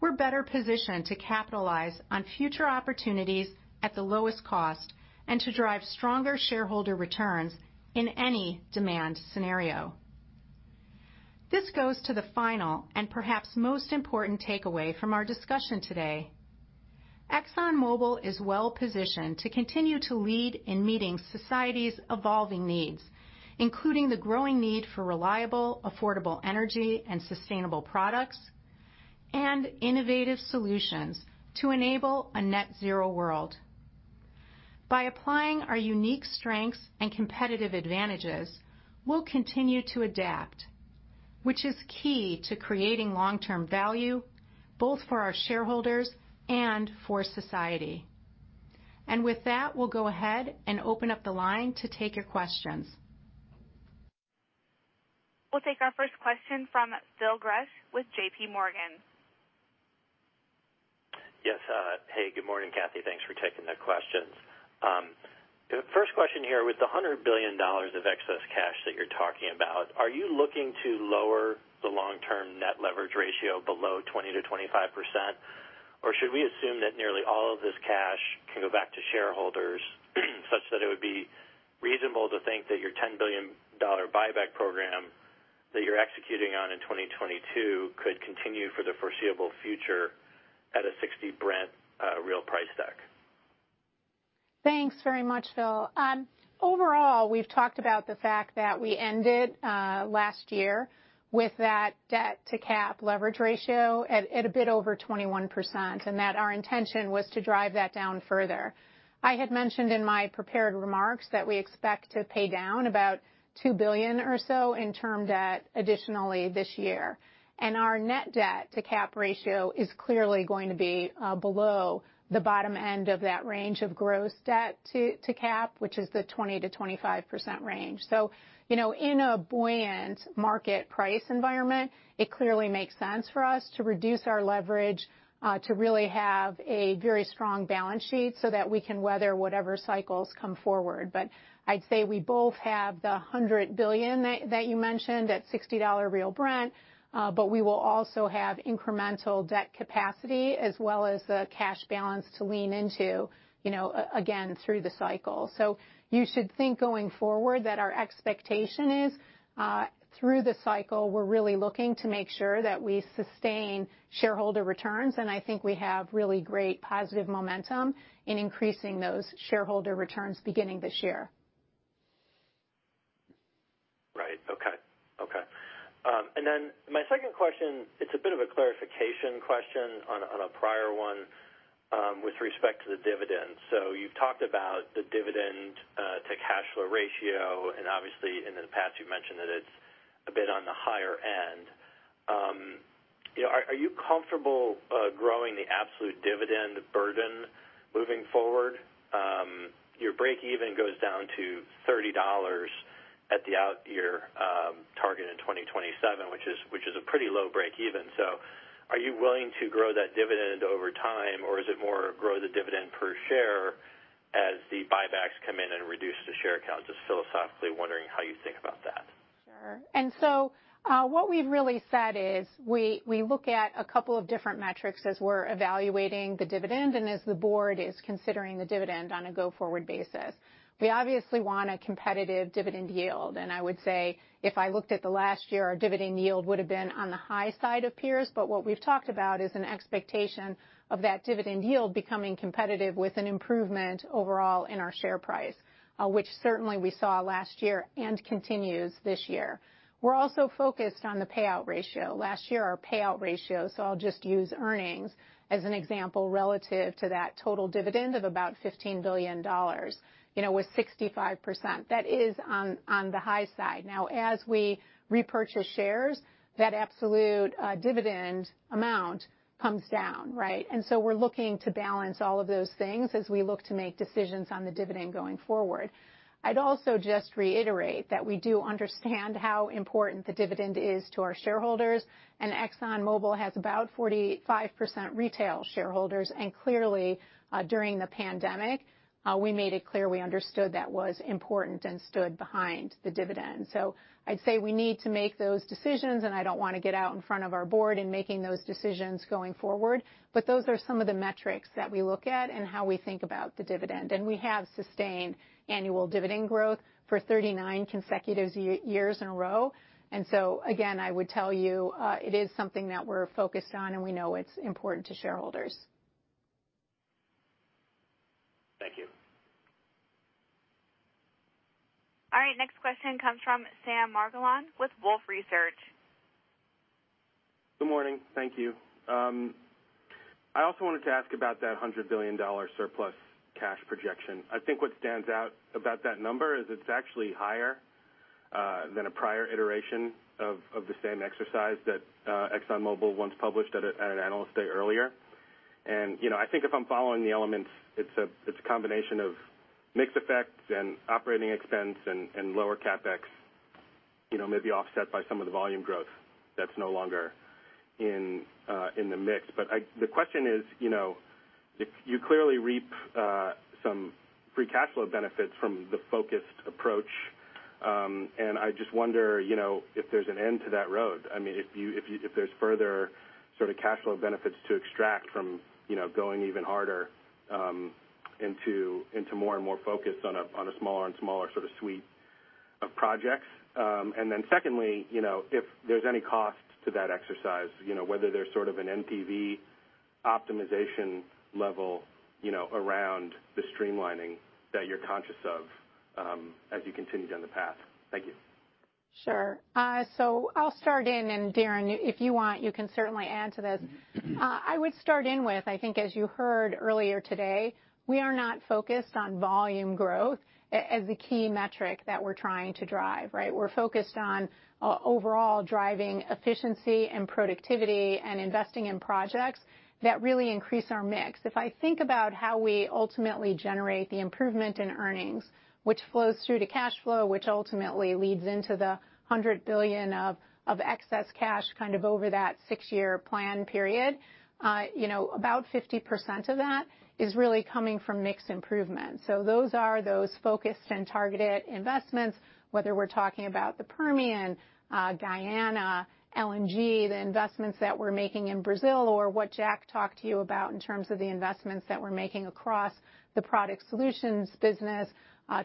We're better positioned to capitalize on future opportunities at the lowest cost and to drive stronger shareholder returns in any demand scenario. This goes to the final and perhaps most important takeaway from our discussion today. ExxonMobil is well positioned to continue to lead in meeting society's evolving needs, including the growing need for reliable, affordable energy and sustainable products and innovative solutions to enable a net zero world. By applying our unique strengths and competitive advantages, we'll continue to adapt, which is key to creating long-term value both for our shareholders and for society. With that, we'll go ahead and open up the line to take your questions. We'll take our first question from Phil Gresh with JP Morgan. Yes. Hey, good morning, Kathy. Thanks for taking the questions. The first question here, with the $100 billion of excess cash that you're talking about, are you looking to lower the long-term net leverage ratio below 20%-25%? Or should we assume that nearly all of this cash can go back to shareholders such that it would be reasonable to think that your $10 billion buyback program that you're executing on in 2022 could continue for the foreseeable future at a $60 Brent real price deck? Thanks very much, Phil. Overall, we've talked about the fact that we ended last year with that debt-to-cap leverage ratio at a bit over 21%, and that our intention was to drive that down further. I had mentioned in my prepared remarks that we expect to pay down about $2 billion or so in term debt additionally this year. Our net debt-to-cap ratio is clearly going to be below the bottom end of that range of gross debt to cap, which is the 20%-25% range. You know, in a buoyant market price environment, it clearly makes sense for us to reduce our leverage to really have a very strong balance sheet so that we can weather whatever cycles come forward. I'd say we both have the 100 billion that you mentioned at $60 real Brent, but we will also have incremental debt capacity as well as the cash balance to lean into, you know, again, through the cycle. You should think going forward that our expectation is, through the cycle, we're really looking to make sure that we sustain shareholder returns, and I think we have really great positive momentum in increasing those shareholder returns beginning this year. Right. Okay. And then my second question, it's a bit of a clarification question on a prior one with respect to the dividend. So you've talked about the dividend to cash flow ratio, and obviously in the past you've mentioned that it's a bit on the higher end. You know, are you comfortable growing the absolute dividend burden moving forward? Your breakeven goes down to $30 at the out-year target in 2027, which is a pretty low breakeven. So are you willing to grow that dividend over time, or is it more grow the dividend per share as the buybacks come in and reduce the share count? Just philosophically wondering how you think about that. Sure. What we've really said is we look at a couple of different metrics as we're evaluating the dividend and as the board is considering the dividend on a go-forward basis. We obviously want a competitive dividend yield, and I would say if I looked at the last year, our dividend yield would have been on the high side of peers, but what we've talked about is an expectation of that dividend yield becoming competitive with an improvement overall in our share price, which certainly we saw last year and continues this year. We're also focused on the payout ratio. Last year, our payout ratio, so I'll just use earnings as an example relative to that total dividend of about $15 billion, you know, was 65%. That is on the high side. Now, as we repurchase shares, that absolute dividend amount comes down, right? We're looking to balance all of those things as we look to make decisions on the dividend going forward. I'd also just reiterate that we do understand how important the dividend is to our shareholders, and ExxonMobil has about 45% retail shareholders. Clearly, during the pandemic, we made it clear we understood that was important and stood behind the dividend. I'd say we need to make those decisions, and I don't wanna get out in front of our board in making those decisions going forward, but those are some of the metrics that we look at and how we think about the dividend. We have sustained annual dividend growth for 39 consecutive years in a row. I would tell you, it is something that we're focused on, and we know it's important to shareholders. Next question comes from Sam Margolin with Wolfe Research. Good morning. Thank you. I also wanted to ask about that $100 billion surplus cash projection. I think what stands out about that number is it's actually higher than a prior iteration of the same exercise that ExxonMobil once published at an analyst day earlier. You know, I think if I'm following the elements, it's a combination of mix effects and operating expense and lower CapEx, you know, maybe offset by some of the volume growth that's no longer in the mix. The question is, you know, if you clearly reap some free cash flow benefits from the focused approach, and I just wonder, you know, if there's an end to that road. I mean, if there's further sort of cash flow benefits to extract from, you know, going even harder into more and more focus on a smaller and smaller sort of suite of projects. Secondly, you know, if there's any cost to that exercise, you know, whether there's sort of an NPV optimization level, you know, around the streamlining that you're conscious of, as you continue down the path. Thank you. Sure. I'll start in, and Darren, if you want, you can certainly add to this. I would start in with, I think as you heard earlier today, we are not focused on volume growth as the key metric that we're trying to drive, right? We're focused on overall driving efficiency and productivity and investing in projects that really increase our mix. If I think about how we ultimately generate the improvement in earnings, which flows through to cash flow, which ultimately leads into the $100 billion of excess cash kind of over that six-year plan period, you know, about 50% of that is really coming from mix improvement. Those are the focused and targeted investments, whether we're talking about the Permian, Guyana, LNG, the investments that we're making in Brazil, or what Jack talked to you about in terms of the investments that we're making across the Product Solutions business,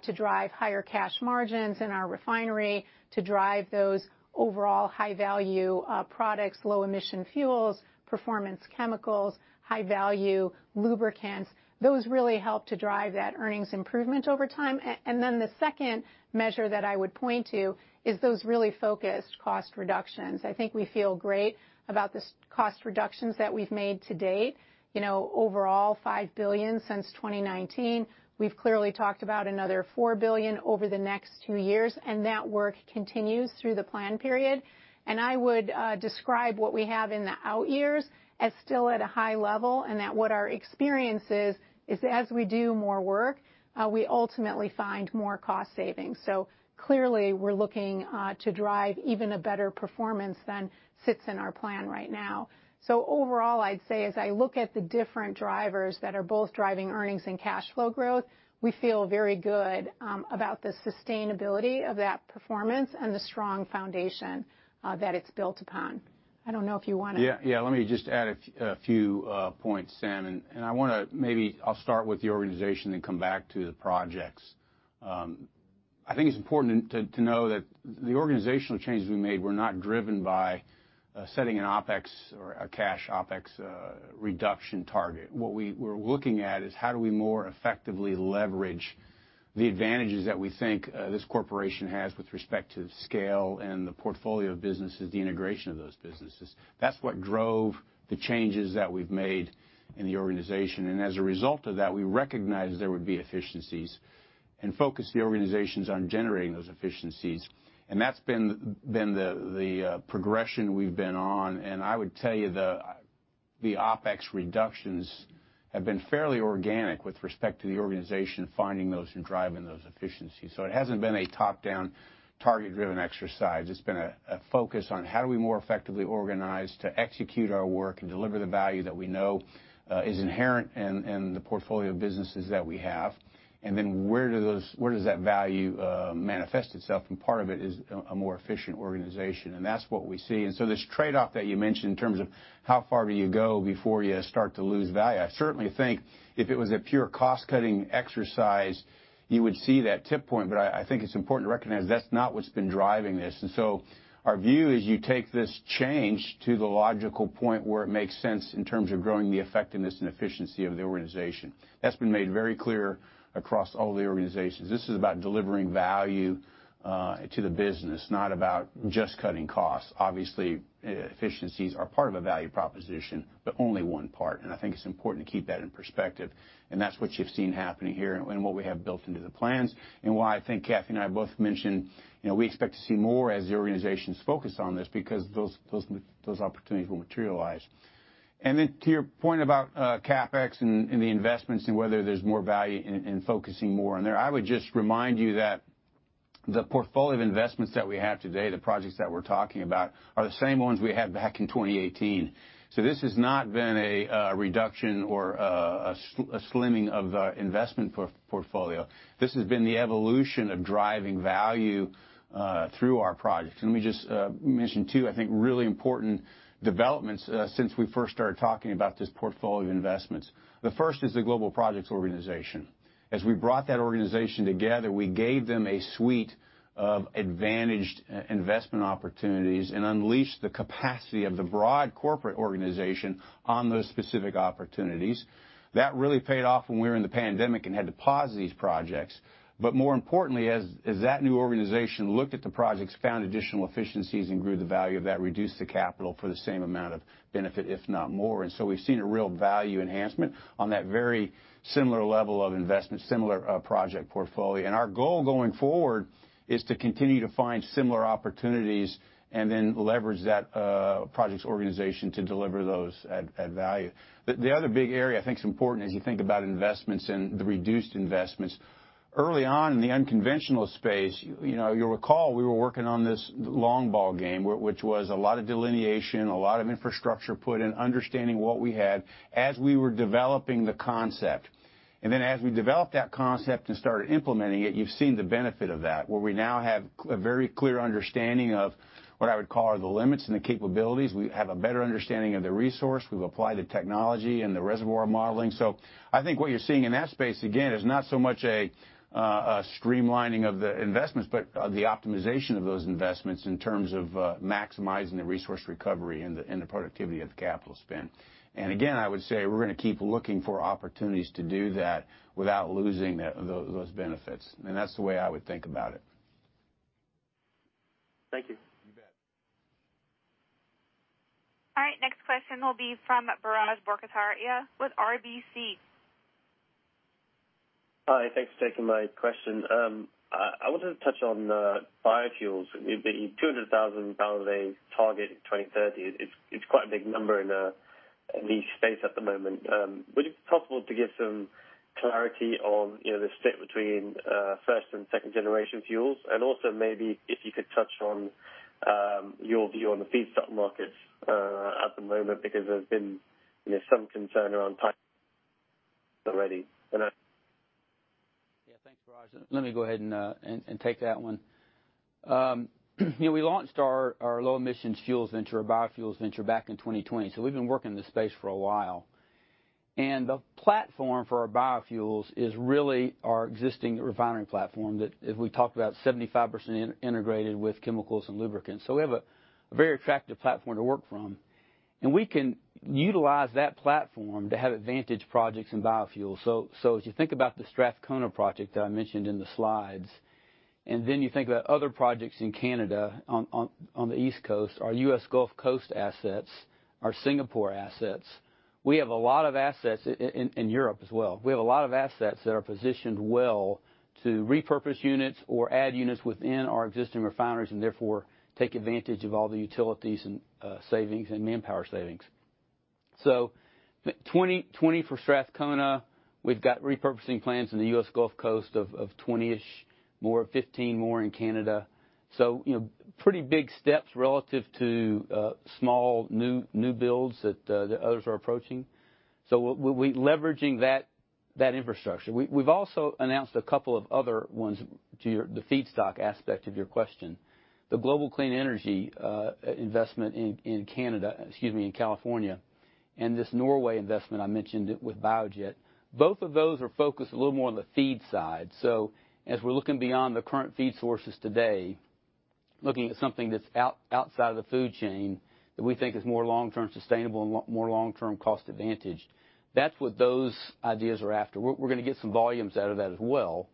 to drive higher cash margins in our refinery, to drive those overall high-value products, low-emission fuels, performance chemicals, high-value lubricants. Those really help to drive that earnings improvement over time. And then the second measure that I would point to is those really focused cost reductions. I think we feel great about the structural cost reductions that we've made to date. You know, overall, $5 billion since 2019. We've clearly talked about another $4 billion over the next two years, and that work continues through the plan period. I would describe what we have in the out years as still at a high level, and that what our experience is as we do more work, we ultimately find more cost savings. Clearly, we're looking to drive even a better performance than sits in our plan right now. Overall, I'd say as I look at the different drivers that are both driving earnings and cash flow growth, we feel very good about the sustainability of that performance and the strong foundation that it's built upon. I don't know if you wanna- Let me just add a few points, Sam. I wanna maybe I'll start with the organization then come back to the projects. I think it's important to know that the organizational changes we made were not driven by setting an OpEx or a cash OpEx reduction target. What we were looking at is how do we more effectively leverage the advantages that we think this corporation has with respect to scale and the portfolio of businesses, the integration of those businesses. That's what drove the changes that we've made in the organization. As a result of that, we recognized there would be efficiencies and focus the organizations on generating those efficiencies. That's been the progression we've been on. I would tell you the OpEx reductions have been fairly organic with respect to the organization finding those and driving those efficiencies. It hasn't been a top-down, target-driven exercise. It's been a focus on how do we more effectively organize to execute our work and deliver the value that we know is inherent in the portfolio of businesses that we have. Where does that value manifest itself? Part of it is a more efficient organization, and that's what we see. This trade-off that you mentioned in terms of how far do you go before you start to lose value, I certainly think if it was a pure cost-cutting exercise, you would see that tipping point, but I think it's important to recognize that's not what's been driving this. Our view is you take this change to the logical point where it makes sense in terms of growing the effectiveness and efficiency of the organization. That's been made very clear across all the organizations. This is about delivering value to the business, not about just cutting costs. Obviously, efficiencies are part of a value proposition, but only one part. I think it's important to keep that in perspective, and that's what you've seen happening here and what we have built into the plans and why I think Kathy and I both mentioned, you know, we expect to see more as the organization's focused on this because those opportunities will materialize. To your point about CapEx and the investments and whether there's more value in focusing more on there, I would just remind you that the portfolio of investments that we have today, the projects that we're talking about, are the same ones we had back in 2018. This has not been a reduction or a slimming of the investment portfolio. This has been the evolution of driving value through our projects. Let me just mention two, I think, really important developments since we first started talking about this portfolio of investments. The first is the global projects organization. As we brought that organization together, we gave them a suite of advantaged investment opportunities and unleashed the capacity of the broad corporate organization on those specific opportunities. That really paid off when we were in the pandemic and had to pause these projects. More importantly, that new organization looked at the projects, found additional efficiencies and grew the value of that, reduced the capital for the same amount of benefit, if not more. We've seen a real value enhancement on that very similar level of investment, similar, project portfolio. Our goal going forward is to continue to find similar opportunities and then leverage that, projects organization to deliver those at value. The other big area I think is important as you think about investments and the reduced investments. Early on in the unconventional space, you know, you'll recall we were working on this long game, which was a lot of delineation, a lot of infrastructure put in, understanding what we had as we were developing the concept. Then as we developed that concept and started implementing it, you've seen the benefit of that, where we now have a very clear understanding of what I would call are the limits and the capabilities. We have a better understanding of the resource. We've applied the technology and the reservoir modeling. I think what you're seeing in that space, again, is not so much a streamlining of the investments, but the optimization of those investments in terms of maximizing the resource recovery and the productivity of the capital spend. Again, I would say we're gonna keep looking for opportunities to do that without losing those benefits. That's the way I would think about it. Thank you. You bet. All right, next question will be from Biraj Borkhataria with RBC. Hi, thanks for taking my question. I wanted to touch on biofuels. The 200,000 barrels per day target in 2030 is quite a big number in the space at the moment. Would it be possible to give some clarity on, you know, the split between first- and second-generation fuels? Also maybe if you could touch on your view on the feedstock markets at the moment, because there's been, you know, some concern around supply already. Over. Yeah. Thanks, Biraj Borkhataria. Let me go ahead and take that one. You know, we launched our low emissions fuels venture, our biofuels venture back in 2020, so we've been working in this space for a while. The platform for our biofuels is really our existing refinery platform that as we talked about 75% integrated with chemicals and lubricants. We have a very attractive platform to work from, and we can utilize that platform to have advantage projects in biofuels. As you think about the Strathcona project that I mentioned in the slides, and then you think about other projects in Canada on the East Coast, our U.S. Gulf Coast assets, our Singapore assets. We have a lot of assets in Europe as well. We have a lot of assets that are positioned well to repurpose units or add units within our existing refineries, and therefore, take advantage of all the utilities and savings and manpower savings. 2020 for Strathcona, we've got repurposing plans in the U.S. Gulf Coast of 20-ish more, 15 more in Canada. You know, pretty big steps relative to small new builds that others are approaching. We're leveraging that infrastructure. We've also announced a couple of other ones to the feedstock aspect of your question. The Global Clean Energy investment in California, and this Norway investment, I mentioned it with Biojet. Both of those are focused a little more on the feed side. As we're looking beyond the current feed sources today, looking at something that's outside of the food chain that we think is more long-term sustainable and more long-term cost advantage, that's what those ideas are after. We're gonna get some volumes out of that as well.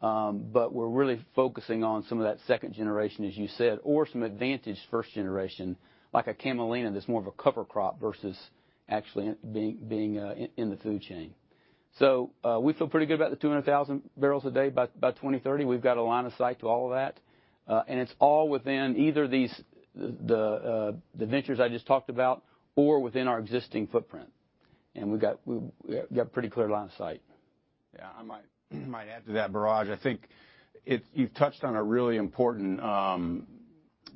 But we're really focusing on some of that second generation, as you said, or some advantage first generation, like a camelina that's more of a cover crop versus actually being in the food chain. We feel pretty good about the 200,000 barrels a day by 2030. We've got a line of sight to all of that. It's all within either the ventures I just talked about or within our existing footprint. We've got pretty clear line of sight. Yeah. I might add to that, Biraj. I think you've touched on a really important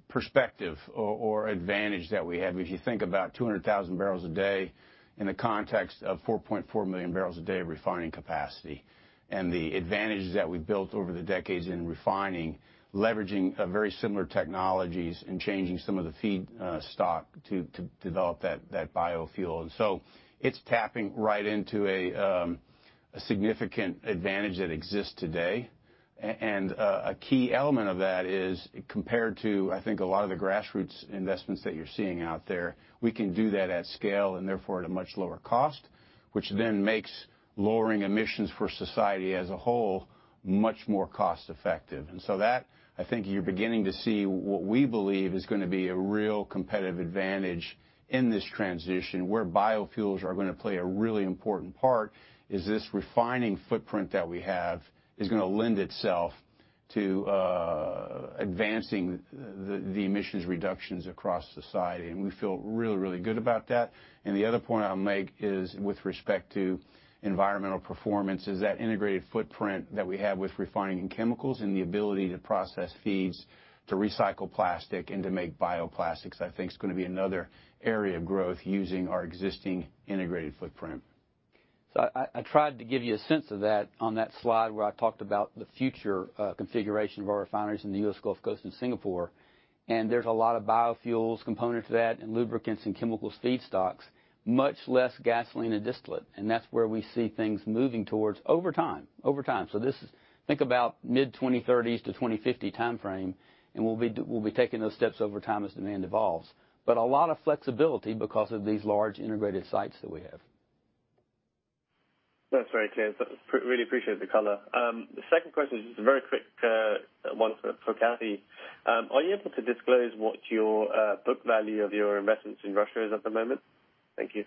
perspective or advantage that we have. If you think about 200,000 barrels a day in the context of 4.4 million barrels a day of refining capacity and the advantages that we've built over the decades in refining, leveraging a very similar technologies and changing some of the feedstock to develop that biofuel. It's tapping right into a significant advantage that exists today. A key element of that is compared to, I think, a lot of the grassroots investments that you're seeing out there, we can do that at scale and therefore at a much lower cost, which then makes lowering emissions for society as a whole much more cost-effective. That, I think you're beginning to see what we believe is gonna be a real competitive advantage in this transition, where biofuels are gonna play a really important part, is this refining footprint that we have is gonna lend itself to advancing the emissions reductions across society. We feel really, really good about that. The other point I'll make is with respect to environmental performance, is that integrated footprint that we have with refining chemicals and the ability to process feeds to recycle plastic and to make bioplastics, I think is gonna be another area of growth using our existing integrated footprint. I tried to give you a sense of that on that slide where I talked about the future configuration of our refineries in the U.S. Gulf Coast and Singapore. There's a lot of biofuels component to that and lubricants and chemicals feedstocks, much less gasoline and distillate. That's where we see things moving towards over time. Think about mid-2030s to 2050 timeframe, and we'll be taking those steps over time as demand evolves. A lot of flexibility because of these large integrated sites that we have. That's very clear. Really appreciate the color. The second question is just a very quick one for Kathy. Are you able to disclose what your book value of your investments in Russia is at the moment? Thank you.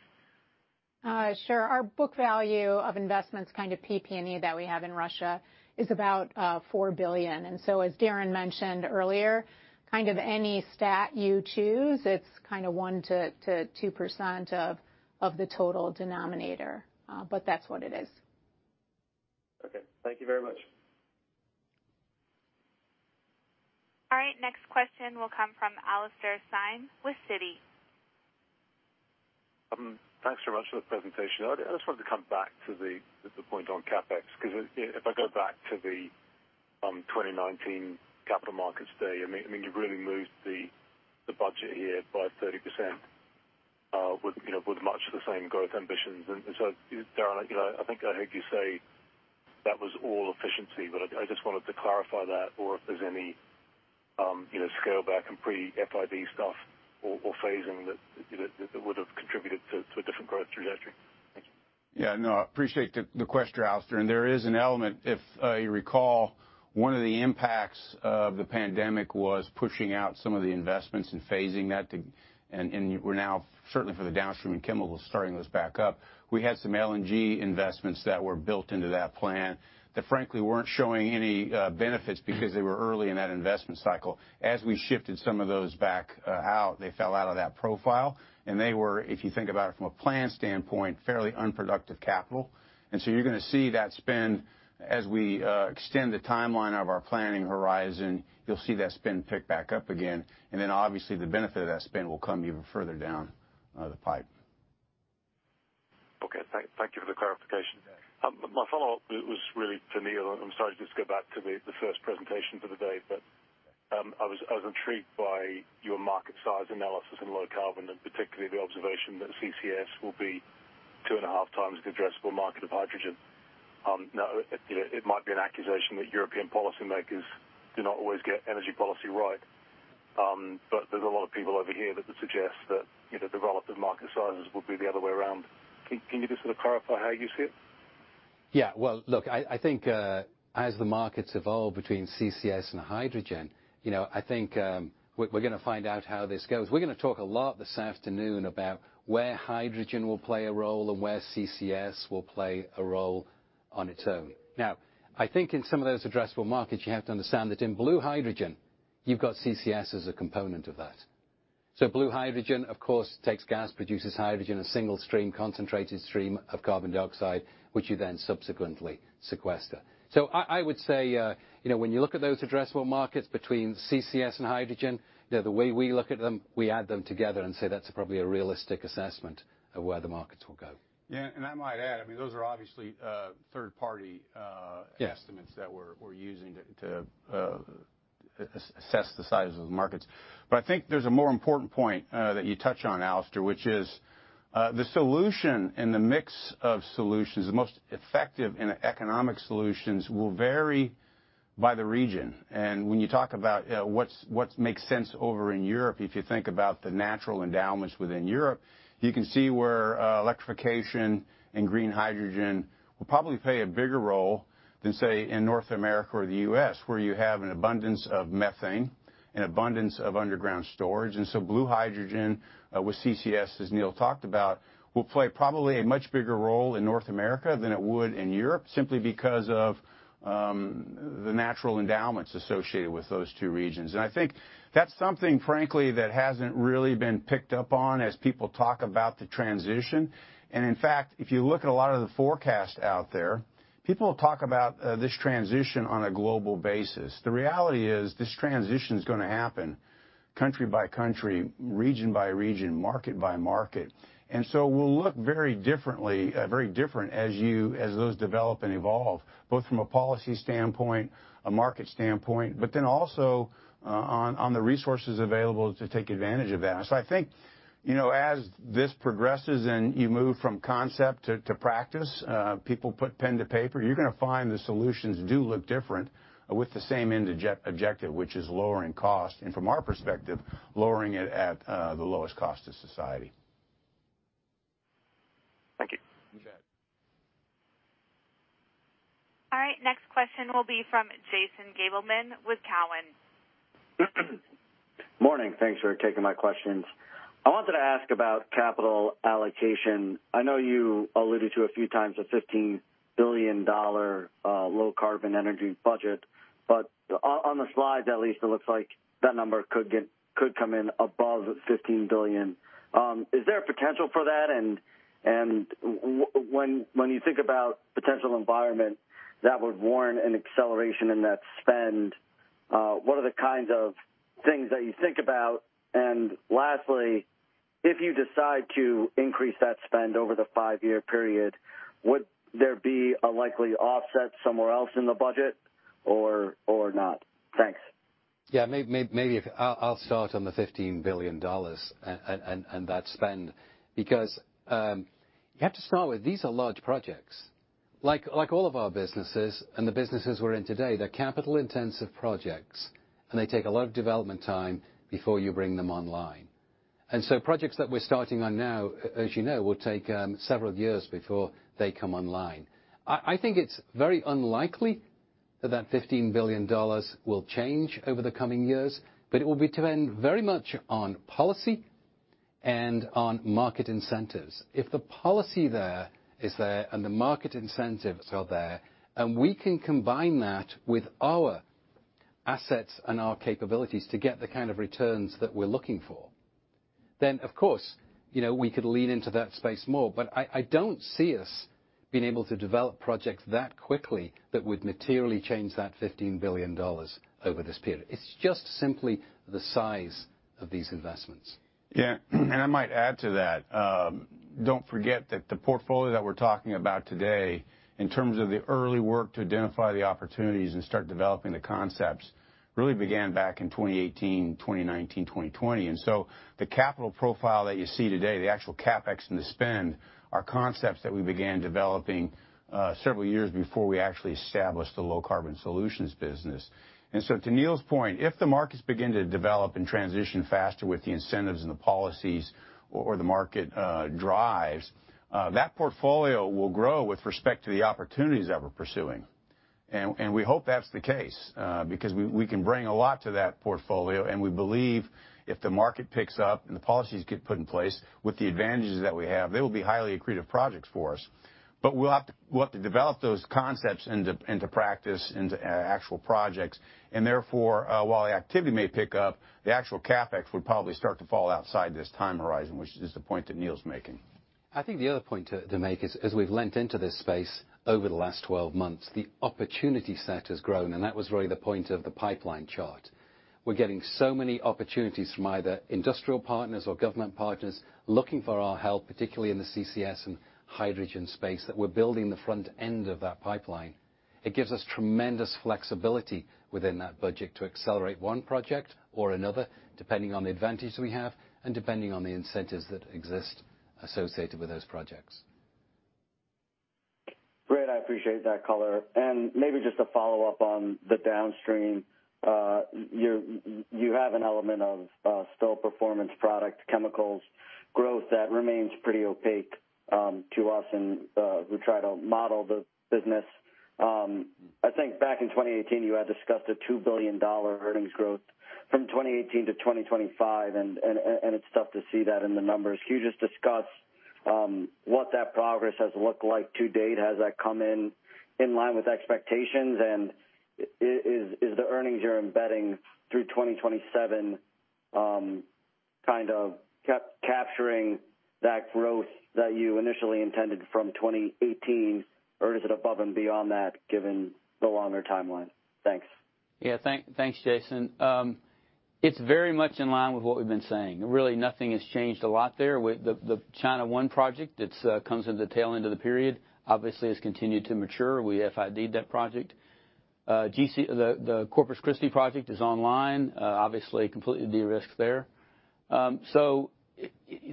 Sure. Our book value of investments kind of PP&E that we have in Russia is about $4 billion. As Darren mentioned earlier, kind of any stat you choose, it's kind of 1%-2% of the total denominator. But that's what it is. Okay. Thank you very much. All right, next question will come from Alastair Syme with Citi. Thanks so much for the presentation. I just wanted to come back to the point on CapEx 'cause if I go back to the 2019 capital markets day, I mean, you've really moved the budget here by 30%, you know, with much the same growth ambitions. Darren, you know, I think I heard you say that was all efficiency, but I just wanted to clarify that or if there's any, you know, scale back and pre-FID stuff or phasing that, you know, that would've contributed to a different growth trajectory. Thank you. Yeah, no, appreciate the question, Alastair. There is an element, if you recall, one of the impacts of the pandemic was pushing out some of the investments and phasing that to. We're now certainly for the downstream and chemical, starting those back up. We had some LNG investments that were built into that plan that frankly weren't showing any benefits because they were early in that investment cycle. As we shifted some of those back out, they fell out of that profile, and they were, if you think about it from a plan standpoint, fairly unproductive capital. You're gonna see that spend as we extend the timeline of our planning horizon. You'll see that spend pick back up again, and then obviously the benefit of that spend will come even further down the pipe. Okay. Thank you for the clarification. Yeah. My follow-up was really for Neil. I'm sorry, just go back to the first presentation for the day. I was intrigued by your market size analysis in low carbon, and particularly the observation that CCS will be two and a half times the addressable market of hydrogen. Now, it might be an accusation that European policymakers do not always get energy policy right. There's a lot of people over here that would suggest that, you know, the relative market sizes would be the other way around. Can you just sort of clarify how you see it? Yeah. Well, look, I think as the markets evolve between CCS and hydrogen, you know, I think we're gonna find out how this goes. We're gonna talk a lot this afternoon about where hydrogen will play a role and where CCS will play a role on its own. Now, I think in some of those addressable markets, you have to understand that in blue hydrogen, you've got CCS as a component of that. Blue hydrogen, of course, takes gas, produces hydrogen, a single stream, concentrated stream of carbon dioxide, which you then subsequently sequester. I would say, you know, when you look at those addressable markets between CCS and hydrogen, you know, the way we look at them, we add them together and say that's probably a realistic assessment of where the markets will go. Yeah. I might add, I mean, those are obviously third-party. Yes estimates that we're using to assess the size of the markets. I think there's a more important point that you touch on Alastair, which is the solution and the mix of solutions. The most effective and economic solutions will vary by the region. When you talk about what makes sense over in Europe, if you think about the natural endowments within Europe, you can see where electrification and green hydrogen will probably play a bigger role than, say, in North America or the U.S., where you have an abundance of methane, an abundance of underground storage. Blue hydrogen with CCS, as Neil talked about, will play probably a much bigger role in North America than it would in Europe simply because of the natural endowments associated with those two regions. I think that's something, frankly, that hasn't really been picked up on as people talk about the transition. In fact, if you look at a lot of the forecasts out there, people will talk about this transition on a global basis. The reality is this transition is gonna happen country by country, region by region, market by market. It will look very differently, very different as those develop and evolve, both from a policy standpoint, a market standpoint, but then also on the resources available to take advantage of that. I think, you know, as this progresses and you move from concept to practice, people put pen to paper, you're gonna find the solutions do look different with the same end objective which is lowering cost. From our perspective, lowering it at the lowest cost to society. Thank you. You bet. All right, next question will be from Jason Gabelman with Cowen. Morning. Thanks for taking my questions. I wanted to ask about capital allocation. I know you alluded to a few times a $15 billion low carbon energy budget, but on the slides at least, it looks like that number could come in above $15 billion. Is there a potential for that? When you think about potential environment that would warrant an acceleration in that spend, what are the kinds of things that you think about? Lastly, if you decide to increase that spend over the five-year period, would there be a likely offset somewhere else in the budget or not? Thanks. Yeah. Maybe I'll start on the $15 billion and that spend because you have to start with these are large projects. Like all of our businesses and the businesses we're in today, they're capital intensive projects, and they take a lot of development time before you bring them online. Projects that we're starting on now, as you know, will take several years before they come online. I think it's very unlikely that $15 billion will change over the coming years, but it will be dependent very much on policy and on market incentives. If the policy there is there and the market incentives are there, and we can combine that with our assets and our capabilities to get the kind of returns that we're looking for, then of course, you know, we could lean into that space more. I don't see us being able to develop projects that quickly that would materially change that $15 billion over this period. It's just simply the size of these investments. Yeah. I might add to that. Don't forget that the portfolio that we're talking about today, in terms of the early work to identify the opportunities and start developing the concepts, really began back in 2018, 2019, 2020. The capital profile that you see today, the actual CapEx and the spend, are concepts that we began developing several years before we actually established the Low Carbon Solutions business. To Neil's point, if the markets begin to develop and transition faster with the incentives and the policies or the market drives, that portfolio will grow with respect to the opportunities that we're pursuing. We hope that's the case, because we can bring a lot to that portfolio, and we believe if the market picks up and the policies get put in place with the advantages that we have, they will be highly accretive projects for us. We'll have to develop those concepts into practice, into actual projects, and therefore, while the activity may pick up, the actual CapEx would probably start to fall outside this time horizon, which is the point that Neil's making. I think the other point to make is, as we've leaned into this space over the last 12 months, the opportunity set has grown, and that was really the point of the pipeline chart. We're getting so many opportunities from either industrial partners or government partners looking for our help, particularly in the CCS and hydrogen space, that we're building the front end of that pipeline. It gives us tremendous flexibility within that budget to accelerate one project or another, depending on the advantage we have and depending on the incentives that exist associated with those projects. Great. I appreciate that color. Maybe just a follow-up on the downstream. You have an element of still performance product chemicals growth that remains pretty opaque to us and we try to model the business. I think back in 2018, you had discussed a $2 billion earnings growth from 2018 to 2025, and it's tough to see that in the numbers. Can you just discuss what that progress has looked like to date? Has that come in line with expectations? Is the earnings you're embedding through 2027 kind of capturing that growth that you initially intended from 2018? Or is it above and beyond that given the longer timeline? Thanks. Thanks, Jason. It's very much in line with what we've been saying. Really, nothing has changed a lot there. With the China One project, it comes at the tail end of the period, obviously has continued to mature. We FID'd that project. The Corpus Christi project is online, obviously completely de-risked there. So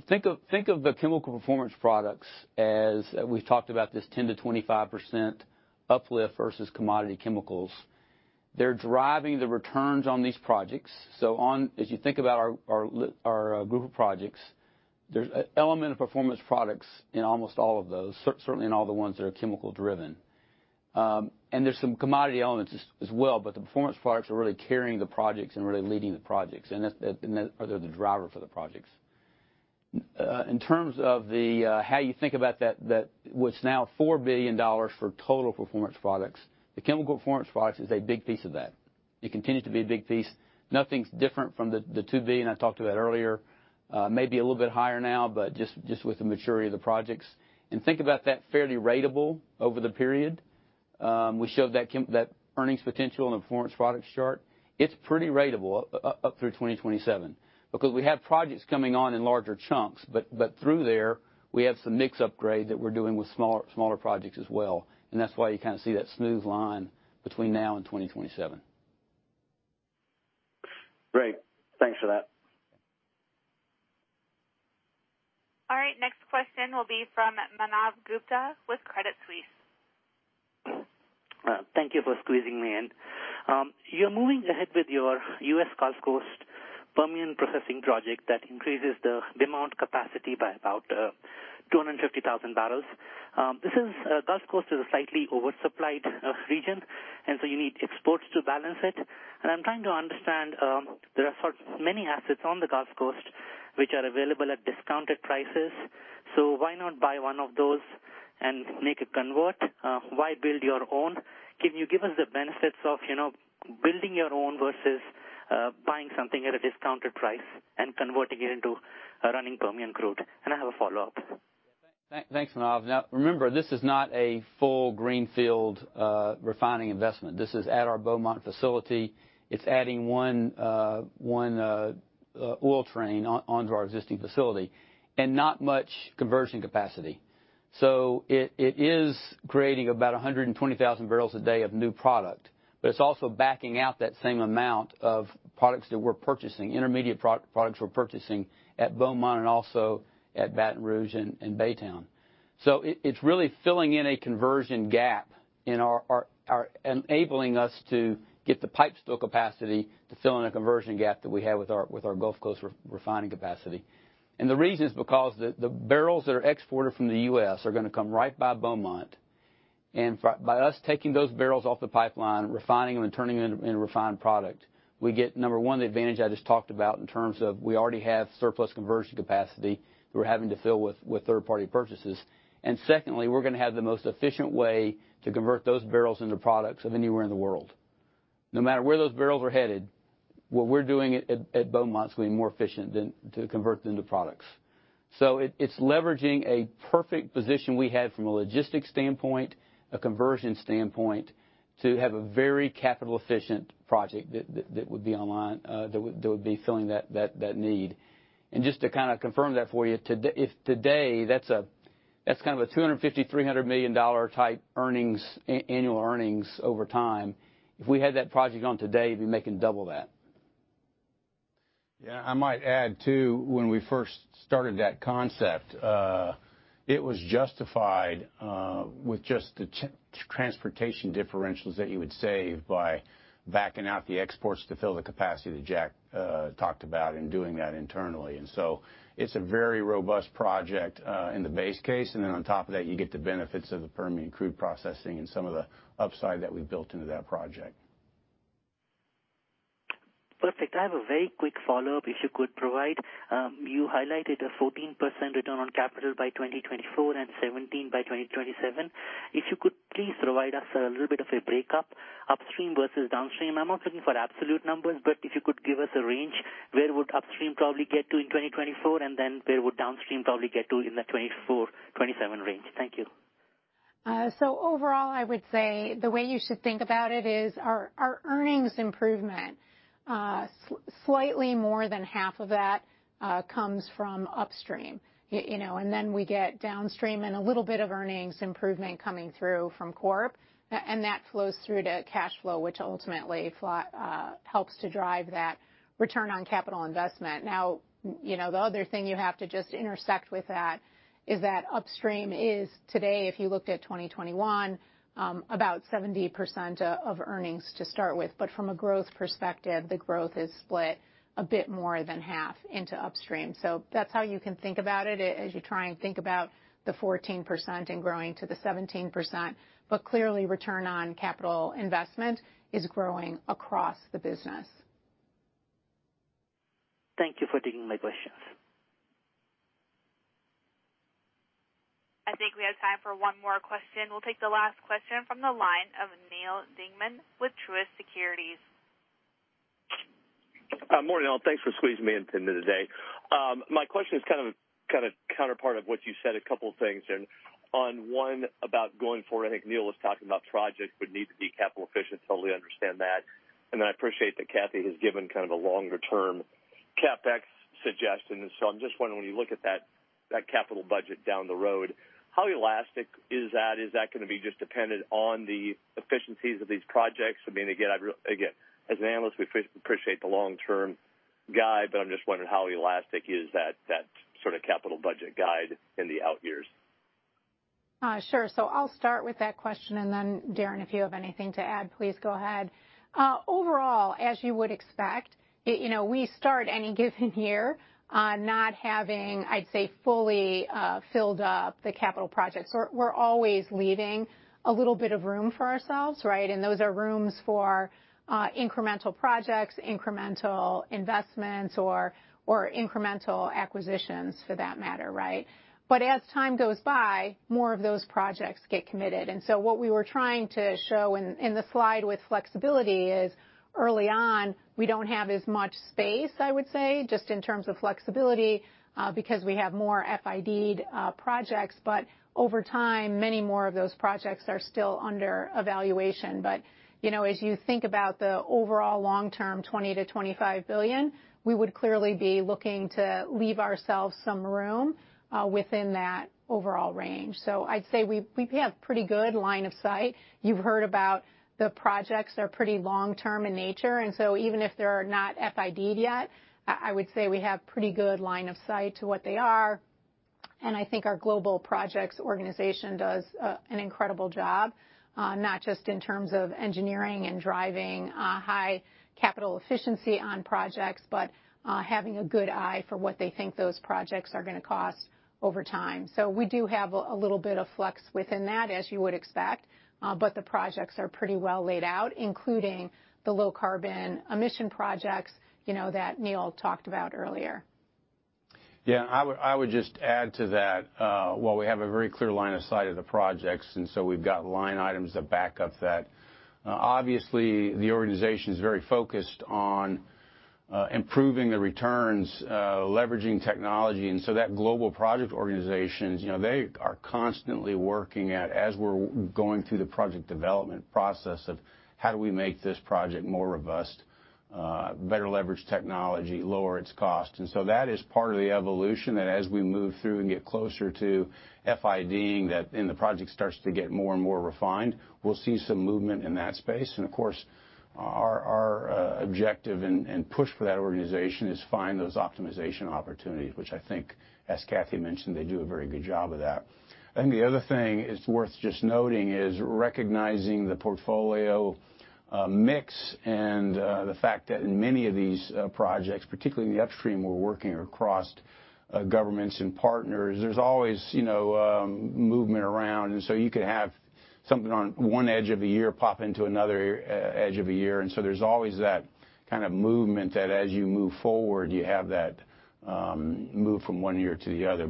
think of the chemical performance products as we've talked about this 10%-25% uplift versus commodity chemicals. They're driving the returns on these projects. As you think about our group of projects, there's an element of performance products in almost all of those, certainly in all the ones that are chemical-driven. There's some commodity elements as well, but the performance products are really carrying the projects and really leading the projects, or they're the driver for the projects. In terms of how you think about that, what's now $4 billion for total performance products, the chemical performance products is a big piece of that. It continues to be a big piece. Nothing's different from the $2 billion I talked about earlier. Maybe a little bit higher now, but just with the maturity of the projects. Think about that fairly ratable over the period. We showed that earnings potential in the performance products chart. It's pretty ratable up through 2027 because we have projects coming on in larger chunks. through there, we have some mix upgrade that we're doing with smaller projects as well. That's why you kind of see that smooth line between now and 2027. Great. Thanks for that. All right, next question will be from Manav Gupta with Credit Suisse. Thank you for squeezing me in. You're moving ahead with your U.S. Gulf Coast Permian processing project that increases the demand capacity by about 250,000 barrels. The Gulf Coast is a slightly oversupplied region, and so you need exports to balance it. I'm trying to understand, there are so many assets on the Gulf Coast which are available at discounted prices. Why not buy one of those and convert it? Why build your own? Can you give us the benefits of, you know, building your own versus buying something at a discounted price and converting it to run Permian crude? I have a follow-up. Yeah. Thanks, Manav. Now remember, this is not a full greenfield refining investment. This is at our Beaumont facility. It's adding one oil train onto our existing facility and not much conversion capacity. It is creating about 120,000 barrels a day of new product, but it's also backing out that same amount of products that we're purchasing, intermediate products we're purchasing at Beaumont and also at Baton Rouge and Baytown. It is really filling in a conversion gap in our enabling us to get the pipestill capacity to fill in a conversion gap that we have with our Gulf Coast re-refining capacity. The reason is because the barrels that are exported from the U.S. are gonna come right by Beaumont, and by us taking those barrels off the pipeline, refining them, and turning them into a refined product, we get, number one, the advantage I just talked about in terms of we already have surplus conversion capacity we're having to fill with third-party purchases. Secondly, we're gonna have the most efficient way to convert those barrels into products of anywhere in the world. No matter where those barrels are headed, what we're doing at Beaumont is gonna be more efficient than to convert them to products. It's leveraging a perfect position we have from a logistics standpoint, a conversion standpoint, to have a very capital efficient project that would be online, that would be filling that need. Just to kinda confirm that for you, if today that's kind of a $250-$300 million type earnings, annual earnings over time. If we had that project on today, we'd be making double that. Yeah. I might add too, when we first started that concept, it was justified with just the transportation differentials that you would save by backing out the exports to fill the capacity that Jack talked about and doing that internally. It's a very robust project in the base case, and then on top of that, you get the benefits of the Permian crude processing and some of the upside that we've built into that project. Perfect. I have a very quick follow-up, if you could provide. You highlighted a 14% return on capital by 2024 and 17% by 2027. If you could please provide us a little bit of a breakdown, upstream versus downstream. I'm not looking for absolute numbers, but if you could give us a range, where would upstream probably get to in 2024? Where would downstream probably get to in the 2024-2027 range? Thank you. Overall, I would say the way you should think about it is our earnings improvement, slightly more than half of that comes from upstream. You know, then we get downstream and a little bit of earnings improvement coming through from corp, and that flows through to cash flow, which ultimately helps to drive that return on capital investment. Now, you know, the other thing you have to just intersect with that is that upstream is today, if you looked at 2021, about 70% of earnings to start with. From a growth perspective, the growth is split a bit more than half into upstream. That's how you can think about it as you try and think about the 14% and growing to the 17%. Clearly, return on capital investment is growing across the business. Thank you for taking my questions. I think we have time for one more question. We'll take the last question from the line of Neal Dingmann with Truist Securities. Morning, all. Thanks for squeezing me in today. My question is kind of a counterpart of what you said a couple things. On one about going forward, I think Neil was talking about projects would need to be capital efficient. Totally understand that. Then I appreciate that Kathy has given kind of a longer-term CapEx suggestion. I'm just wondering, when you look at that capital budget down the road, how elastic is that? Is that gonna be just dependent on the efficiencies of these projects? I mean, again, as an analyst, we appreciate the long-term guide, but I'm just wondering how elastic is that capital budget guide in the out years. Sure. I'll start with that question, and then Darren, if you have anything to add, please go ahead. Overall, as you would expect, you know, we start any given year not having, I'd say, fully filled up the capital projects. We're always leaving a little bit of room for ourselves, right? Those are rooms for incremental projects, incremental investments or incremental acquisitions for that matter, right? As time goes by, more of those projects get committed. What we were trying to show in the slide with flexibility is early on, we don't have as much space, I would say, just in terms of flexibility because we have more FID-ed projects. Over time, many more of those projects are still under evaluation. You know, as you think about the overall long-term $20 billion-$25 billion, we would clearly be looking to leave ourselves some room within that overall range. I'd say we have pretty good line of sight. You've heard about the projects are pretty long-term in nature, and even if they're not FID-ed yet, I would say we have pretty good line of sight to what they are. I think our global projects organization does an incredible job, not just in terms of engineering and driving high capital efficiency on projects, but having a good eye for what they think those projects are gonna cost over time. We do have a little bit of flux within that, as you would expect. The projects are pretty well laid out, including the low carbon emission projects, you know, that Neil talked about earlier. Yeah. I would just add to that, while we have a very clear line of sight of the projects, and so we've got line items that back up that. Obviously, the organization is very focused on improving the returns, leveraging technology. That global project organizations, you know, they are constantly working at, as we're going through the project development process of how do we make this project more robust, better leverage technology, lower its cost. That is part of the evolution that as we move through and get closer to FID-ing that and the project starts to get more and more refined, we'll see some movement in that space. Of course, our objective and push for that organization is find those optimization opportunities, which I think, as Kathy mentioned, they do a very good job of that. I think the other thing it's worth just noting is recognizing the portfolio mix and the fact that in many of these projects, particularly in the upstream, we're working across governments and partners. There's always, you know, movement around, and so you could have something on one edge of a year pop into another edge of a year. There's always that kind of movement that as you move forward, you have that move from one year to the other.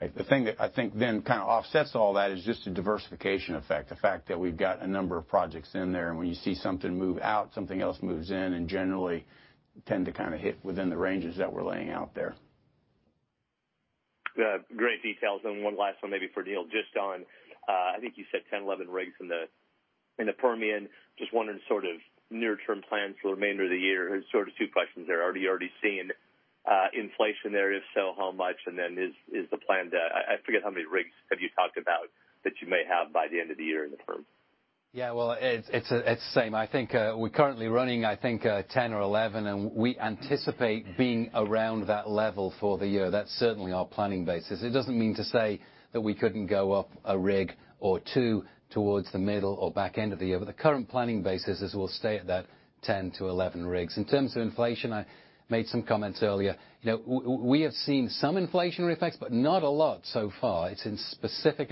The thing that I think then kinda offsets all that is just the diversification effect, the fact that we've got a number of projects in there, and when you see something move out, something else moves in, and generally tend to kinda hit within the ranges that we're laying out there. Yeah. Great details. One last one maybe for Neil, just on, I think you said 10, 11 rigs in the Permian. Just wondering sort of near-term plans for the remainder of the year. Sort of two questions there. Are you already seeing inflation there? If so, how much? Then is the plan. I forget how many rigs have you talked about that you may have by the end of the year in the Perm? Well, it's the same. I think we're currently running, I think, 10 or 11, and we anticipate being around that level for the year. That's certainly our planning basis. It doesn't mean to say that we couldn't go up a rig or two towards the middle or back end of the year. The current planning basis is we'll stay at that 10-11 rigs. In terms of inflation, I made some comments earlier. You know, we have seen some inflationary effects, but not a lot so far. It's in specific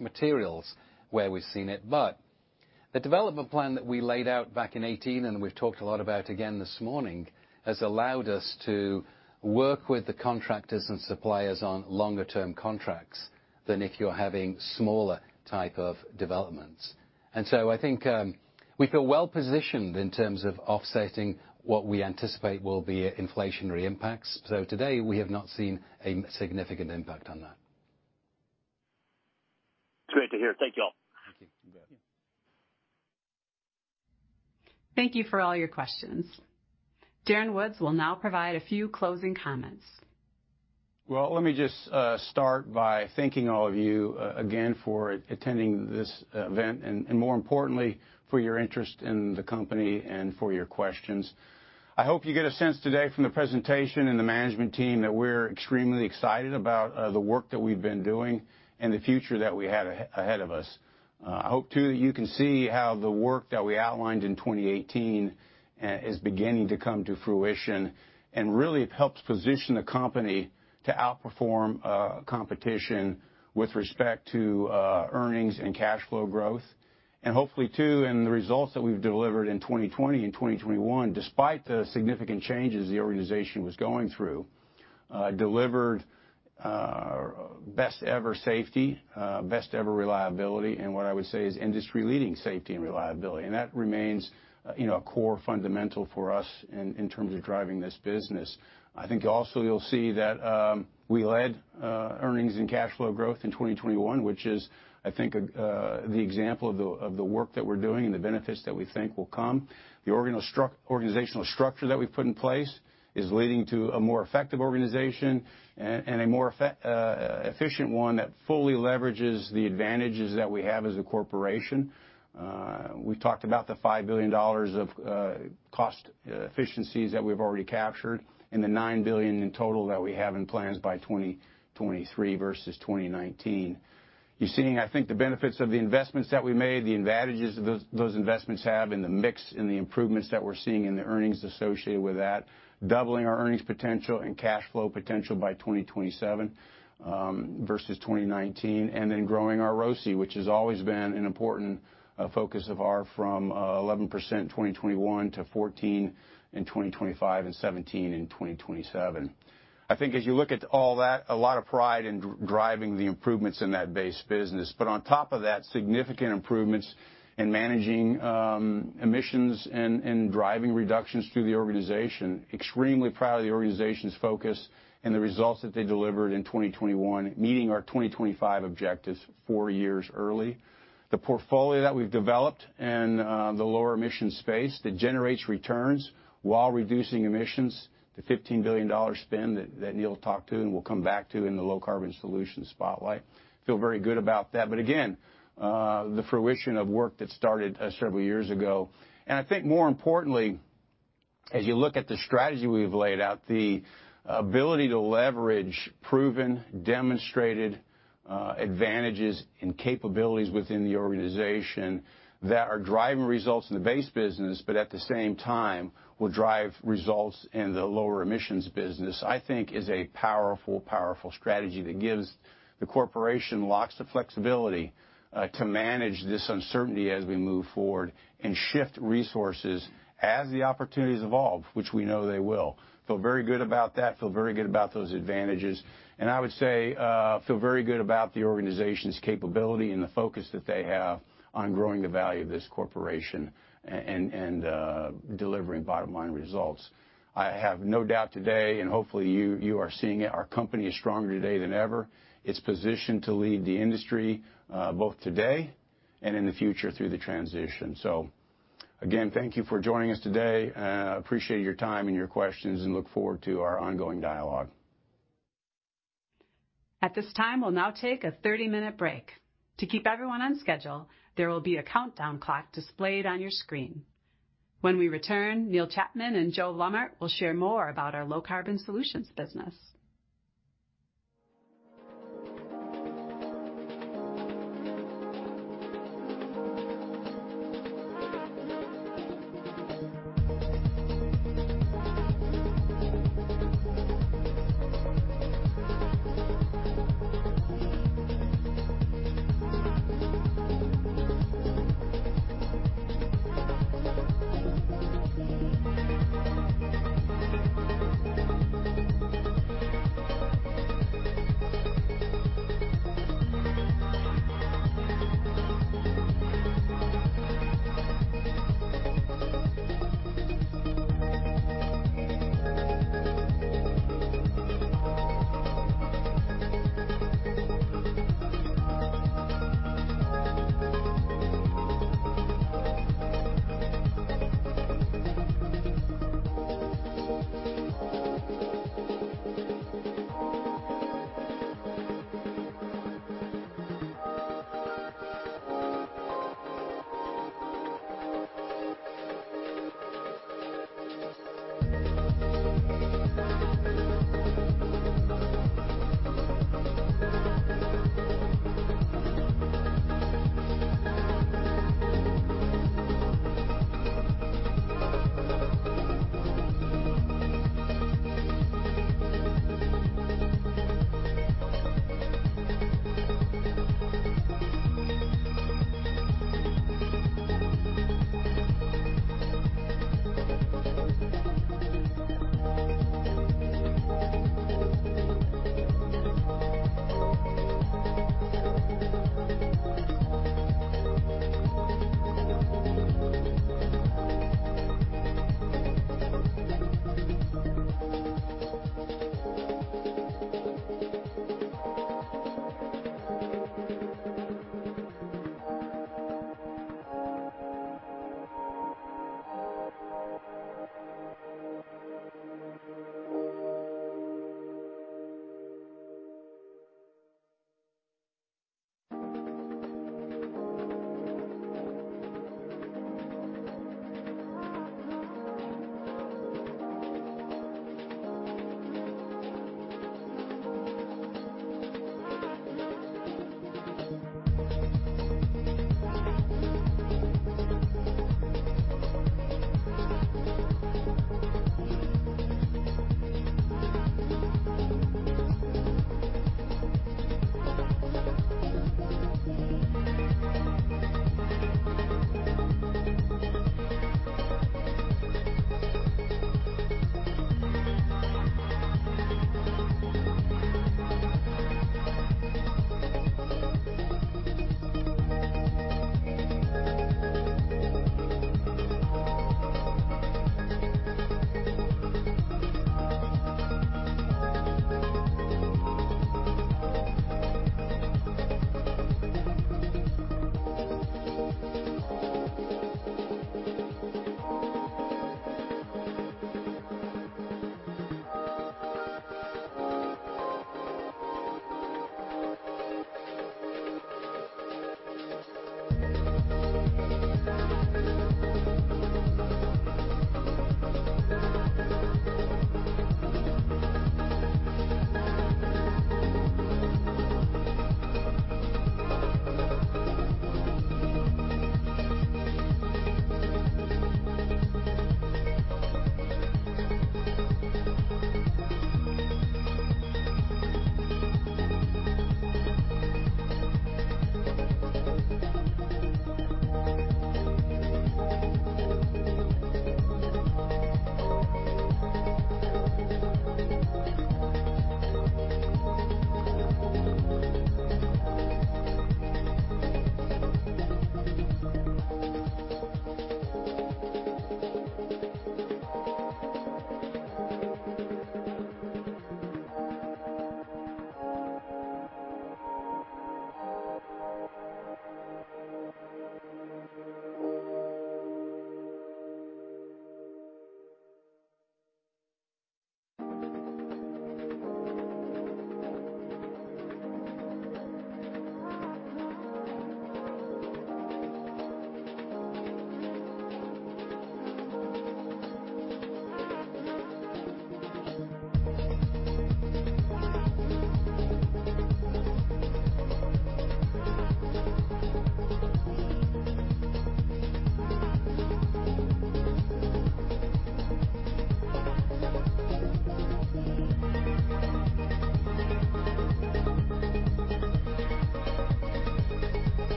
materials where we've seen it. The development plan that we laid out back in 2018, and we've talked a lot about again this morning, has allowed us to work with the contractors and suppliers on longer-term contracts than if you're having smaller type of developments. I think we feel well positioned in terms of offsetting what we anticipate will be inflationary impacts. To date, we have not seen a significant impact on that. It's great to hear. Thank you all. Thank you. You bet. Thank you for all your questions. Darren Woods will now provide a few closing comments. Well, let me just start by thanking all of you again for attending this event, and more importantly, for your interest in the company and for your questions. I hope you get a sense today from the presentation and the management team that we're extremely excited about the work that we've been doing and the future that we have ahead of us. I hope, too, you can see how the work that we outlined in 2018 is beginning to come to fruition and really helps position the company to outperform competition with respect to earnings and cash flow growth. Hopefully too, in the results that we've delivered in 2020 and 2021, despite the significant changes the organization was going through, we delivered best ever safety, best ever reliability, and what I would say is industry-leading safety and reliability. That remains, you know, a core fundamental for us in terms of driving this business. I think also you'll see that we led earnings and cash flow growth in 2021, which is, I think, the example of the work that we're doing and the benefits that we think will come. The organizational structure that we've put in place is leading to a more effective organization and a more efficient one that fully leverages the advantages that we have as a corporation. We've talked about the $5 billion of cost efficiencies that we've already captured and the $9 billion in total that we have in plans by 2023 versus 2019. You're seeing, I think, the benefits of the investments that we made, the advantages those investments have, and the mix and the improvements that we're seeing in the earnings associated with that, doubling our earnings potential and cash flow potential by 2027 versus 2019. Growing our ROCE, which has always been an important focus of ours from 11% in 2021 to 14 in 2025 and 17 in 2027. I think as you look at all that, a lot of pride in driving the improvements in that base business. On top of that, significant improvements in managing emissions and driving reductions through the organization. Extremely proud of the organization's focus and the results that they delivered in 2021, meeting our 2025 objectives four years early. The portfolio that we've developed in the lower emission space that generates returns while reducing emissions, the $15 billion spend that Neil talked to and we'll come back to in the Low Carbon Solutions spotlight, feel very good about that. Again, the fruition of work that started several years ago. I think more importantly, as you look at the strategy we've laid out, the ability to leverage proven, demonstrated, advantages and capabilities within the organization that are driving results in the base business, but at the same time will drive results in the lower emissions business, I think is a powerful strategy that gives the corporation lots of flexibility, to manage this uncertainty as we move forward and shift resources as the opportunities evolve, which we know they will. Feel very good about that. Feel very good about those advantages. I would say, feel very good about the organization's capability and the focus that they have on growing the value of this corporation and, delivering bottom line results. I have no doubt today, and hopefully you are seeing it, our company is stronger today than ever. It's positioned to lead the industry, both today and in the future through the transition. Again, thank you for joining us today. I appreciate your time and your questions and look forward to our ongoing dialogue. At this time, we'll now take a 30-minute break. To keep everyone on schedule, there will be a countdown clock displayed on your screen. When we return, Neil Chapman and Joe Blommaert will share more about our Low Carbon Solutions business.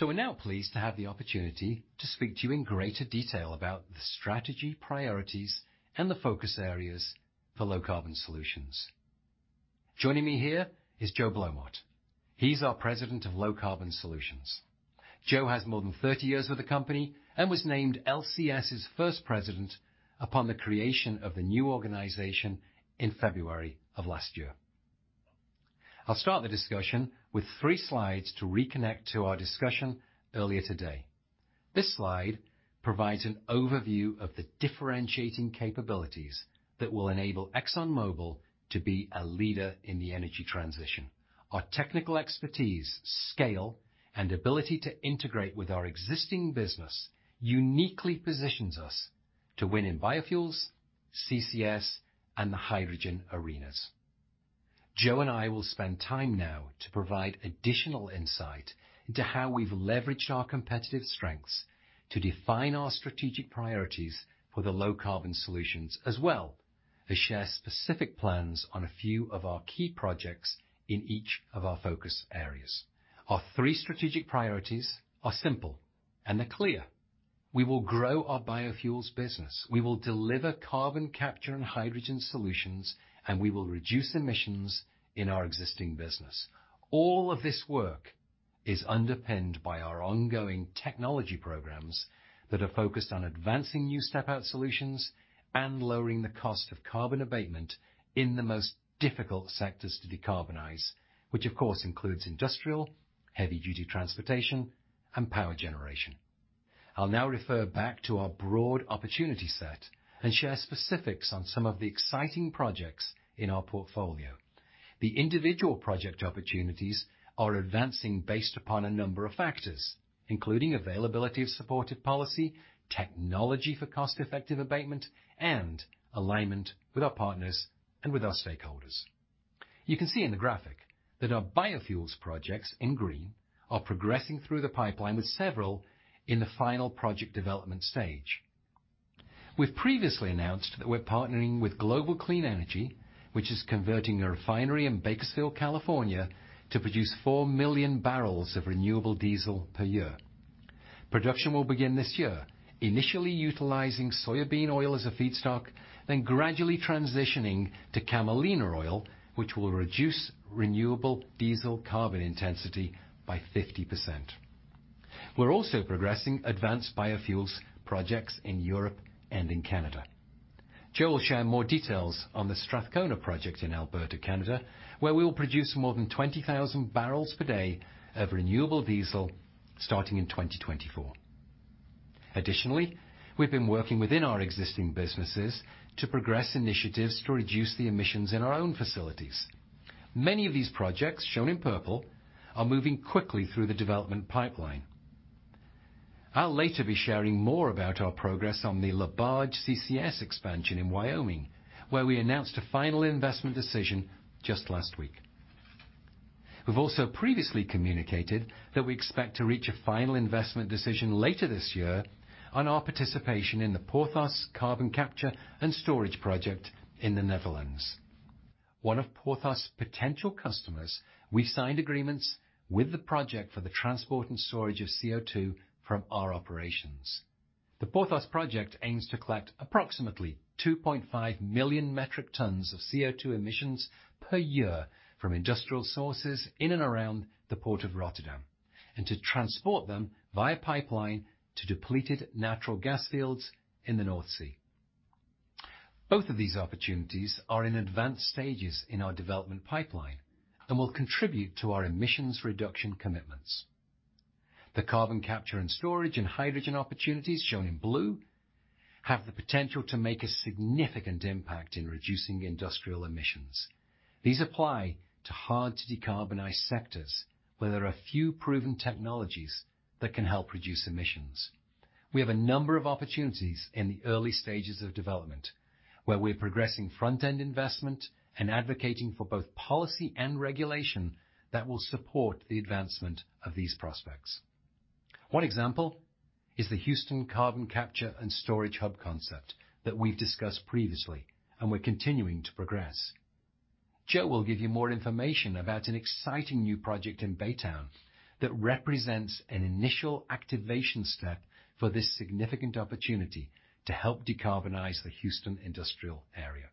We're now pleased to have the opportunity to speak to you in greater detail about the strategy, priorities, and the focus areas for Low Carbon Solutions. Joining me here is Joe Blommaert. He's our President of Low Carbon Solutions. Joe has more than 30 years with the company and was named LCS's first President upon the creation of the new organization in February of last year. I'll start the discussion with three slides to reconnect to our discussion earlier today. This slide provides an overview of the differentiating capabilities that will enable ExxonMobil to be a leader in the energy transition. Our technical expertise, scale, and ability to integrate with our existing business uniquely positions us to win in biofuels, CCS, and the hydrogen arenas. Joe and I will spend time now to provide additional insight into how we've leveraged our competitive strengths to define our strategic priorities for the Low Carbon Solutions, as well as share specific plans on a few of our key projects in each of our focus areas. Our three strategic priorities are simple, and they're clear. We will grow our biofuels business. We will deliver carbon capture and hydrogen solutions, and we will reduce emissions in our existing business. All of this work is underpinned by our ongoing technology programs that are focused on advancing new step-out solutions and lowering the cost of carbon abatement in the most difficult sectors to decarbonize, which, of course, includes industrial, heavy-duty transportation, and power generation. I'll now refer back to our broad opportunity set and share specifics on some of the exciting projects in our portfolio. The individual project opportunities are advancing based upon a number of factors, including availability of supportive policy, technology for cost-effective abatement, and alignment with our partners and with our stakeholders. You can see in the graphic that our biofuels projects in green are progressing through the pipeline, with several in the final project development stage. We've previously announced that we're partnering with Global Clean Energy, which is converting a refinery in Bakersfield, California, to produce 4 million barrels of renewable diesel per year. Production will begin this year, initially utilizing soybean oil as a feedstock, then gradually transitioning to camelina oil, which will reduce renewable diesel carbon intensity by 50%. We're also progressing advanced biofuels projects in Europe and in Canada. Joe will share more details on the Strathcona project in Alberta, Canada, where we will produce more than 20,000 barrels per day of renewable diesel starting in 2024. Additionally, we've been working within our existing businesses to progress initiatives to reduce the emissions in our own facilities. Many of these projects, shown in purple, are moving quickly through the development pipeline. I'll later be sharing more about our progress on the LaBarge CCS expansion in Wyoming, where we announced a final investment decision just last week. We've also previously communicated that we expect to reach a final investment decision later this year on our participation in the Porthos carbon capture and storage project in the Netherlands. One of Porthos' potential customers, we signed agreements with the project for the transport and storage of CO2 from our operations. The Porthos project aims to collect approximately 2.5 million metric tons of CO2 emissions per year from industrial sources in and around the port of Rotterdam and to transport them via pipeline to depleted natural gas fields in the North Sea. Both of these opportunities are in advanced stages in our development pipeline and will contribute to our emissions reduction commitments. The carbon capture and storage and hydrogen opportunities, shown in blue, have the potential to make a significant impact in reducing industrial emissions. These apply to hard-to-decarbonize sectors where there are few proven technologies that can help reduce emissions. We have a number of opportunities in the early stages of development where we're progressing front-end investment and advocating for both policy and regulation that will support the advancement of these prospects. One example is the Houston Carbon Capture and Storage Hub concept that we've discussed previously and we're continuing to progress. Joe will give you more information about an exciting new project in Baytown that represents an initial activation step for this significant opportunity to help decarbonize the Houston industrial area.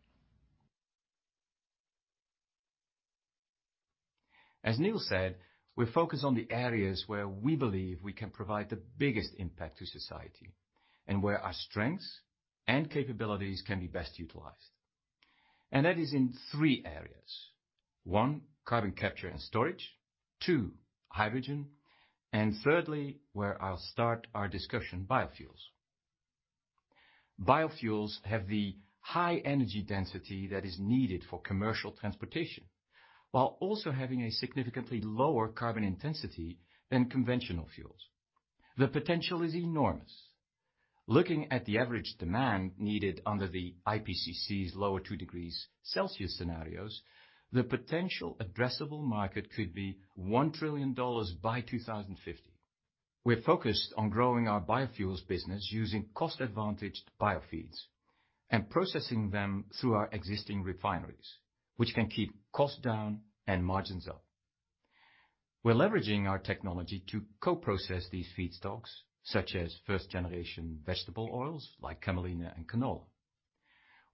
As Neil said, we're focused on the areas where we believe we can provide the biggest impact to society and where our strengths and capabilities can be best utilized. That is in three areas. One, carbon capture and storage. Two, hydrogen. Thirdly, where I'll start our discussion, biofuels. Biofuels have the high energy density that is needed for commercial transportation, while also having a significantly lower carbon intensity than conventional fuels. The potential is enormous. Looking at the average demand needed under the IPCC's lower two degrees Celsius scenarios, the potential addressable market could be $1 trillion by 2050. We're focused on growing our biofuels business using cost-advantaged biofeeds and processing them through our existing refineries, which can keep costs down and margins up. We're leveraging our technology to co-process these feedstocks, such as first-generation vegetable oils like camelina and canola.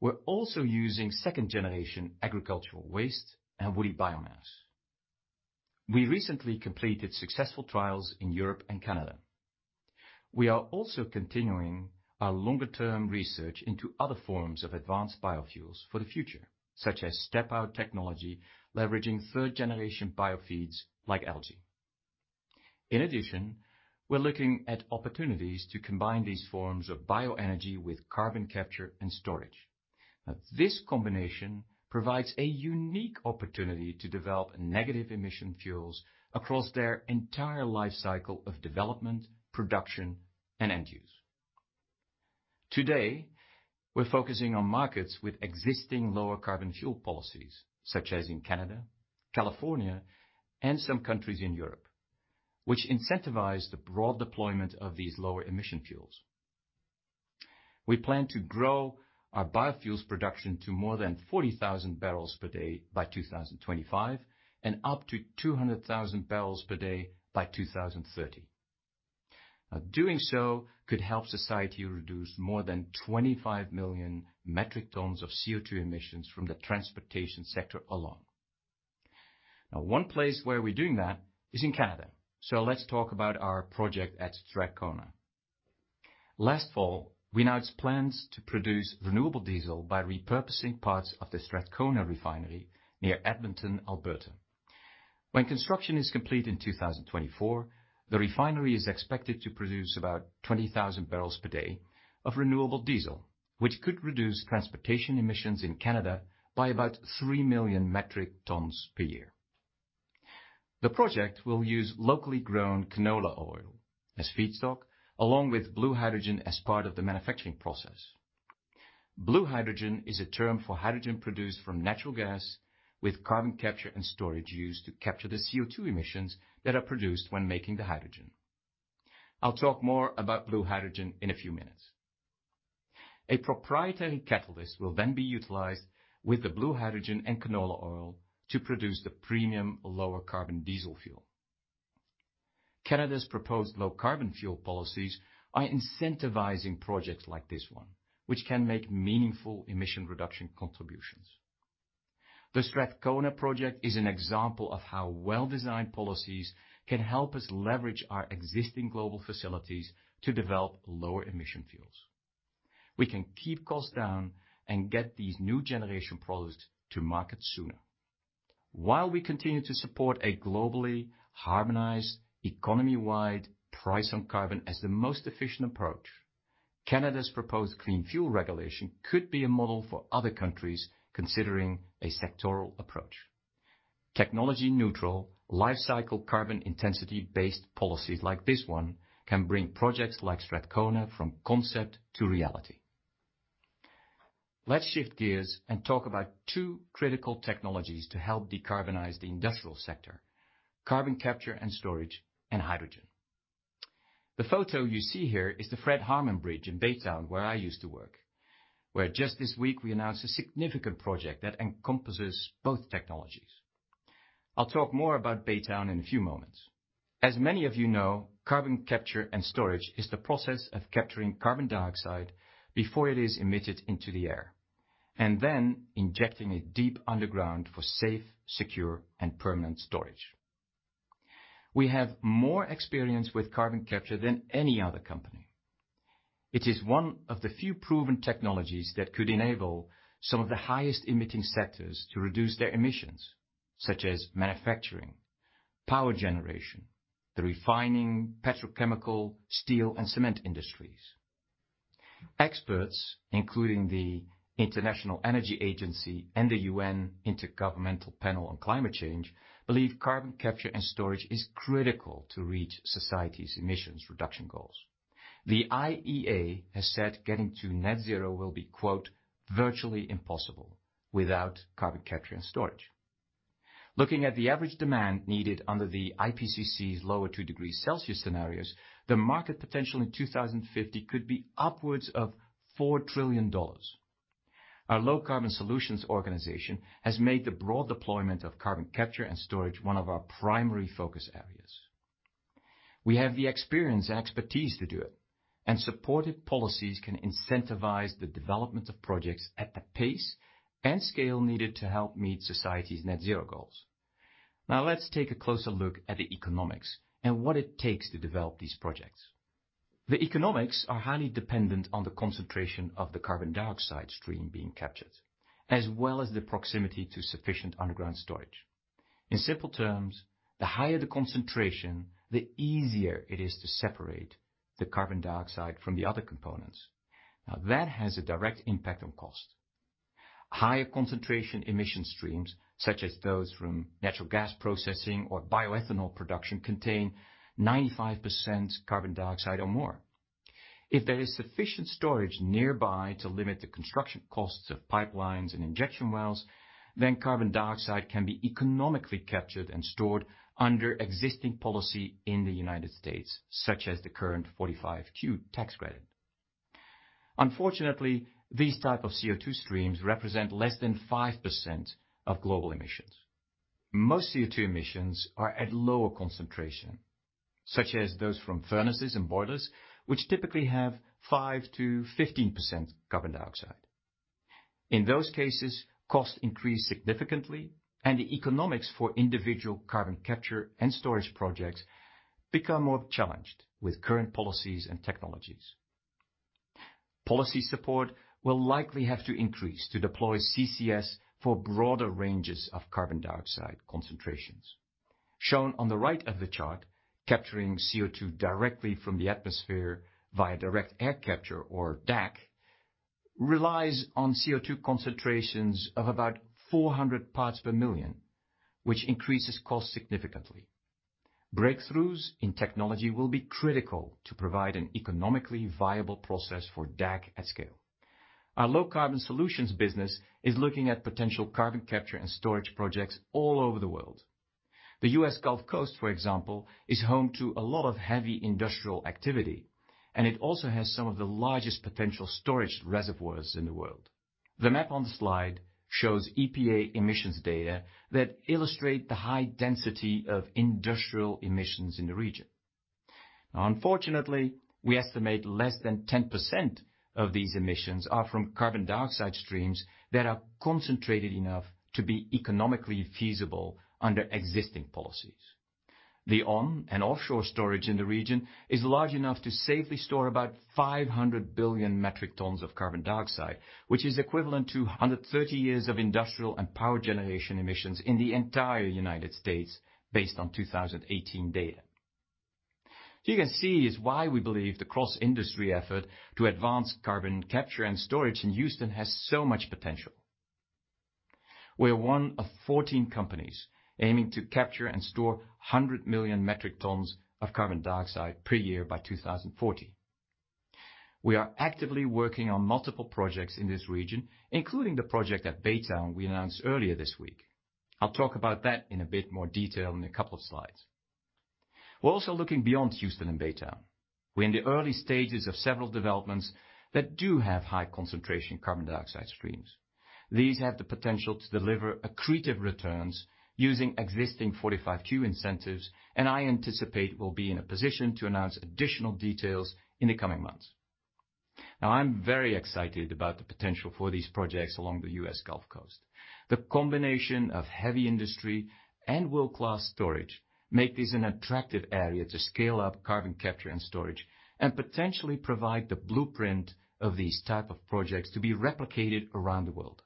We're also using second-generation agricultural waste and woody biomass. We recently completed successful trials in Europe and Canada. We are also continuing our longer-term research into other forms of advanced biofuels for the future, such as step-out technology, leveraging third-generation biofeeds like algae. In addition, we're looking at opportunities to combine these forms of bioenergy with carbon capture and storage. Now, this combination provides a unique opportunity to develop negative emission fuels across their entire life cycle of development, production, and end use. Today, we're focusing on markets with existing lower carbon fuel policies, such as in Canada, California, and some countries in Europe, which incentivize the broad deployment of these lower emission fuels. We plan to grow our biofuels production to more than 40,000 barrels per day by 2025, and up to 200,000 barrels per day by 2030. Now, doing so could help society reduce more than 25 million metric tons of CO2 emissions from the transportation sector alone. Now, one place where we're doing that is in Canada. Let's talk about our project at Strathcona. Last fall, we announced plans to produce renewable diesel by repurposing parts of the Strathcona refinery near Edmonton, Alberta. When construction is complete in 2024, the refinery is expected to produce about 20,000 barrels per day of renewable diesel, which could reduce transportation emissions in Canada by about 3 million metric tons per year. The project will use locally grown canola oil as feedstock, along with blue hydrogen as part of the manufacturing process. Blue hydrogen is a term for hydrogen produced from natural gas with carbon capture and storage used to capture the CO2 emissions that are produced when making the hydrogen. I'll talk more about blue hydrogen in a few minutes. A proprietary catalyst will then be utilized with the blue hydrogen and canola oil to produce the premium lower carbon diesel fuel. Canada's proposed low carbon fuel policies are incentivizing projects like this one, which can make meaningful emission reduction contributions. The Strathcona project is an example of how well-designed policies can help us leverage our existing global facilities to develop lower emission fuels. We can keep costs down and get these new generation products to market sooner. While we continue to support a globally harmonized economy-wide price on carbon as the most efficient approach, Canada's proposed Clean Fuel Regulations could be a model for other countries considering a sectoral approach. Technology neutral, life cycle carbon intensity-based policies like this one can bring projects like Strathcona from concept to reality. Let's shift gears and talk about two critical technologies to help decarbonize the industrial sector, carbon capture and storage, and hydrogen. The photo you see here is the Fred Hartman Bridge in Baytown, where I used to work, where just this week we announced a significant project that encompasses both technologies. I'll talk more about Baytown in a few moments. As many of you know, carbon capture and storage is the process of capturing carbon dioxide before it is emitted into the air, and then injecting it deep underground for safe, secure, and permanent storage. We have more experience with carbon capture than any other company. It is one of the few proven technologies that could enable some of the highest emitting sectors to reduce their emissions, such as manufacturing, power generation, the refining, petrochemical, steel, and cement industries. Experts, including the International Energy Agency and the UN Intergovernmental Panel on Climate Change, believe carbon capture and storage is critical to reach society's emissions reduction goals. The IEA has said getting to net zero will be, quote, "virtually impossible without carbon capture and storage." Looking at the average demand needed under the IPCC's lower two degrees Celsius scenarios, the market potential in 2050 could be upwards of $4 trillion. Our Low Carbon Solutions organization has made the broad deployment of carbon capture and storage one of our primary focus areas. We have the experience and expertise to do it, and supported policies can incentivize the development of projects at the pace and scale needed to help meet society's net zero goals. Now, let's take a closer look at the economics and what it takes to develop these projects. The economics are highly dependent on the concentration of the carbon dioxide stream being captured, as well as the proximity to sufficient underground storage. In simple terms, the higher the concentration, the easier it is to separate the carbon dioxide from the other components. Now, that has a direct impact on cost. Higher concentration emission streams, such as those from natural gas processing or bioethanol production, contain 95% carbon dioxide or more. If there is sufficient storage nearby to limit the construction costs of pipelines and injection wells, then carbon dioxide can be economically captured and stored under existing policy in the United States, such as the current Section 45Q tax credit. Unfortunately, these type of CO2 streams represent less than 5% of global emissions. Most CO2 emissions are at lower concentration, such as those from furnaces and boilers, which typically have 5%-15% carbon dioxide. In those cases, costs increase significantly, and the economics for individual carbon capture and storage projects become more challenged with current policies and technologies. Policy support will likely have to increase to deploy CCS for broader ranges of carbon dioxide concentrations. Shown on the right of the chart, capturing CO2 directly from the atmosphere via direct air capture or DAC relies on CO2 concentrations of about 400 parts per million, which increases cost significantly. Breakthroughs in technology will be critical to provide an economically viable process for DAC at scale. Our low-carbon solutions business is looking at potential carbon capture and storage projects all over the world. The U.S. Gulf Coast, for example, is home to a lot of heavy industrial activity, and it also has some of the largest potential storage reservoirs in the world. The map on the slide shows EPA emissions data that illustrate the high density of industrial emissions in the region. Now unfortunately, we estimate less than 10% of these emissions are from carbon dioxide streams that are concentrated enough to be economically feasible under existing policies. The onshore and offshore storage in the region is large enough to safely store about 500 billion metric tons of carbon dioxide, which is equivalent to 130 years of industrial and power generation emissions in the entire United States based on 2018 data. You can see it's why we believe the cross-industry effort to advance carbon capture and storage in Houston has so much potential. We're one of 14 companies aiming to capture and store 100 million metric tons of carbon dioxide per year by 2040. We are actively working on multiple projects in this region, including the project at Baytown we announced earlier this week. I'll talk about that in a bit more detail in a couple of slides. We're also looking beyond Houston and Baytown. We're in the early stages of several developments that do have high concentration carbon dioxide streams. These have the potential to deliver accretive returns using existing Section 45Q incentives, and I anticipate we'll be in a position to announce additional details in the coming months. Now I'm very excited about the potential for these projects along the U.S. Gulf Coast. The combination of heavy industry and world-class storage make this an attractive area to scale up carbon capture and storage and potentially provide the blueprint of these type of projects to be replicated around the world.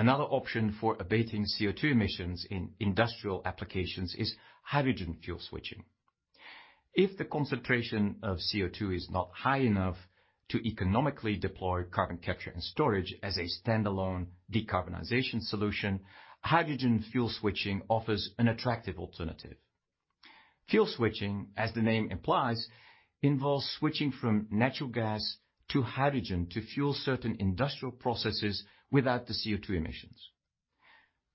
Another option for abating CO2 emissions in industrial applications is hydrogen fuel switching. If the concentration of CO2 is not high enough to economically deploy carbon capture and storage as a standalone decarbonization solution, hydrogen fuel switching offers an attractive alternative. Fuel switching, as the name implies, involves switching from natural gas to hydrogen to fuel certain industrial processes without the CO2 emissions.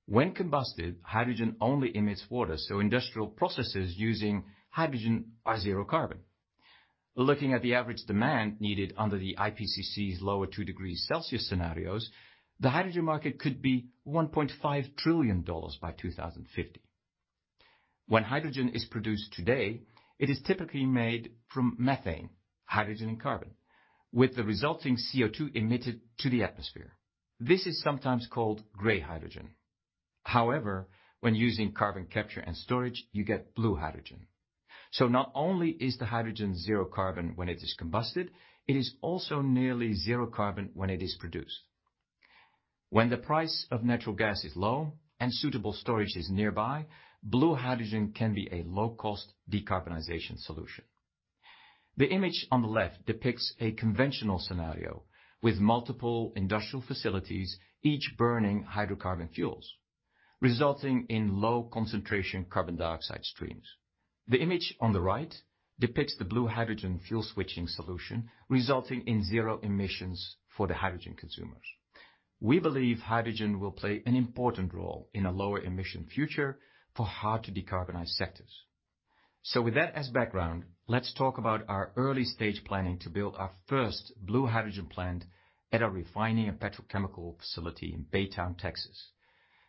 When combusted, hydrogen only emits water, so industrial processes using hydrogen are zero carbon. Looking at the average demand needed under the IPCC's lower two degrees Celsius scenarios, the hydrogen market could be $1.5 trillion by 2050. When hydrogen is produced today, it is typically made from methane, with the resulting CO2 emitted to the atmosphere. This is sometimes called gray hydrogen. However, when using carbon capture and storage, you get blue hydrogen. Not only is the hydrogen zero carbon when it is combusted, it is also nearly zero carbon when it is produced. When the price of natural gas is low and suitable storage is nearby, blue hydrogen can be a low-cost decarbonization solution. The image on the left depicts a conventional scenario with multiple industrial facilities, each burning hydrocarbon fuels, resulting in low concentration carbon dioxide streams. The image on the right depicts the blue hydrogen fuel switching solution, resulting in zero emissions for the hydrogen consumers. We believe hydrogen will play an important role in a lower emission future for hard to decarbonize sectors. With that as background, let's talk about our early-stage planning to build our first blue hydrogen plant at our refining and petrochemical facility in Baytown, Texas.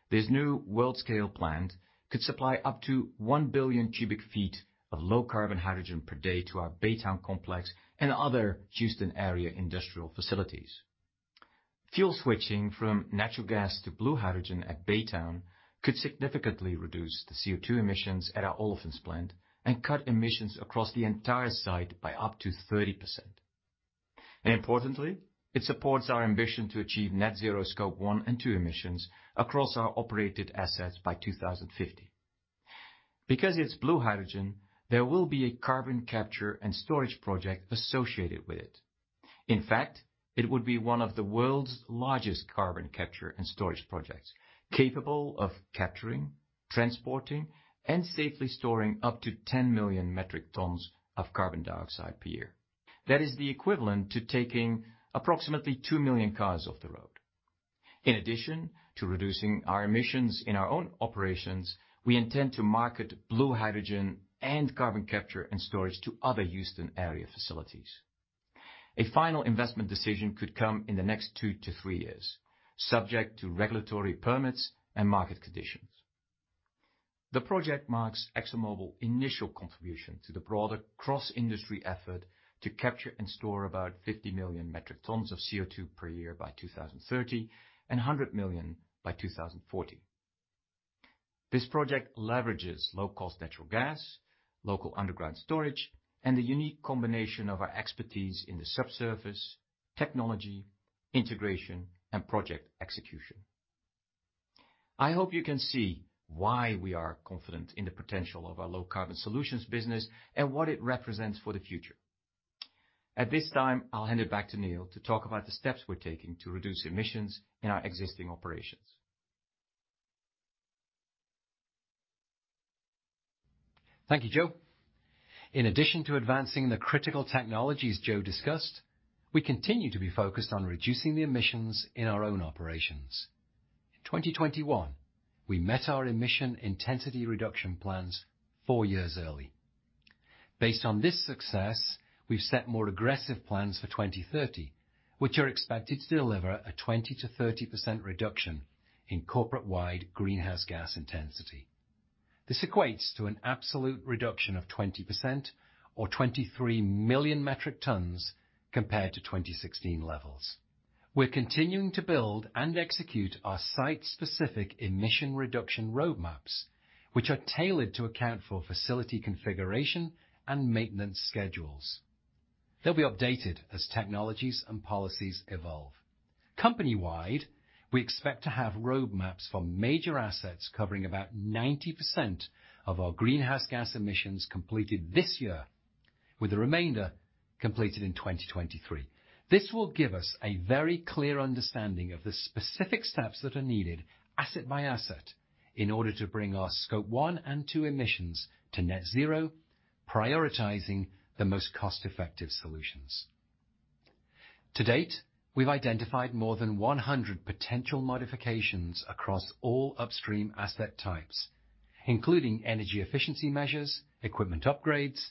This new world-scale plant could supply up to 1 billion cubic feet of low-carbon hydrogen per day to our Baytown complex and other Houston area industrial facilities. Fuel switching from natural gas to blue hydrogen at Baytown could significantly reduce the CO2 emissions at our Olefins plant and cut emissions across the entire site by up to 30%. Importantly, it supports our ambition to achieve net zero Scope 1 and 2 emissions across our operated assets by 2050. Because it's blue hydrogen, there will be a carbon capture and storage project associated with it. In fact, it would be one of the world's largest carbon capture and storage projects, capable of capturing, transporting, and safely storing up to 10 million metric tons of carbon dioxide per year. That is the equivalent to taking approximately 2 million cars off the road. In addition to reducing our emissions in our own operations, we intend to market blue hydrogen and carbon capture and storage to other Houston area facilities. A final investment decision could come in the next two-three years, subject to regulatory permits and market conditions. The project marks ExxonMobil's initial contribution to the broader cross-industry effort to capture and store about 50 million metric tons of CO2 per year by 2030 and 100 million by 2040. This project leverages low-cost natural gas, local underground storage, and the unique combination of our expertise in the subsurface, technology, integration, and project execution. I hope you can see why we are confident in the potential of our Low Carbon Solutions business and what it represents for the future. At this time, I'll hand it back to Neil to talk about the steps we're taking to reduce emissions in our existing operations. Thank you, Joe. In addition to advancing the critical technologies Joe discussed, we continue to be focused on reducing the emissions in our own operations. In 2021, we met our emission intensity reduction plans four years early. Based on this success, we've set more aggressive plans for 2030, which are expected to deliver a 20%-30% reduction in corporate-wide greenhouse gas intensity. This equates to an absolute reduction of 20% or 23 million metric tons compared to 2016 levels. We're continuing to build and execute our site-specific emission reduction roadmaps, which are tailored to account for facility configuration and maintenance schedules. They'll be updated as technologies and policies evolve. Company-wide, we expect to have roadmaps for major assets covering about 90% of our greenhouse gas emissions completed this year, with the remainder completed in 2023. This will give us a very clear understanding of the specific steps that are needed asset by asset in order to bring our Scope 1 and Scope 2 emissions to net zero, prioritizing the most cost-effective solutions. To date, we've identified more than 100 potential modifications across all upstream asset types, including energy efficiency measures, equipment upgrades,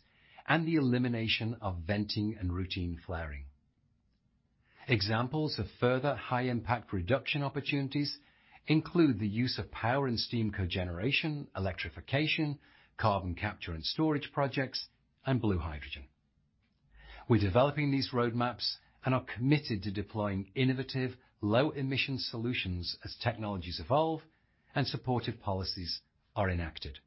and the elimination of venting and routine flaring. Examples of further high impact reduction opportunities include the use of power and steam cogeneration, electrification, carbon capture and storage projects, and blue hydrogen. We're developing these roadmaps and are committed to deploying innovative low emission solutions as technologies evolve and supportive policies are enacted.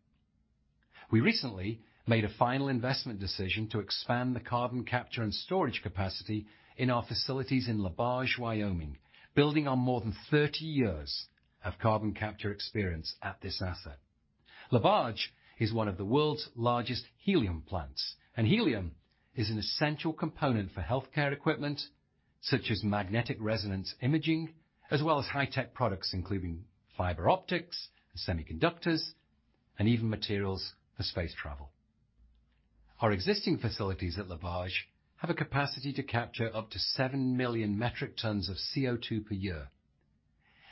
We recently made a final investment decision to expand the carbon capture and storage capacity in our facilities in La Barge, Wyoming, building on more than 30 years of carbon capture experience at this asset. La Barge is one of the world's largest helium plants, and helium is an essential component for healthcare equipment such as magnetic resonance imaging, as well as high-tech products including fiber optics, semiconductors, and even materials for space travel. Our existing facilities at La Barge have a capacity to capture up to 7 million metric tons of CO₂ per year,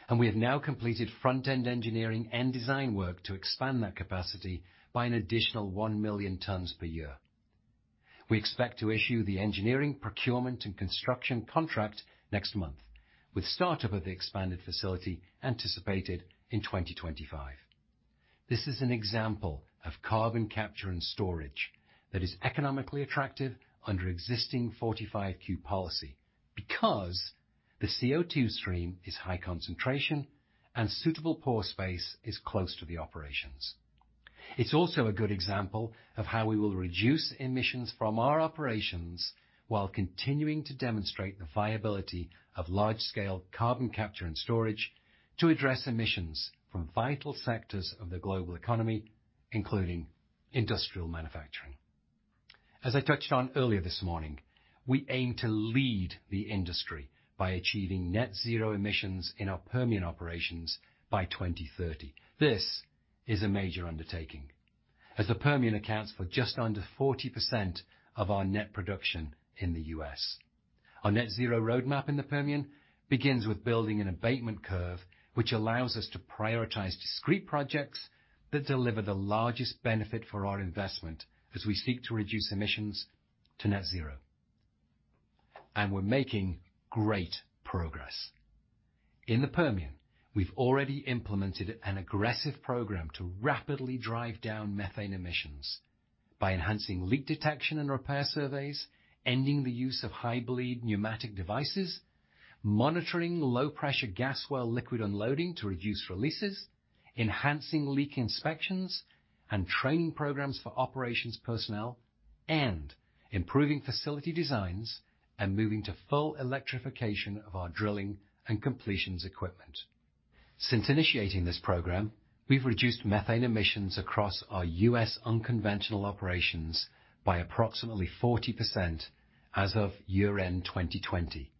and we have now completed front-end engineering and design work to expand that capacity by an additional 1 million tons per year. We expect to issue the engineering, procurement, and construction contract next month with startup of the expanded facility anticipated in 2025. This is an example of carbon capture and storage that is economically attractive under existing Section 45Q policy because the CO₂ stream is high concentration and suitable pore space is close to the operations. It's also a good example of how we will reduce emissions from our operations while continuing to demonstrate the viability of large scale carbon capture and storage to address emissions from vital sectors of the global economy, including industrial manufacturing. As I touched on earlier this morning, we aim to lead the industry by achieving net zero emissions in our Permian operations by 2030. This is a major undertaking as the Permian accounts for just under 40% of our net production in the U.S. Our net zero roadmap in the Permian begins with building an abatement curve which allows us to prioritize discrete projects that deliver the largest benefit for our investment as we seek to reduce emissions to net zero. We're making great progress. In the Permian, we've already implemented an aggressive program to rapidly drive down methane emissions by enhancing leak detection and repair surveys, ending the use of high bleed pneumatic devices, monitoring low pressure gas well liquid unloading to reduce releases, enhancing leak inspections and training programs for operations personnel, and improving facility designs and moving to full electrification of our drilling and completions equipment. Since initiating this program, we've reduced methane emissions across our U.S. unconventional operations by approximately 40% as of year-end 2020,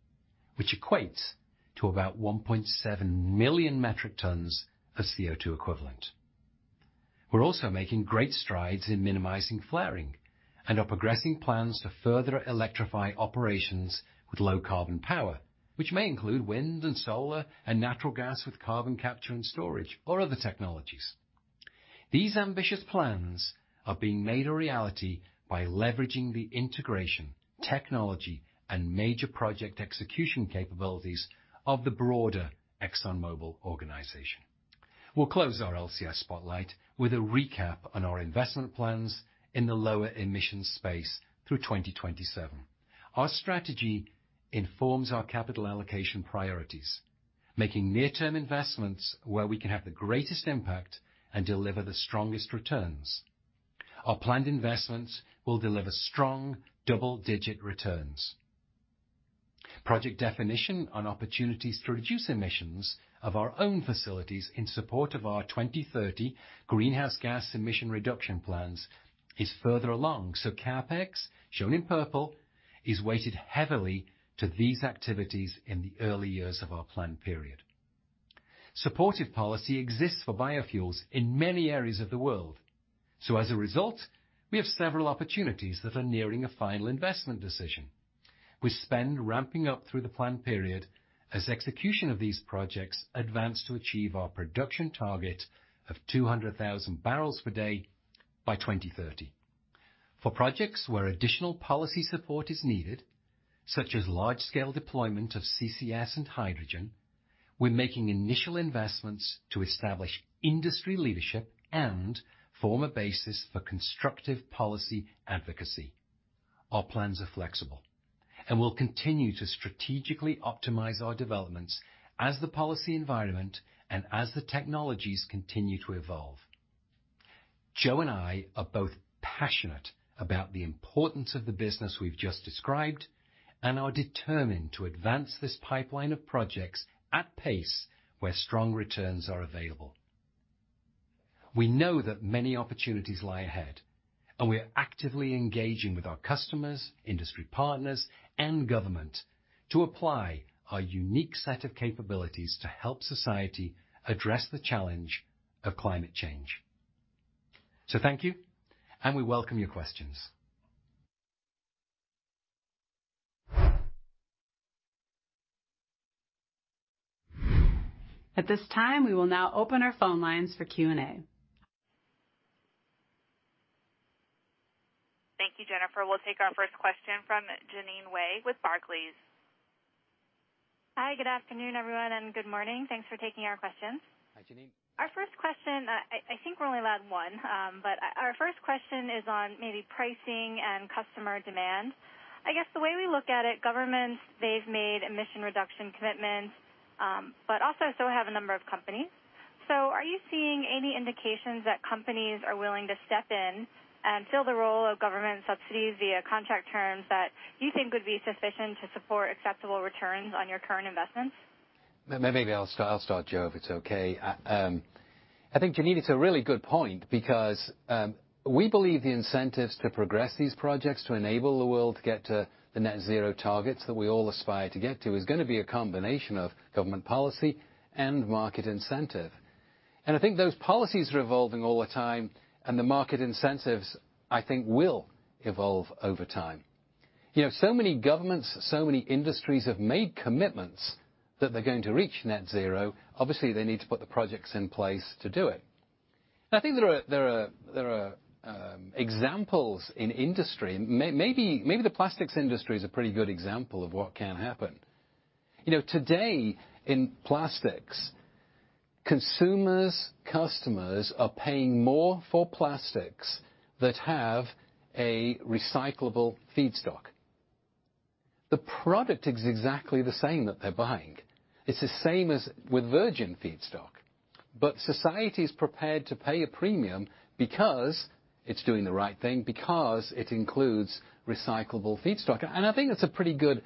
which equates to about 1.7 million metric tons of CO₂ equivalent. We're also making great strides in minimizing flaring and are progressing plans to further electrify operations with low carbon power, which may include wind and solar and natural gas with carbon capture and storage or other technologies. These ambitious plans are being made a reality by leveraging the integration, technology, and major project execution capabilities of the broader ExxonMobil organization. We'll close our LCS spotlight with a recap on our investment plans in the lower emission space through 2027. Our strategy informs our capital allocation priorities, making near-term investments where we can have the greatest impact and deliver the strongest returns. Our planned investments will deliver strong double-digit returns. Project definition on opportunities to reduce emissions of our own facilities in support of our 2030 greenhouse gas emission reduction plans is further along, so CapEx, shown in purple, is weighted heavily to these activities in the early years of our plan period. Supportive policy exists for biofuels in many areas of the world, so as a result, we have several opportunities that are nearing a final investment decision. Spending ramps up through the plan period as execution of these projects advance to achieve our production target of 200,000 barrels per day by 2030. For projects where additional policy support is needed, such as large-scale deployment of CCS and hydrogen, we're making initial investments to establish industry leadership and form a basis for constructive policy advocacy. Our plans are flexible, and we'll continue to strategically optimize our developments as the policy environment and as the technologies continue to evolve. Joe and I are both passionate about the importance of the business we've just described and are determined to advance this pipeline of projects at pace where strong returns are available. We know that many opportunities lie ahead, and we are actively engaging with our customers, industry partners, and government to apply our unique set of capabilities to help society address the challenge of climate change. Thank you, and we welcome your questions. At this time, we will now open our phone lines for Q&A. Thank you, Jennifer. We'll take our first question from Jeanine Wai with Barclays. Hi. Good afternoon, everyone, and good morning. Thanks for taking our questions. Hi, Jeanine. Our first question, I think we're only allowed one, but our first question is on maybe pricing and customer demand. I guess the way we look at it, governments, they've made emission reduction commitments, but also so have a number of companies. Are you seeing any indications that companies are willing to step in and fill the role of government subsidies via contract terms that you think would be sufficient to support acceptable returns on your current investments? I'll start, Joe, if it's okay. I think Jeanine, it's a really good point because we believe the incentives to progress these projects to enable the world to get to the net zero targets that we all aspire to get to is gonna be a combination of government policy and market incentive. I think those policies are evolving all the time, and the market incentives, I think, will evolve over time. You know, so many governments, so many industries have made commitments that they're going to reach net zero. Obviously, they need to put the projects in place to do it. I think there are examples in industry. Maybe the plastics industry is a pretty good example of what can happen. You know, today in plastics, consumers, customers are paying more for plastics that have a recyclable feedstock. The product is exactly the same that they're buying. It's the same as with virgin feedstock, but society is prepared to pay a premium because it's doing the right thing, because it includes recyclable feedstock. I think that's a pretty good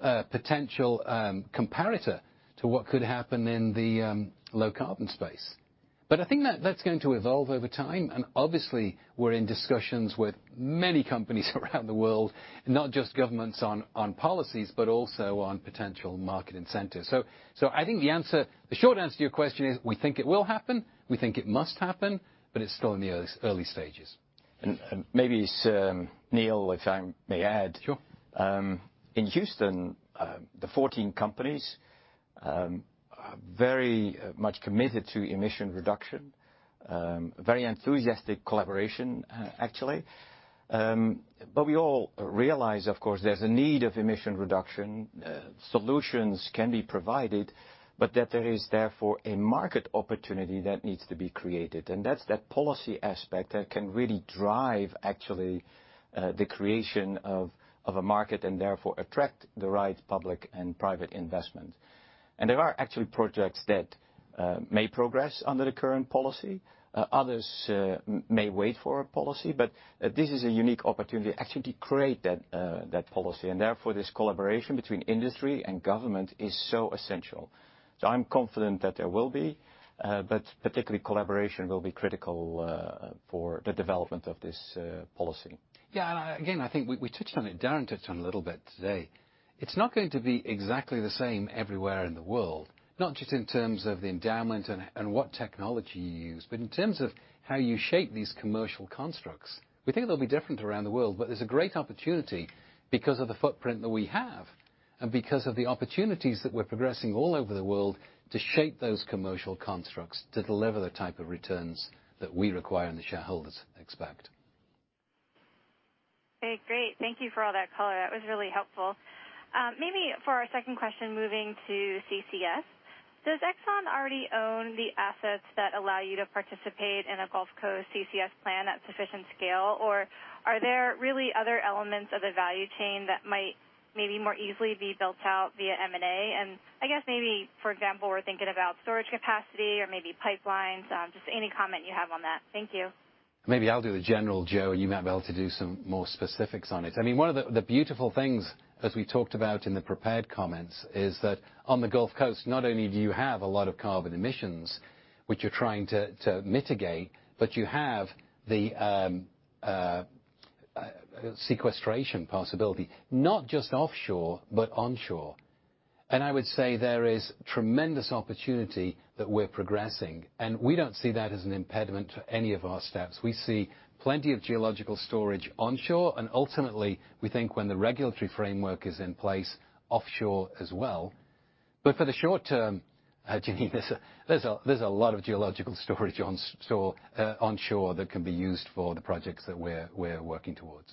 potential comparator to what could happen in the low-carbon space. I think that that's going to evolve over time, and obviously we're in discussions with many companies around the world, not just governments on policies, but also on potential market incentives. I think the answer, the short answer to your question is, we think it will happen, we think it must happen, but it's still in the early stages. Maybe Neil, if I may add. Sure. In Houston, the 14 companies are very much committed to emission reduction, very enthusiastic collaboration, actually. We all realize, of course, there's a need of emission reduction. Solutions can be provided, but that there is therefore a market opportunity that needs to be created, and that's that policy aspect that can really drive actually, the creation of a market and therefore attract the right public and private investment. There are actually projects that may progress under the current policy. Others may wait for a policy, but this is a unique opportunity actually to create that policy, and therefore, this collaboration between industry and government is so essential. I'm confident that there will be, but particularly collaboration will be critical for the development of this policy. Yeah. Again, I think we touched on it, Darren touched on a little bit today. It's not going to be exactly the same everywhere in the world, not just in terms of the endowment and what technology you use, but in terms of how you shape these commercial constructs. We think they'll be different around the world, but there's a great opportunity because of the footprint that we have and because of the opportunities that we're progressing all over the world to shape those commercial constructs, to deliver the type of returns that we require and the shareholders expect. Okay, great. Thank you for all that color. That was really helpful. Maybe for our second question, moving to CCS. Does Exxon already own the assets that allow you to participate in a Gulf Coast CCS plan at sufficient scale, or are there really other elements of the value chain that might maybe more easily be built out via M&A? I guess maybe, for example, we're thinking about storage capacity or maybe pipelines, just any comment you have on that. Thank you. Maybe I'll do the general, Joe, and you might be able to do some more specifics on it. I mean, one of the beautiful things as we talked about in the prepared comments is that on the Gulf Coast, not only do you have a lot of carbon emissions, which you're trying to mitigate, but you have the sequestration possibility, not just offshore, but onshore. I would say there is tremendous opportunity that we're progressing, and we don't see that as an impediment to any of our steps. We see plenty of geological storage onshore, and ultimately, we think when the regulatory framework is in place offshore as well. For the short term, do you think there's a lot of geological storage onshore that can be used for the projects that we're working towards.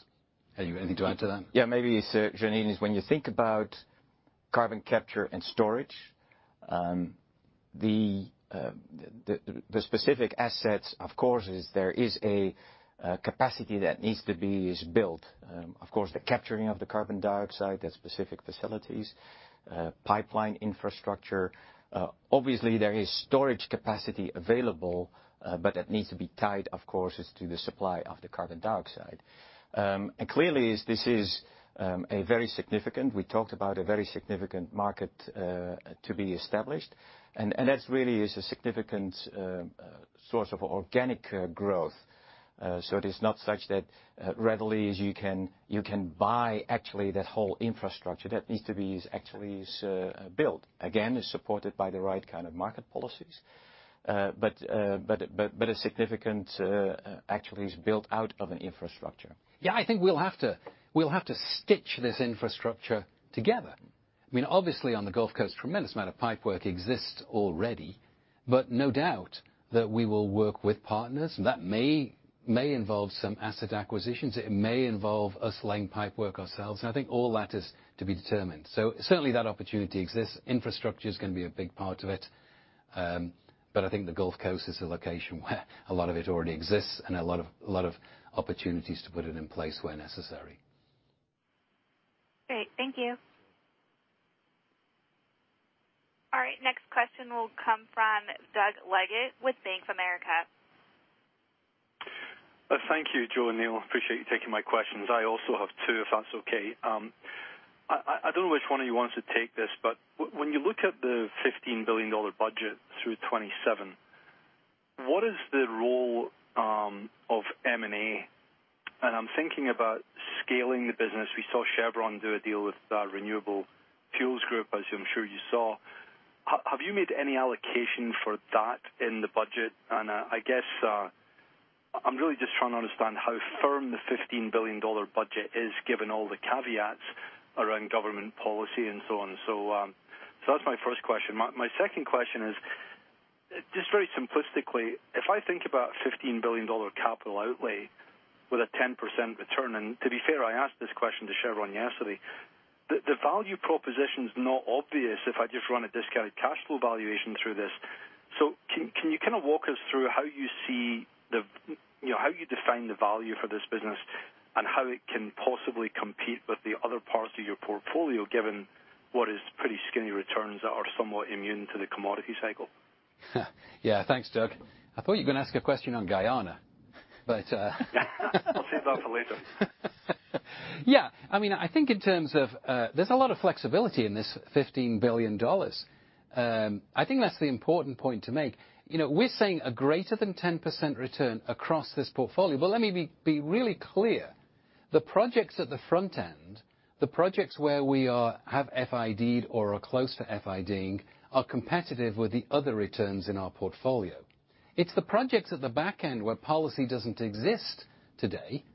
Have you anything to add to that? Yeah, maybe, Jeanine, when you think about carbon capture and storage, the specific assets, of course, there is a capacity that needs to be built. Of course, the capturing of the carbon dioxide, that specific facilities, pipeline infrastructure. Obviously there is storage capacity available, but it needs to be tied, of course, to the supply of the carbon dioxide. Clearly this is a very significant, we talked about a very significant market to be established. And that's really a significant source of organic growth. So it is not such that you can readily buy actually that whole infrastructure that needs to be built. Again, it's supported by the right kind of market policies. A significant actually is built out of an infrastructure. Yeah, I think we'll have to stitch this infrastructure together. I mean, obviously on the Gulf Coast, tremendous amount of pipework exists already, but no doubt that we will work with partners. That may involve some asset acquisitions. It may involve us laying pipework ourselves. I think all that is to be determined. Certainly that opportunity exists. Infrastructure is gonna be a big part of it. I think the Gulf Coast is a location where a lot of it already exists and a lot of opportunities to put it in place where necessary. Great. Thank you. All right, next question will come from Doug Leggate with Bank of America. Thank you, Joe and Neil. Appreciate you taking my questions. I also have two, if that's okay. I don't know which one of you wants to take this, but when you look at the $15 billion budget through 2027, what is the role of M&A? And I'm thinking about scaling the business. We saw Chevron do a deal with Renewable Energy Group, as I'm sure you saw. Have you made any allocation for that in the budget? And I guess I'm really just trying to understand how firm the $15 billion budget is given all the caveats around government policy and so on. That's my first question. My second question is, just very simplistically, if I think about $15 billion capital outlay with a 10% return, and to be fair, I asked this question to Chevron yesterday, the value proposition is not obvious if I just run a discounted cash flow valuation through this. Can you kind of walk us through how you see the, you know, how you define the value for this business and how it can possibly compete with the other parts of your portfolio, given what is pretty skinny returns that are somewhat immune to the commodity cycle? Yeah. Thanks, Doug. I thought you were gonna ask a question on Guyana, but. I'll save that for later. Yeah. I mean, I think in terms of, there's a lot of flexibility in this $15 billion. I think that's the important point to make. You know, we're seeing a greater than 10% return across this portfolio. Let me be really clear. The projects at the front end, the projects where we are have FID or are close to FID, are competitive with the other returns in our portfolio. It's the projects at the back end where policy doesn't exist today,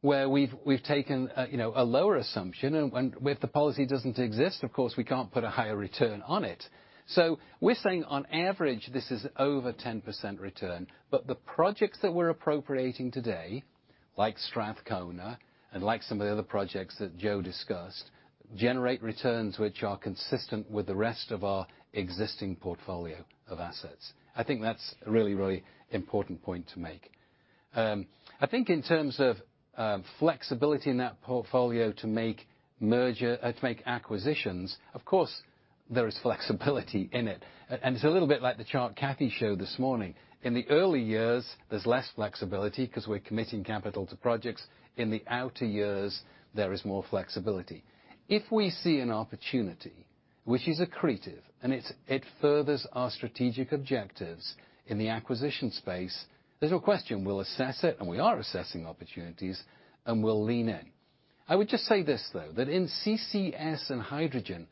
where we've taken a, you know, a lower assumption, and if the policy doesn't exist, of course, we can't put a higher return on it. We're saying on average, this is over 10% return. The projects that we're appropriating today, like Strathcona and like some of the other projects that Joe discussed, generate returns which are consistent with the rest of our existing portfolio of assets. I think that's a really, really important point to make. I think in terms of flexibility in that portfolio to make acquisitions, of course, there is flexibility in it. It's a little bit like the chart Cathy showed this morning. In the early years, there's less flexibility because we're committing capital to projects. In the outer years, there is more flexibility. If we see an opportunity which is accretive and it furthers our strategic objectives in the acquisition space, there's no question we'll assess it, and we are assessing opportunities, and we'll lean in. I would just say this, though, that in CCS and hydrogen,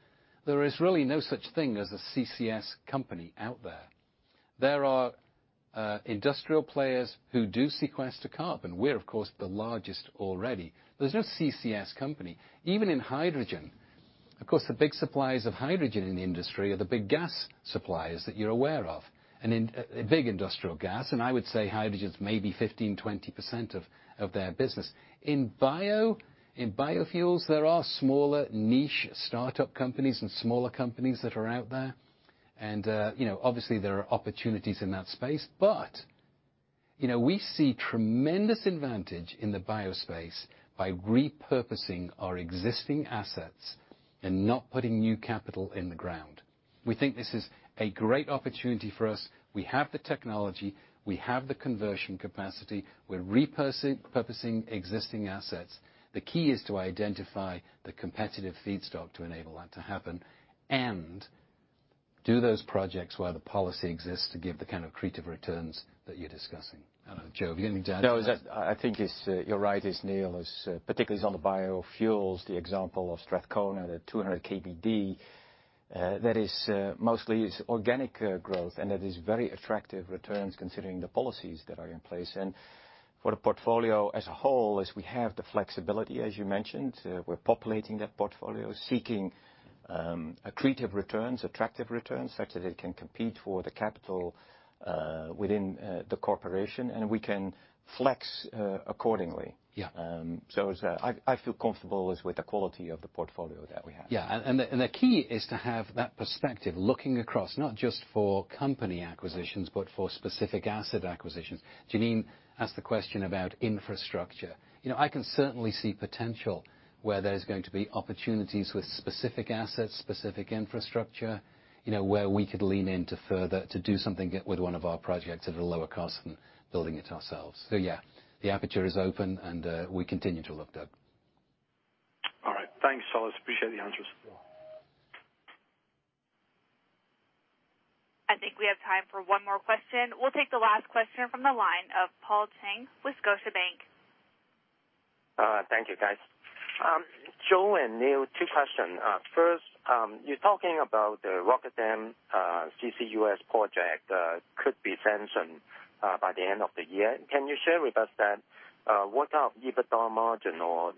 there is really no such thing as a CCS company out there. There are industrial players who do sequester carbon. We're, of course, the largest already. There's no CCS company. Even in hydrogen, of course, the big suppliers of hydrogen in the industry are the big gas suppliers that you're aware of. In big industrial gas, I would say hydrogen is maybe 15, 20% of their business. In bio, in biofuels, there are smaller niche startup companies and smaller companies that are out there. You know, obviously there are opportunities in that space. You know, we see tremendous advantage in the bio space by repurposing our existing assets and not putting new capital in the ground. We think this is a great opportunity for us. We have the technology, we have the conversion capacity. We're repurposing existing assets. The key is to identify the competitive feedstock to enable that to happen and do those projects where the policy exists to give the kind of accretive returns that you're discussing. I don't know, Joe, have you anything to add to that? No, I think you're right. Neil is particularly on the biofuels, the example of Strathcona, the 200 KBD that is mostly organic growth, and it is very attractive returns considering the policies that are in place. For the portfolio as a whole, we have the flexibility, as you mentioned, we're populating that portfolio, seeking accretive returns, attractive returns, such that it can compete for the capital within the corporation, and we can flex accordingly. Yeah. I feel comfortable with the quality of the portfolio that we have. Yeah. The key is to have that perspective looking across, not just for company acquisitions, but for specific asset acquisitions. Jeanine asked the question about infrastructure. You know, I can certainly see potential where there's going to be opportunities with specific assets, specific infrastructure, you know, where we could lean in to do something with one of our projects at a lower cost than building it ourselves. Yeah, the aperture is open, and we continue to look, Doug. All right. Thanks, fellas. Appreciate the answers. Sure. I think we have time for one more question. We'll take the last question from the line of Paul Cheng with Scotiabank. Thank you guys. Joe and Neil, two question. First, you're talking about the Rotterdam CCUS project could be sanctioned by the end of the year. Can you share with us that what are EBITDA margin or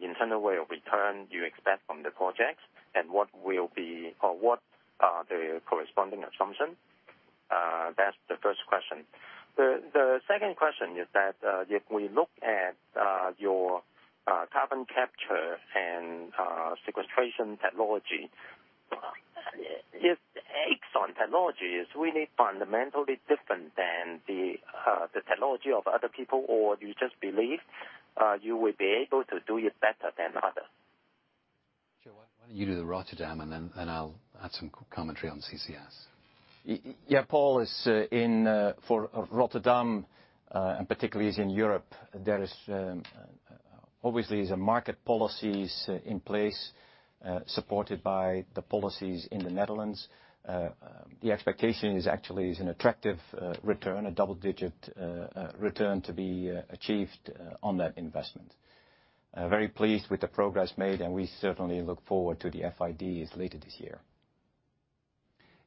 internal rate of return you expect from the project? And what will be or what are the corresponding assumption? That's the first question. The second question is that if we look at your carbon capture and sequestration technology, is ExxonMobil technology really fundamentally different than the technology of other people? Or do you just believe you will be able to do it better than others? Joe, why don't you do the Rotterdam and then I'll add some commentary on CCS. Paul is in for Rotterdam, and particularly in Europe, there is obviously a market policies in place, supported by the policies in the Netherlands. The expectation is actually an attractive return, a double-digit return to be achieved on that investment. Very pleased with the progress made, and we certainly look forward to the FIDs later this year.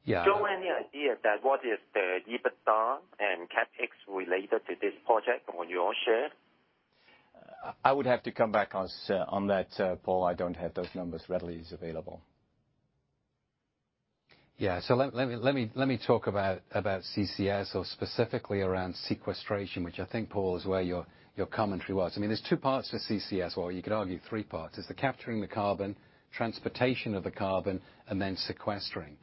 Yeah- Joe, any idea what the EBITDA and CapEx related to this project on your share is? I would have to come back on that, Paul. I don't have those numbers readily available. Yeah. Let me talk about CCS or specifically around sequestration, which I think, Paul, is where your commentary was. I mean, there's two parts to CCS, or you could argue three parts, the capturing the carbon, transportation of the carbon, and then sequestering.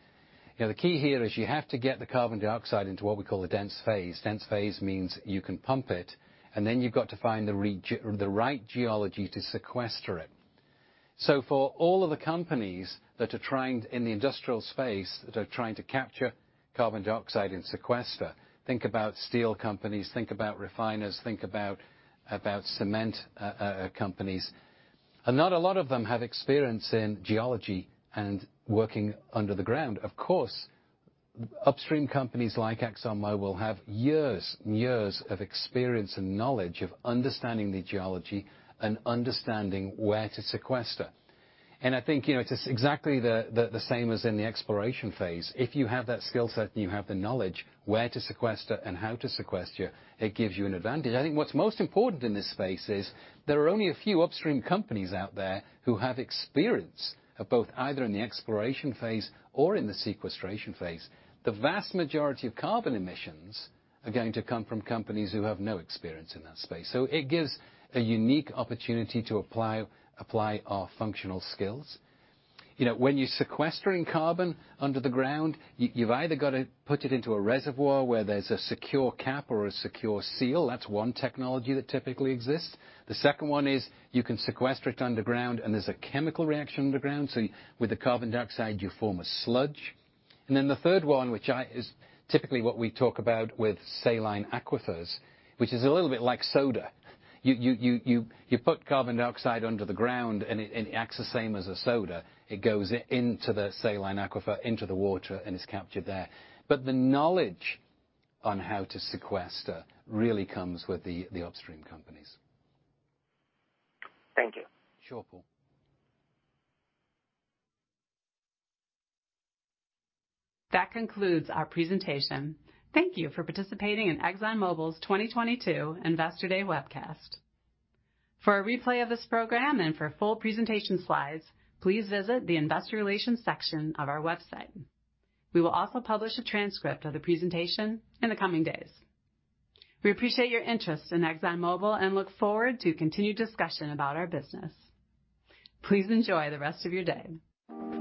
You know, the key here is you have to get the carbon dioxide into what we call the dense phase. Dense phase means you can pump it, and then you've got to find the right geology to sequester it. For all of the companies that are trying, in the industrial space, that are trying to capture carbon dioxide and sequester, think about steel companies, think about refiners, think about cement companies. Not a lot of them have experience in geology and working under the ground. Of course, upstream companies like ExxonMobil have years and years of experience and knowledge of understanding the geology and understanding where to sequester. I think, you know, it's exactly the same as in the exploration phase. If you have that skill set and you have the knowledge where to sequester and how to sequester, it gives you an advantage. I think what's most important in this space is there are only a few upstream companies out there who have experience of both either in the exploration phase or in the sequestration phase. The vast majority of carbon emissions are going to come from companies who have no experience in that space. It gives a unique opportunity to apply our functional skills. You know, when you're sequestering carbon under the ground, you've either got to put it into a reservoir where there's a secure cap or a secure seal. That's one technology that typically exists. The second one is you can sequester it underground, and there's a chemical reaction underground, so with the carbon dioxide, you form a sludge. The third one, which is typically what we talk about with saline aquifers, which is a little bit like soda. You put carbon dioxide under the ground and it acts the same as a soda. It goes into the saline aquifer, into the water, and is captured there. The knowledge on how to sequester really comes with the upstream companies. Thank you. Sure, Paul. That concludes our presentation. Thank you for participating in ExxonMobil's 2022 Investor Day webcast. For a replay of this program and for full presentation slides, please visit the investor relations section of our website. We will also publish a transcript of the presentation in the coming days. We appreciate your interest in ExxonMobil and look forward to continued discussion about our business. Please enjoy the rest of your day.